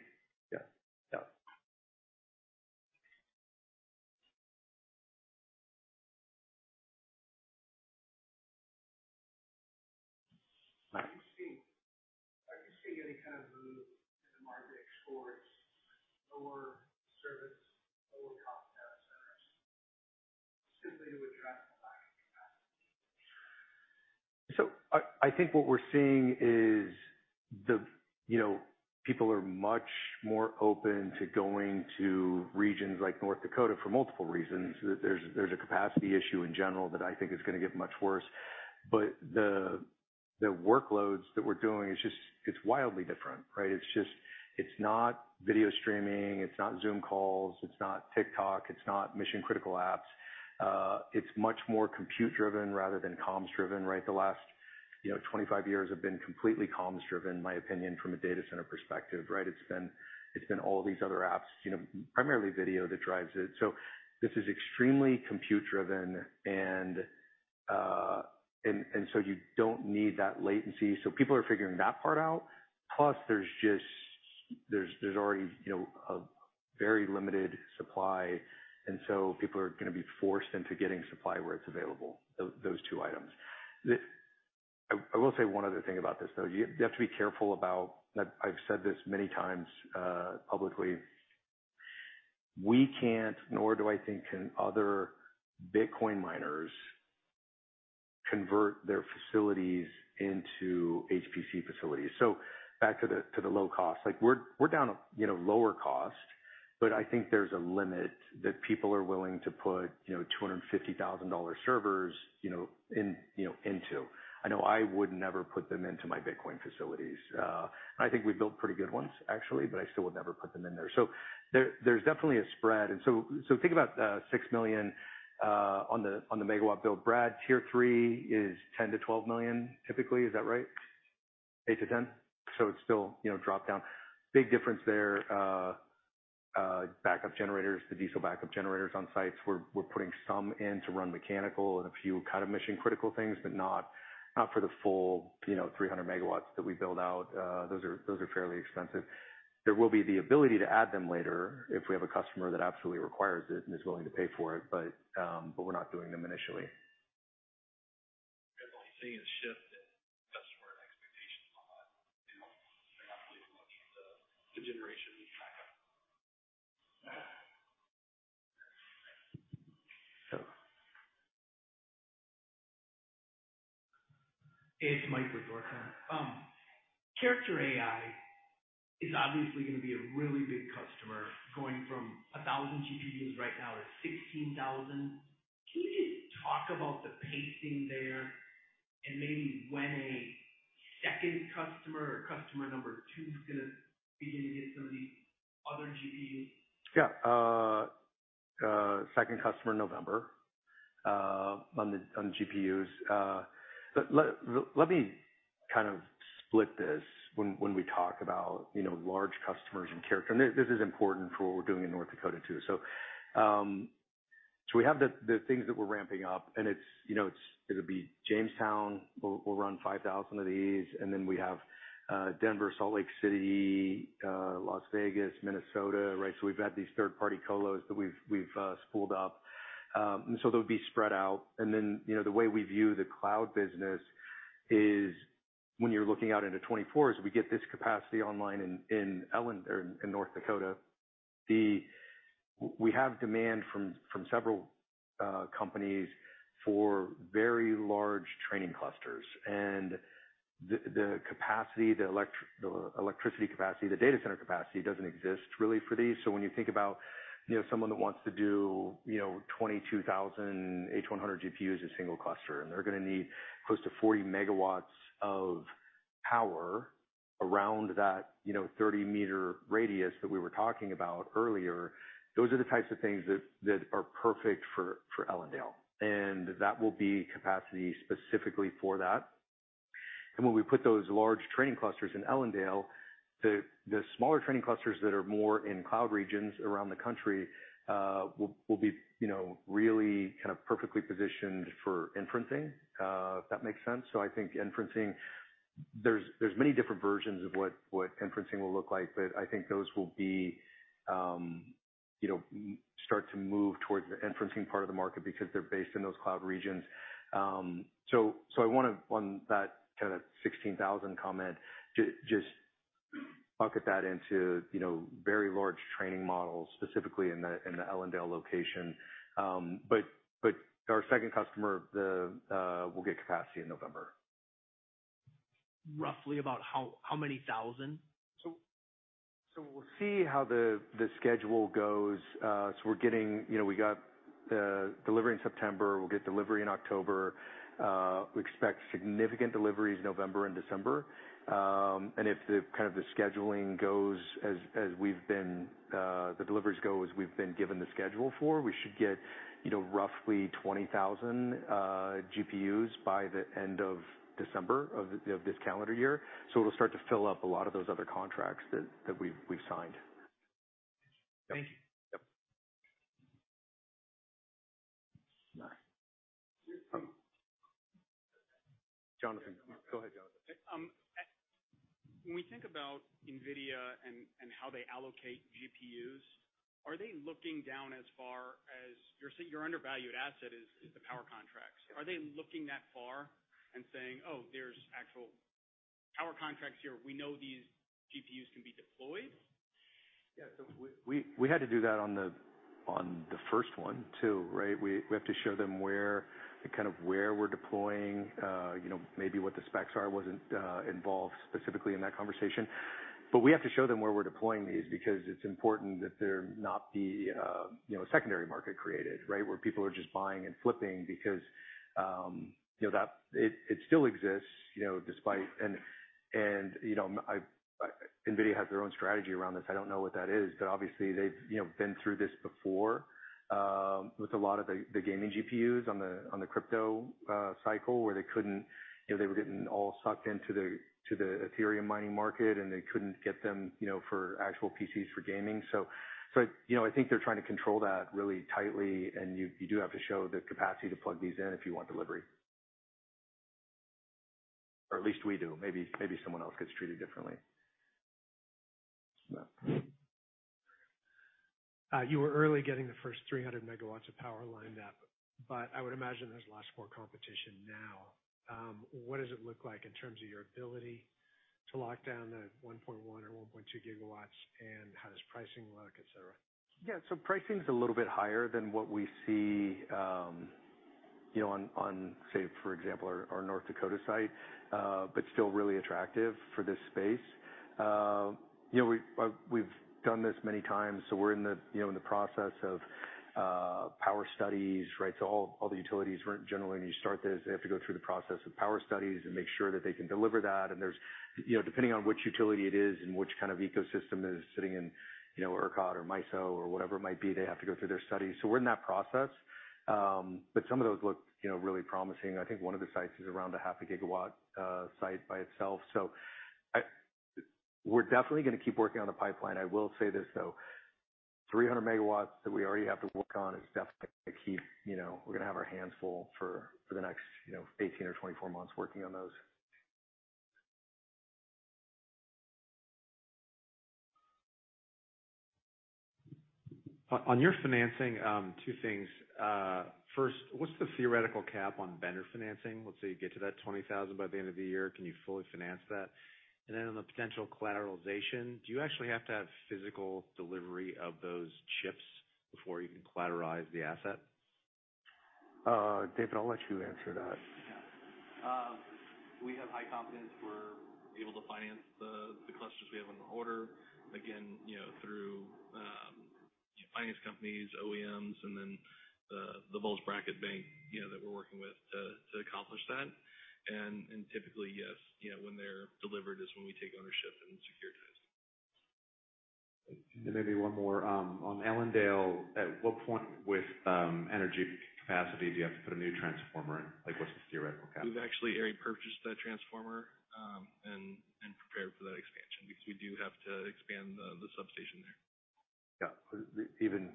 Yeah. Yeah. Are you seeing any kind of move in the market towards lower service, lower cost data centers, simply to attract the buying capacity? So I, I think what we're seeing is the, you know, people are much more open to going to regions like North Dakota for multiple reasons. There's a capacity issue in general that I think is gonna get much worse. But the workloads that we're doing, it's just, it's wildly different, right? It's just... It's not video streaming, it's not Zoom calls, it's not TikTok, it's not mission-critical apps. It's much more compute-driven rather than comms-driven, right? The last, you know, 25 years have been completely comms-driven, in my opinion, from a data center perspective, right? It's been all these other apps, you know, primarily video, that drives it. So this is extremely compute-driven, and so you don't need that latency. So people are figuring that part out. Plus, there's just already, you know, a very limited supply, and so people are gonna be forced into getting supply where it's available. Those two items. I will say one other thing about this, though. You have to be careful about. I've said this many times publicly: We can't, nor do I think can other Bitcoin miners, convert their facilities into HPC facilities. So back to the low cost. Like, we're down to, you know, lower cost, but I think there's a limit that people are willing to put, you know, $250,000 servers, you know, in, you know, into. I know I would never put them into my Bitcoin facilities. And I think we've built pretty good ones, actually, but I still would never put them in there. There's definitely a spread. So think about $6 million on the megawatt build. Brad, Tier III is $10-$12 million, typically. Is that right? $8-$10? So it's still, you know, drop down. Big difference there. Backup generators, the diesel backup generators on sites, we're putting some in to run mechanical and a few kind of mission-critical things, but not for the full, you know, 300 MW that we build out. Those are fairly expensive. There will be the ability to add them later if we have a customer that absolutely requires it and is willing to pay for it, but we're not doing them initially. I've only seen a shift in customer expectations a lot. You know, they're not really looking at the generation backup. So- It's Mike with Goldman. Character.AI is obviously gonna be a really big customer, going from 1,000 GPUs right now to 16,000. Can you just talk about the pacing there, and maybe when a second customer or customer number two is gonna be getting some of these other GPUs? Yeah. Second customer, November, on the GPUs. Let me kind of split this when we talk about, you know, large customers and Character. And this is important for what we're doing in North Dakota, too. So, so we have the things that we're ramping up, and it's, you know, it's-- it'll be Jamestown. We'll run 5,000 of these, and then we have Denver, Salt Lake City, Las Vegas, Minnesota, right? So we've got these third-party colos that we've spooled up. So they'll be spread out. And then, you know, the way we view the cloud business is when you're looking out into 2024, as we get this capacity online in Ellendale or in North Dakota, the-- we have demand from several companies for very large training clusters. The capacity, the electricity capacity, the data center capacity doesn't exist really for these. So when you think about, you know, someone that wants to do, you know, 22,000 H100 GPUs in a single cluster, and they're gonna need close to 40 MW of power around that, you know, 30-meter radius that we were talking about earlier, those are the types of things that are perfect for Ellendale. And that will be capacity specifically for that.... And when we put those large training clusters in Ellendale, the smaller training clusters that are more in cloud regions around the country will be, you know, really kind of perfectly positioned for inferencing, if that makes sense. So I think inferencing, there's many different versions of what inferencing will look like, but I think those will be, you know, start to move towards the inferencing part of the market because they're based in those cloud regions. So I want to, on that kind of 16,000 comment, just bucket that into, you know, very large training models, specifically in the Ellendale location. But our second customer will get capacity in November. Roughly about how many thousand? So we'll see how the schedule goes. So we're getting. You know, we got delivery in September, we'll get delivery in October. We expect significant deliveries November and December. And if the scheduling goes as we've been, the deliveries go as we've been given the schedule for, we should get, you know, roughly 20,000 GPUs by the end of December of this calendar year. So it'll start to fill up a lot of those other contracts that we've signed. Thank you. Yep. Jonathan, go ahead, Jonathan. When we think about NVIDIA and how they allocate GPUs, are they looking down as far as... you say your undervalued asset is the power contracts. Are they looking that far and saying, "Oh, there's actual power contracts here. We know these GPUs can be deployed? Yeah. So we had to do that on the first one too, right? We have to show them where, the kind of where we're deploying. You know, maybe what the specs are. Wasn't involved specifically in that conversation. But we have to show them where we're deploying these, because it's important that there not be you know, a secondary market created, right? Where people are just buying and flipping because you know, that-- it still exists, you know, despite... And you know, I-- NVIDIA has their own strategy around this. I don't know what that is, but obviously they've, you know, been through this before with a lot of the gaming GPUs on the crypto cycle, where they couldn't—you know, they were getting all sucked into the Ethereum mining market, and they couldn't get them, you know, for actual PCs for gaming. So, you know, I think they're trying to control that really tightly, and you do have to show the capacity to plug these in if you want delivery. Or at least we do. Maybe someone else gets treated differently. You were early getting the first 300 MW of power lined up, but I would imagine there's lots more competition now. What does it look like in terms of your ability to lock down the 1.1 or 1.2 GW, and how does pricing look, et cetera? Yeah. So pricing is a little bit higher than what we see, you know, on, say, for example, our North Dakota site, but still really attractive for this space. You know, we've done this many times, so we're in the, you know, in the process of, power studies, right? So all the utilities, generally, when you start this, they have to go through the process of power studies and make sure that they can deliver that. And there's, you know, depending on which utility it is and which kind of ecosystem is sitting in, you know, ERCOT or MISO or whatever it might be, they have to go through their studies. So we're in that process. But some of those look, you know, really promising. I think one of the sites is around 0.5 gigawatt, site by itself. So we're definitely gonna keep working on the pipeline. I will say this, though, 300 MW that we already have to work on is definitely gonna keep... You know, we're gonna have our hands full for, for the next, you know, 18 or 24 months working on those. On your financing, two things. First, what's the theoretical cap on vendor financing? Let's say you get to that 20,000 by the end of the year, can you fully finance that? And then on the potential collateralization, do you actually have to have physical delivery of those chips before you can collateralize the asset? David, I'll let you answer that. Yeah. We have high confidence we're able to finance the clusters we have on order, again, you know, through finance companies, OEMs, and then the Wells Fargo bracket bank, you know, that we're working with to accomplish that. Typically, yes, you know, when they're delivered is when we take ownership and securitize. Maybe one more. On Ellendale, at what point with energy capacity do you have to put a new transformer in? Like, what's the theoretical cap? We've actually already purchased that transformer, and prepared for that expansion, because we do have to expand the substation there. Yeah. Even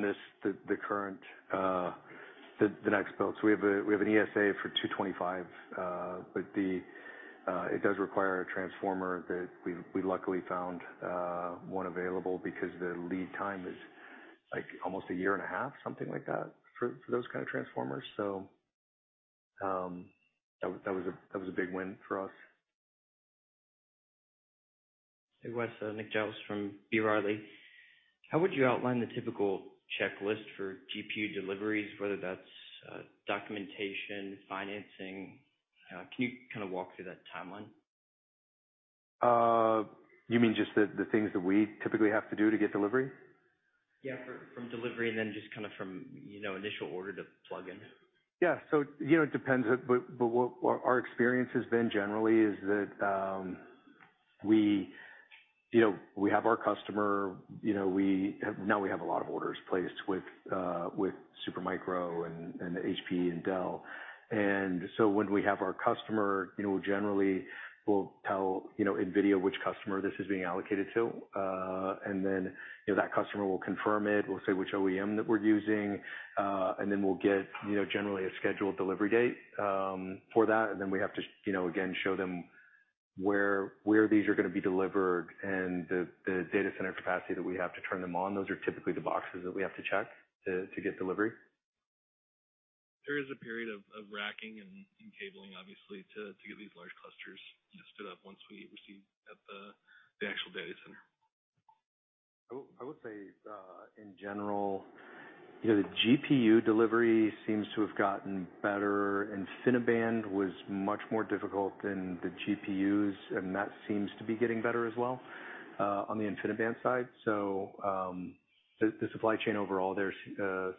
this, the current, the next build. So we have an ESA for 225, but the... It does require a transformer that we luckily found one available because the lead time is, like, almost a year and a half, something like that, for those kind of transformers. So, that was a big win for us. Hey, Wes, Nick Giles from B. Riley. How would you outline the typical checklist for GPU deliveries, whether that's, documentation, financing? Can you kind of walk through that timeline? You mean just the things that we typically have to do to get delivery? Yeah, from delivery, and then just kind of from, you know, initial order to plug-in. Yeah. So, you know, it depends, but, but what our experience has been generally is that... We, you know, we have our customer, you know, we have-- now we have a lot of orders placed with, with Supermicro and, and HP and Dell. And so when we have our customer, you know, generally we'll tell, you know, NVIDIA, which customer this is being allocated to, and then, you know, that customer will confirm it. We'll say which OEM that we're using, and then we'll get, you know, generally a scheduled delivery date, for that. And then we have to, you know, again, show them where, where these are going to be delivered and the, the data center capacity that we have to turn them on. Those are typically the boxes that we have to check to, to get delivery. There is a period of racking and cabling, obviously, to get these large clusters just stood up once we receive at the actual data center. I would say, in general, you know, the GPU delivery seems to have gotten better. InfiniBand was much more difficult than the GPUs, and that seems to be getting better as well, on the InfiniBand side. So, the supply chain overall there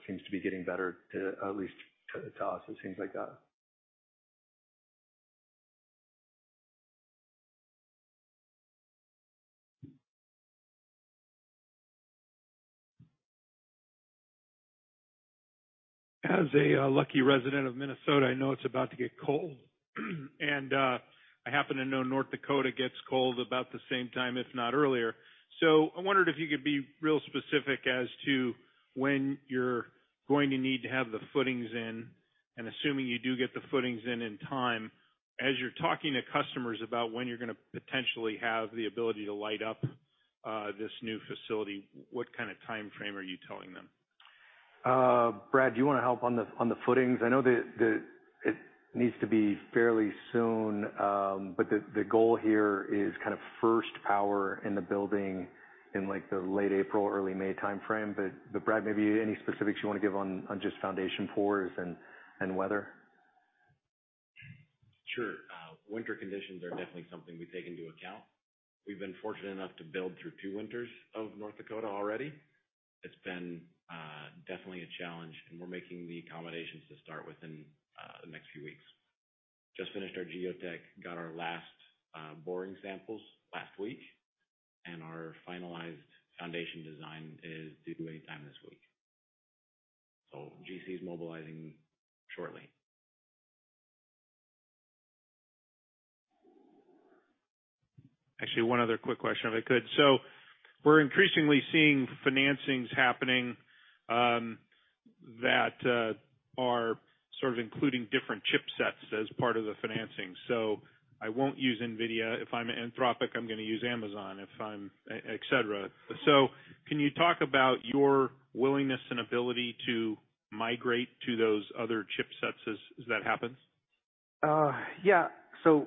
seems to be getting better, at least to us, it seems like that. As a lucky resident of Minnesota, I know it's about to get cold. I happen to know North Dakota gets cold about the same time, if not earlier. I wondered if you could be real specific as to when you're going to need to have the footings in, and assuming you do get the footings in in time, as you're talking to customers about when you're going to potentially have the ability to light up this new facility, what kind of time frame are you telling them? Brad, do you want to help on the footings? I know that it needs to be fairly soon, but the goal here is kind of first power in the building in, like, the late April, early May time frame. But, Brad, maybe any specifics you want to give on just foundation pours and weather? Sure. Winter conditions are definitely something we take into account. We've been fortunate enough to build through two winters of North Dakota already. It's been definitely a challenge, and we're making the accommodations to start within the next few weeks. Just finished our geotech, got our last boring samples last week, and our finalized foundation design is due anytime this week. So GC is mobilizing shortly. Actually, one other quick question, if I could. So we're increasingly seeing financings happening that are sort of including different chipsets as part of the financing. So I won't use NVIDIA. If I'm Anthropic, I'm going to use Amazon, if I'm... Et cetera. So can you talk about your willingness and ability to migrate to those other chipsets as that happens? Yeah. So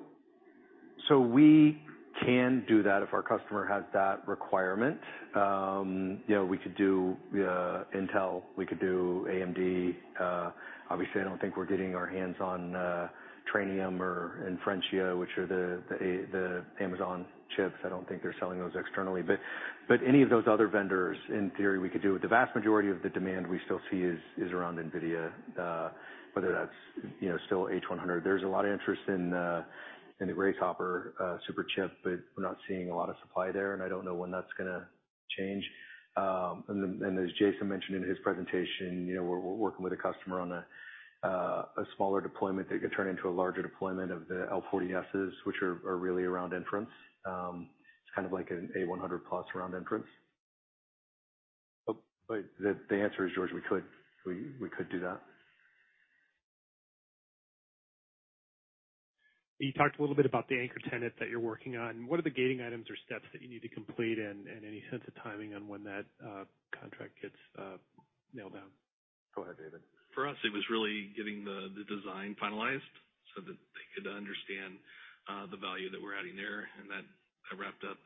we can do that if our customer has that requirement. You know, we could do Intel, we could do AMD. Obviously, I don't think we're getting our hands on Trainium or Inferentia, which are the Amazon chips. I don't think they're selling those externally. But any of those other vendors, in theory, we could do. The vast majority of the demand we still see is around NVIDIA, whether that's, you know, still H100. There's a lot of interest in the Grace Hopper Superchip, but we're not seeing a lot of supply there, and I don't know when that's gonna change. And then as Jason mentioned in his presentation, you know, we're working with a customer on a smaller deployment that could turn into a larger deployment of the L40Ss, which are really around inference. It's kind of like an A100 plus around inference. But the answer is, George, we could. We could do that. You talked a little bit about the anchor tenant that you're working on. What are the gating items or steps that you need to complete, and any sense of timing on when that contract gets nailed down? Go ahead, David. For us, it was really getting the design finalized so that they could understand the value that we're adding there, and that I wrapped up,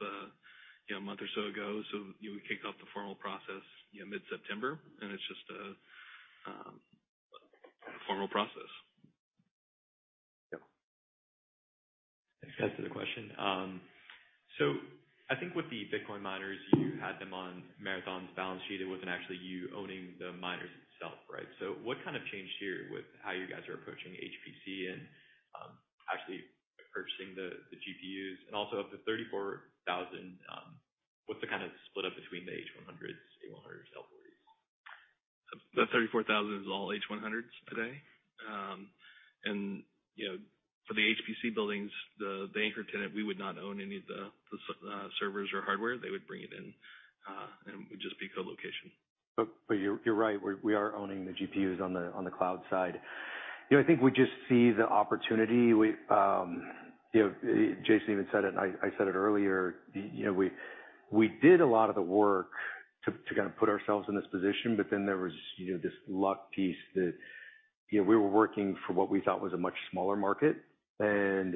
you know, a month or so ago. So, you know, we kicked off the formal process, you know, mid-September, and it's just a formal process. Yeah. Thanks, guys, for the question. So I think with the Bitcoin miners, you had them on Marathon's balance sheet. It wasn't actually you owning the miners itself, right? So what kind of changed here with how you guys are approaching HPC and actually purchasing the GPUs? And also, of the 34,000, what's the kind of split up between the H100s, A100s, L40s? The 34,000 is all H100s today. And, you know, for the HPC buildings, the anchor tenant, we would not own any of the servers or hardware. They would bring it in, and it would just be colocation. You're right. We are owning the GPUs on the cloud side. You know, I think we just see the opportunity. We, you know, Jason even said it, and I said it earlier, you know, we did a lot of the work to kind of put ourselves in this position, but then there was, you know, this luck piece that, you know, we were working for what we thought was a much smaller market. When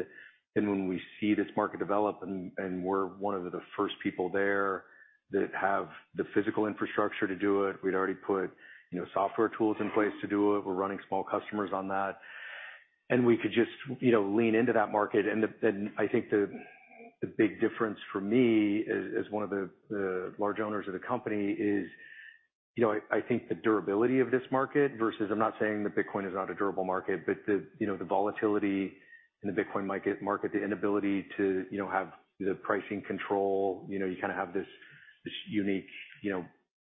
we see this market develop and we're one of the first people there that have the physical infrastructure to do it, we'd already put, you know, software tools in place to do it. We're running small customers on that, and we could just, you know, lean into that market. I think the big difference for me, as one of the large owners of the company, is... You know, I think the durability of this market versus, I'm not saying that Bitcoin is not a durable market, but you know, the volatility in the Bitcoin market, the inability to you know, have the pricing control, you know, you kind of have this unique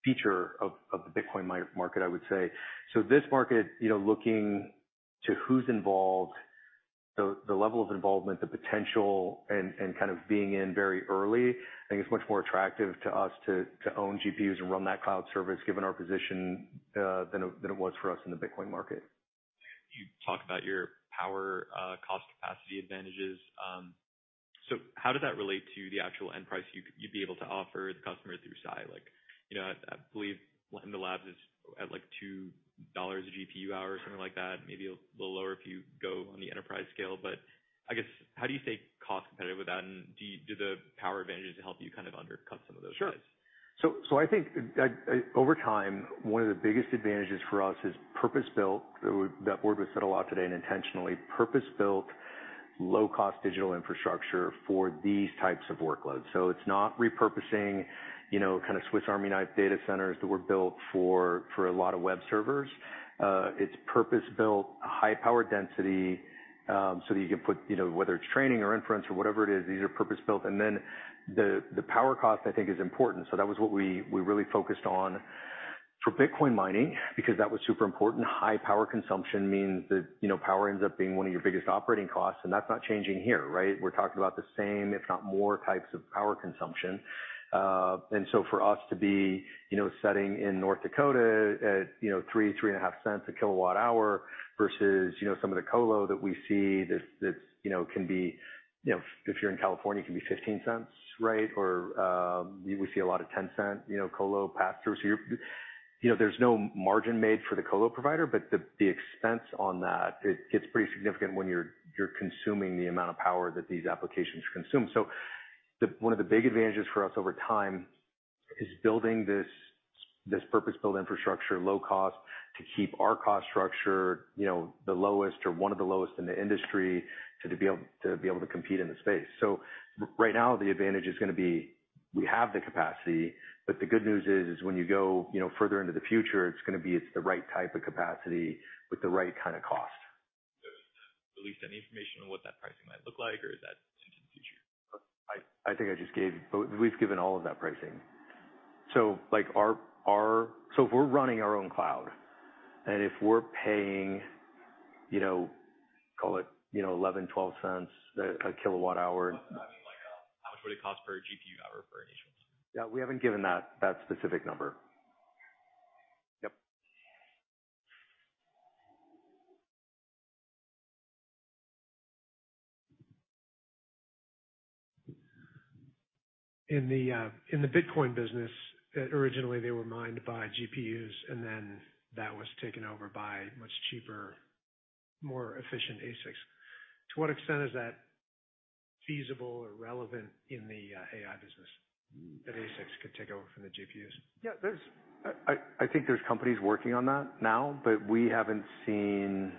feature of the Bitcoin market, I would say. So this market, you know, looking to who's involved, the level of involvement, the potential, and kind of being in very early, I think it's much more attractive to us to own GPUs and run that cloud service, given our position, than it was for us in the Bitcoin market. You talk about your power, cost, capacity advantages. So how does that relate to the actual end price you, you'd be able to offer the customer through Sai? Like, you know, I, I believe Lambda Labs is at, like, $2 a GPU hour or something like that, maybe a little lower if you go on the enterprise scale. But I guess, how do you stay cost competitive with that, and do you-- do the power advantages help you kind of undercut some of those guys? Sure. So, so I think that over time, one of the biggest advantages for us is purpose-built. That word was said a lot today and intentionally. Purpose-built, low-cost digital infrastructure for these types of workloads. So it's not repurposing, you know, kind of Swiss Army knife data centers that were built for a lot of web servers. It's purpose-built, high power density, so you can put, you know, whether it's training or inference or whatever it is, these are purpose-built. And then the power cost, I think, is important. So that was what we really focused on for Bitcoin mining because that was super important. High power consumption means that, you know, power ends up being one of your biggest operating costs, and that's not changing here, right? We're talking about the same, if not more, types of power consumption. And so for us to be, you know, sitting in North Dakota at, you know, $0.03-$0.035/kWh versus, you know, some of the colo that we see, that's, you know, can be, you know, if you're in California, it can be $0.15, right? Or, we see a lot of $0.10, you know, colo costs. So you're, you know, there's no margin made for the colo provider, but the expense on that, it gets pretty significant when you're consuming the amount of power that these applications consume. So one of the big advantages for us over time is building this purpose-built infrastructure, low cost, to keep our cost structure, you know, the lowest or one of the lowest in the industry, to be able to compete in the space. Right now, the advantage is gonna be, we have the capacity, but the good news is, when you go, you know, further into the future, it's gonna be, it's the right type of capacity with the right kind of cost. So release any information on what that pricing might look like, or is that in the future? I think I just gave... We've given all of that pricing. So, like, our—so if we're running our own cloud, and if we're paying, you know, call it, you know, $0.11-$0.12/kWh- I mean, like, how much would it cost per GPU hour for initial? Yeah, we haven't given that, that specific number. Yep. In the Bitcoin business, originally, they were mined by GPUs, and then that was taken over by much cheaper, more efficient ASICs. To what extent is that feasible or relevant in the AI business, that ASICs could take over from the GPUs? Yeah, there's-- I think there's companies working on that now, but we haven't seen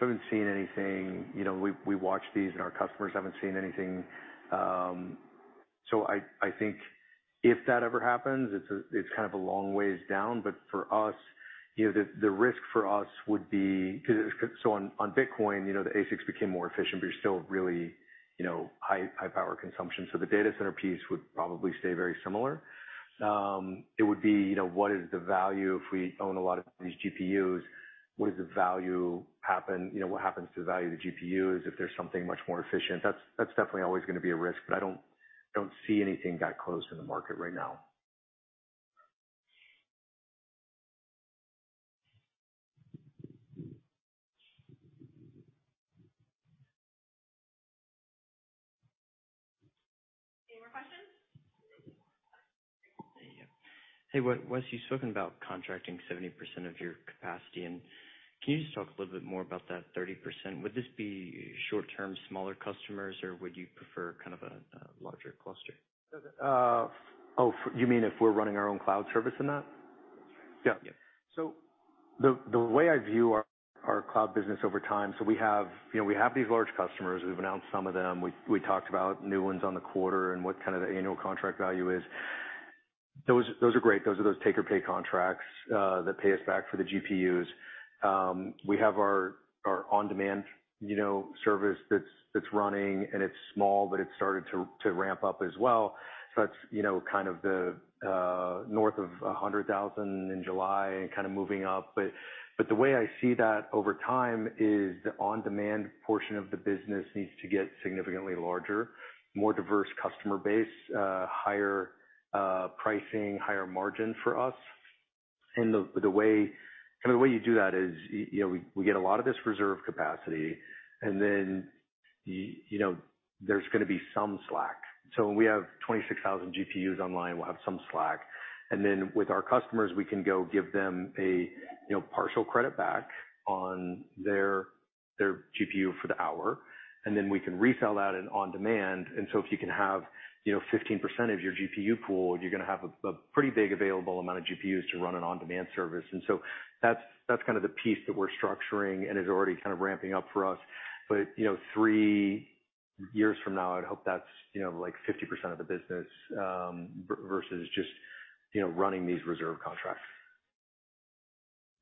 anything. You know, we watch these, and our customers haven't seen anything. So I think if that ever happens, it's kind of a long ways down. But for us, you know, the risk for us would be-- So on Bitcoin, you know, the ASICs became more efficient, but you're still really, you know, high power consumption. So the data center piece would probably stay very similar. It would be, you know, what is the value if we own a lot of these GPUs? You know, what happens to the value of the GPUs if there's something much more efficient? That's definitely always going to be a risk, but I don't see anything that close in the market right now. Any more questions? Hey, Wes, you've spoken about contracting 70% of your capacity, and can you just talk a little bit more about that 30%? Would this be short-term, smaller customers, or would you prefer kind of a larger cluster? Oh, you mean if we're running our own cloud service in that? Yeah. Yeah. So the way I view our cloud business over time, so we have, you know, we have these large customers. We've announced some of them. We talked about new ones on the quarter and what kind of the annual contract value is. Those are great. Those are take or pay contracts that pay us back for the GPUs. We have our on-demand, you know, service that's running and it's small, but it's started to ramp up as well. So that's, you know, kind of the north of 100,000 in July and kind of moving up. But the way I see that over time is the on-demand portion of the business needs to get significantly larger, more diverse customer base, higher pricing, higher margin for us. And the way, kind of the way you do that is, you know, we get a lot of this reserve capacity, and then, you know, there's gonna be some slack. So when we have 26,000 GPUs online, we'll have some slack, and then with our customers, we can go give them a, you know, partial credit back on their GPU for the hour, and then we can resell that in on demand. And so if you can have, you know, 15% of your GPU pool, you're gonna have a pretty big available amount of GPUs to run an on-demand service. And so that's kind of the piece that we're structuring and is already kind of ramping up for us. But, you know, three-... years from now, I'd hope that's, you know, like 50% of the business versus just, you know, running these reserve contracts.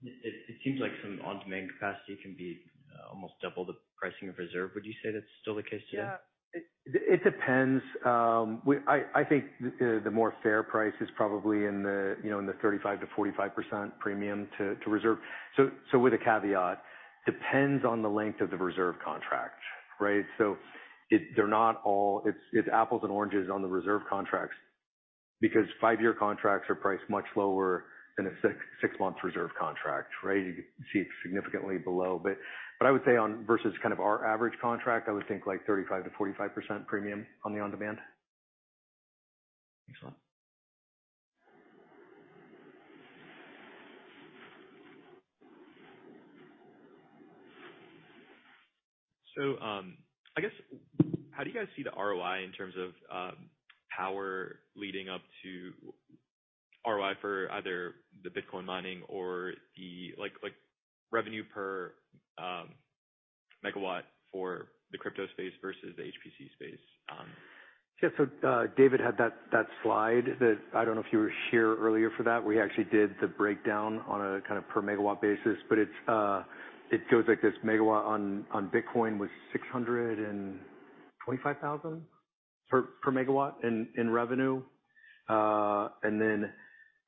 It seems like some on-demand capacity can be almost double the pricing of reserve. Would you say that's still the case today? Yeah. It depends. We-- I think the more fair price is probably in the, you know, in the 35%-45% premium to reserve. With a caveat, depends on the length of the reserve contract, right? They're not all... It's apples and oranges on the reserve contracts because five-year contracts are priced much lower than a six-month reserve contract, right? You see it significantly below. I would say versus kind of our average contract, I would think like 35%-45% premium on the on-demand. Excellent. I guess, how do you guys see the ROI in terms of power leading up to ROI for either the Bitcoin mining or the... like, revenue per megawatt for the crypto space versus the HPC space? Yeah. David had that slide that I don't know if you were here earlier for. We actually did the breakdown on a kind of per megawatt basis, but it goes like this: megawatt on Bitcoin was $625,000 per megawatt in revenue, and then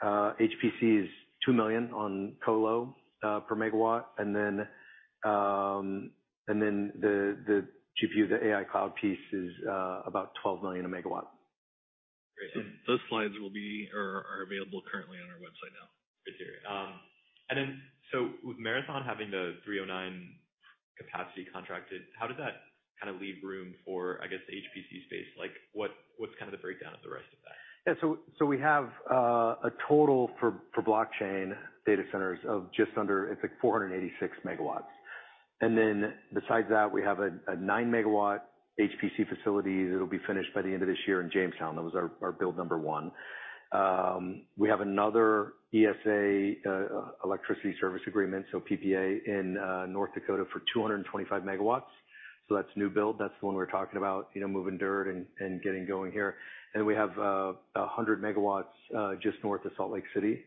HPC is $2 million on colo per megawatt. The GPU, the AI cloud piece, is about $12 million a megawatt. Great. Those slides will be or are available currently on our website now. Good to hear. And then, so with Marathon having the 309 capacity contracted, how does that kind of leave room for, I guess, the HPC space? Like, what's kind of the breakdown of the rest of that? Yeah. So we have a total for blockchain data centers of just under, it's like 486 MW. And then besides that, we have a 9-MW HPC facility that'll be finished by the end of this year in Jamestown. That was our build number 1. We have another ESA, electricity service agreement, so PPA in North Dakota for 225 MW. So that's new build. That's the one we're talking about, you know, moving dirt and getting going here. And we have 100 MW just north of Salt Lake City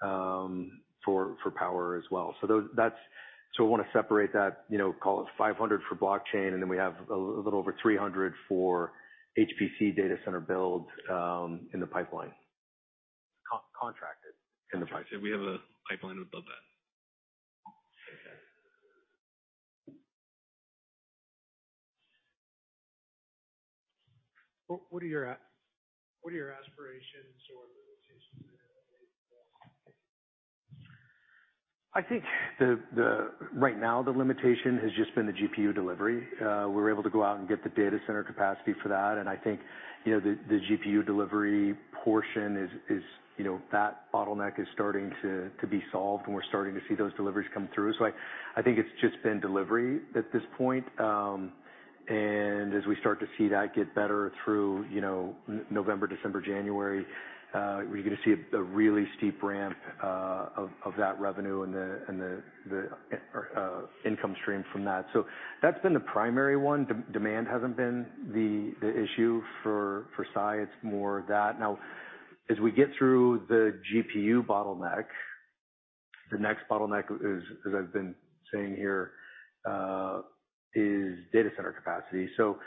for power as well. So that's-- So we want to separate that, you know, call it 500 for blockchain, and then we have a little over 300 for HPC data center builds in the pipeline. Contracted in the pipeline. We have a pipeline above that. Okay. Well, what are your aspirations or limitations? I think right now, the limitation has just been the GPU delivery. We're able to go out and get the data center capacity for that, and I think, you know, the GPU delivery portion is, you know, that bottleneck is starting to be solved, and we're starting to see those deliveries come through. So I think it's just been delivery at this point. And as we start to see that get better through, you know, November, December, January, we're gonna see a really steep ramp of that revenue and the income stream from that. So that's been the primary one. Demand hasn't been the issue for Sai, it's more that. Now, as we get through the GPU bottleneck, the next bottleneck is, as I've been saying here, is data center capacity. So,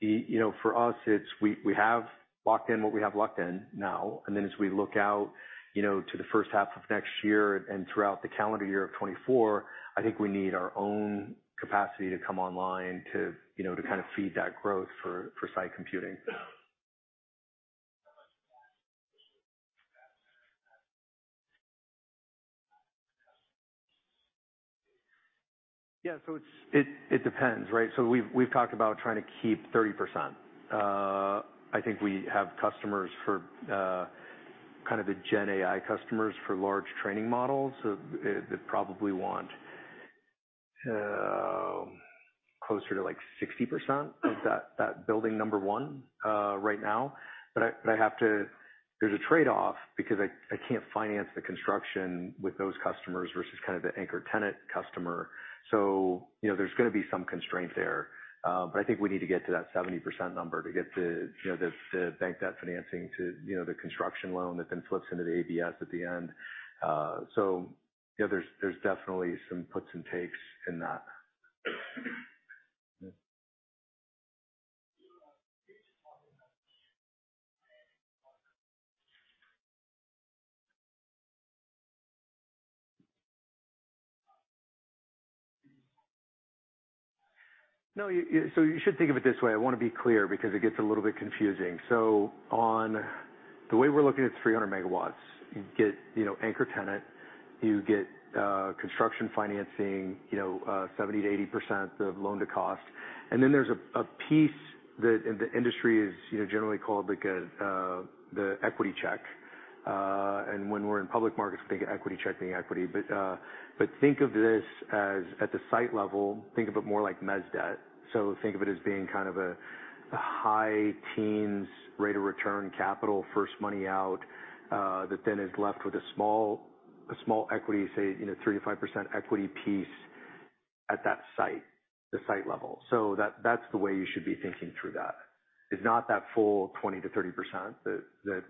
you know, for us, it's we have locked in what we have locked in now, and then as we look out, you know, to the first half of next year and throughout the calendar year of 2024, I think we need our own capacity to come online to, you know, to kind of feed that growth for Sai Computing. Yeah, so it's, it depends, right? So we've talked about trying to keep 30%. I think we have customers for kind of the gen AI customers for large training models that probably want closer to like 60% of that building number one right now. I have to-- there's a trade-off because I can't finance the construction with those customers versus kind of the anchor tenant customer. You know, there's gonna be some constraint there. I think we need to get to that 70% number to get the, you know, the bank debt financing to, you know, the construction loan that then flips into the ABS at the end. You know, there's definitely some puts and takes in that. No, you-- so you should think of it this way. I wanna be clear because it gets a little bit confusing. On the way we're looking at 300 megawatts, you get, you know, anchor tenant, you get construction financing, you know, 70%-80% of loan to cost. There's a piece that in the industry is, you know, generally called like a, the equity check. When we're in public markets, think equity check being equity. Think of this as at the site level, think of it more like mezz debt. Think of it as being kind of a high teens rate of return capital, first money out, that then is left with a small, a small equity, say, you know, 3%-5% equity piece at that site, the site level. That's the way you should be thinking through that. It's not that full 20%-30% that,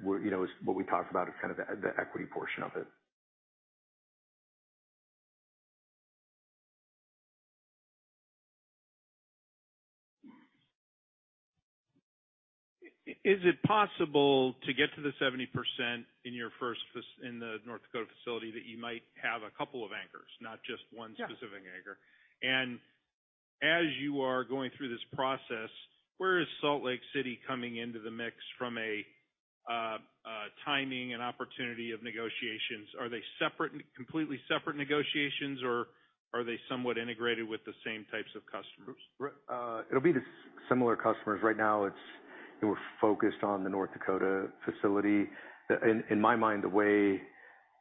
you know, is what we talked about is kind of the equity portion of it. Is it possible to get to the 70% in your first facility in the North Dakota facility, that you might have a couple of anchors, not just one? Yeah -specific anchor? And as you are going through this process, where is Salt Lake City coming into the mix from a timing and opportunity of negotiations? Are they separate, completely separate negotiations, or are they somewhat integrated with the same types of customers? It'll be the similar customers. Right now, we're focused on the North Dakota facility. In my mind, the way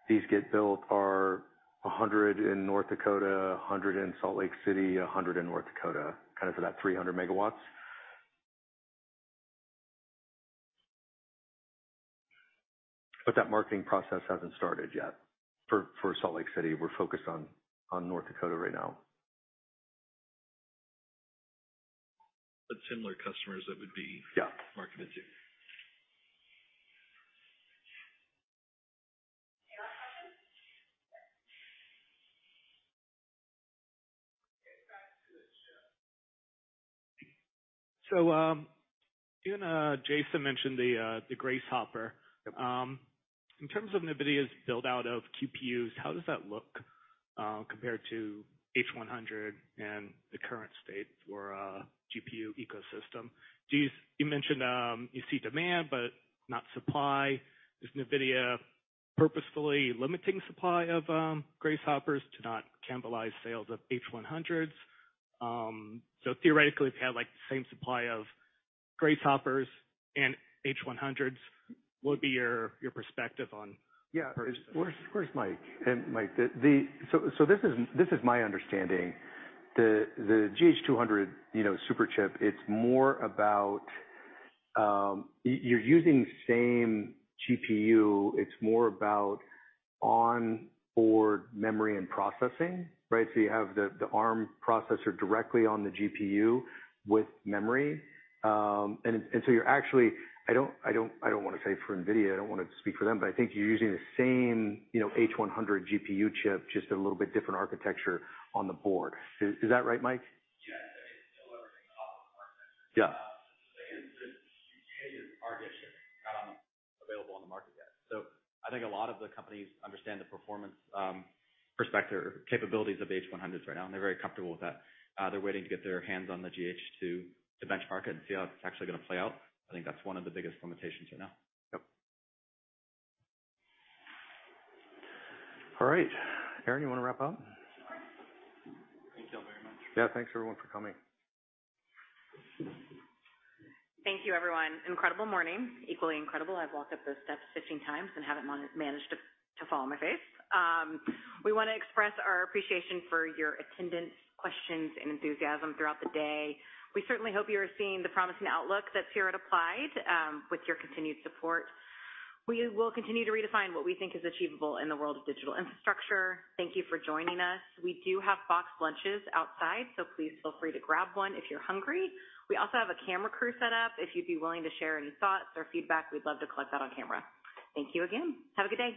these get built are 100 in North Dakota, 100 in Salt Lake City, 100 in North Dakota, kind of for that 300 megawatts. That marketing process hasn't started yet for Salt Lake City. We're focused on North Dakota right now. But similar customers that would be- Yeah. -marketed to. You and Jason mentioned the Grace Hopper. Yep. In terms of NVIDIA's build-out of QPUs, how does that look, compared to H100 and the current state for, GPU ecosystem? You mentioned, you see demand but not supply. Is NVIDIA purposefully limiting supply of, Grace Hoppers to not cannibalize sales of H100s? So theoretically, if you had, like, the same supply of Grace Hoppers and H100s, what would be your perspective on- Yeah. -purchase? Where's Mike? Mike, so this is my understanding. The GH200, you know, super chip, it's more about you're using the same GPU. It's more about on-board memory and processing, right? So you have the Arm processor directly on the GPU with memory. And so you're actually... I don't wanna say for NVIDIA, I don't wanna speak for them, but I think you're using the same, you know, H100 GPU chip, just a little bit different architecture on the board. Is that right, Mike? Yes, I think it's still everything off of the market. Yeah. Since the GH200 architecture not available on the market yet. So I think a lot of the companies understand the performance perspective or capabilities of the H100 right now, and they're very comfortable with that. They're waiting to get their hands on the GH200 to benchmark it and see how it's actually gonna play out. I think that's one of the biggest limitations right now. Yep. All right. Erin, you want to wrap up? Thank you all very much. Yeah, thanks, everyone, for coming. Thank you, everyone. Incredible morning. Equally incredible, I've walked up those steps 15 times and haven't managed to fall on my face. We want to express our appreciation for your attendance, questions, and enthusiasm throughout the day. We certainly hope you're seeing the promising outlook that's here at Applied. With your continued support, we will continue to redefine what we think is achievable in the world of digital infrastructure. Thank you for joining us. We do have box lunches outside, so please feel free to grab one if you're hungry. We also have a camera crew set up. If you'd be willing to share any thoughts or feedback, we'd love to collect that on camera. Thank you again. Have a good day.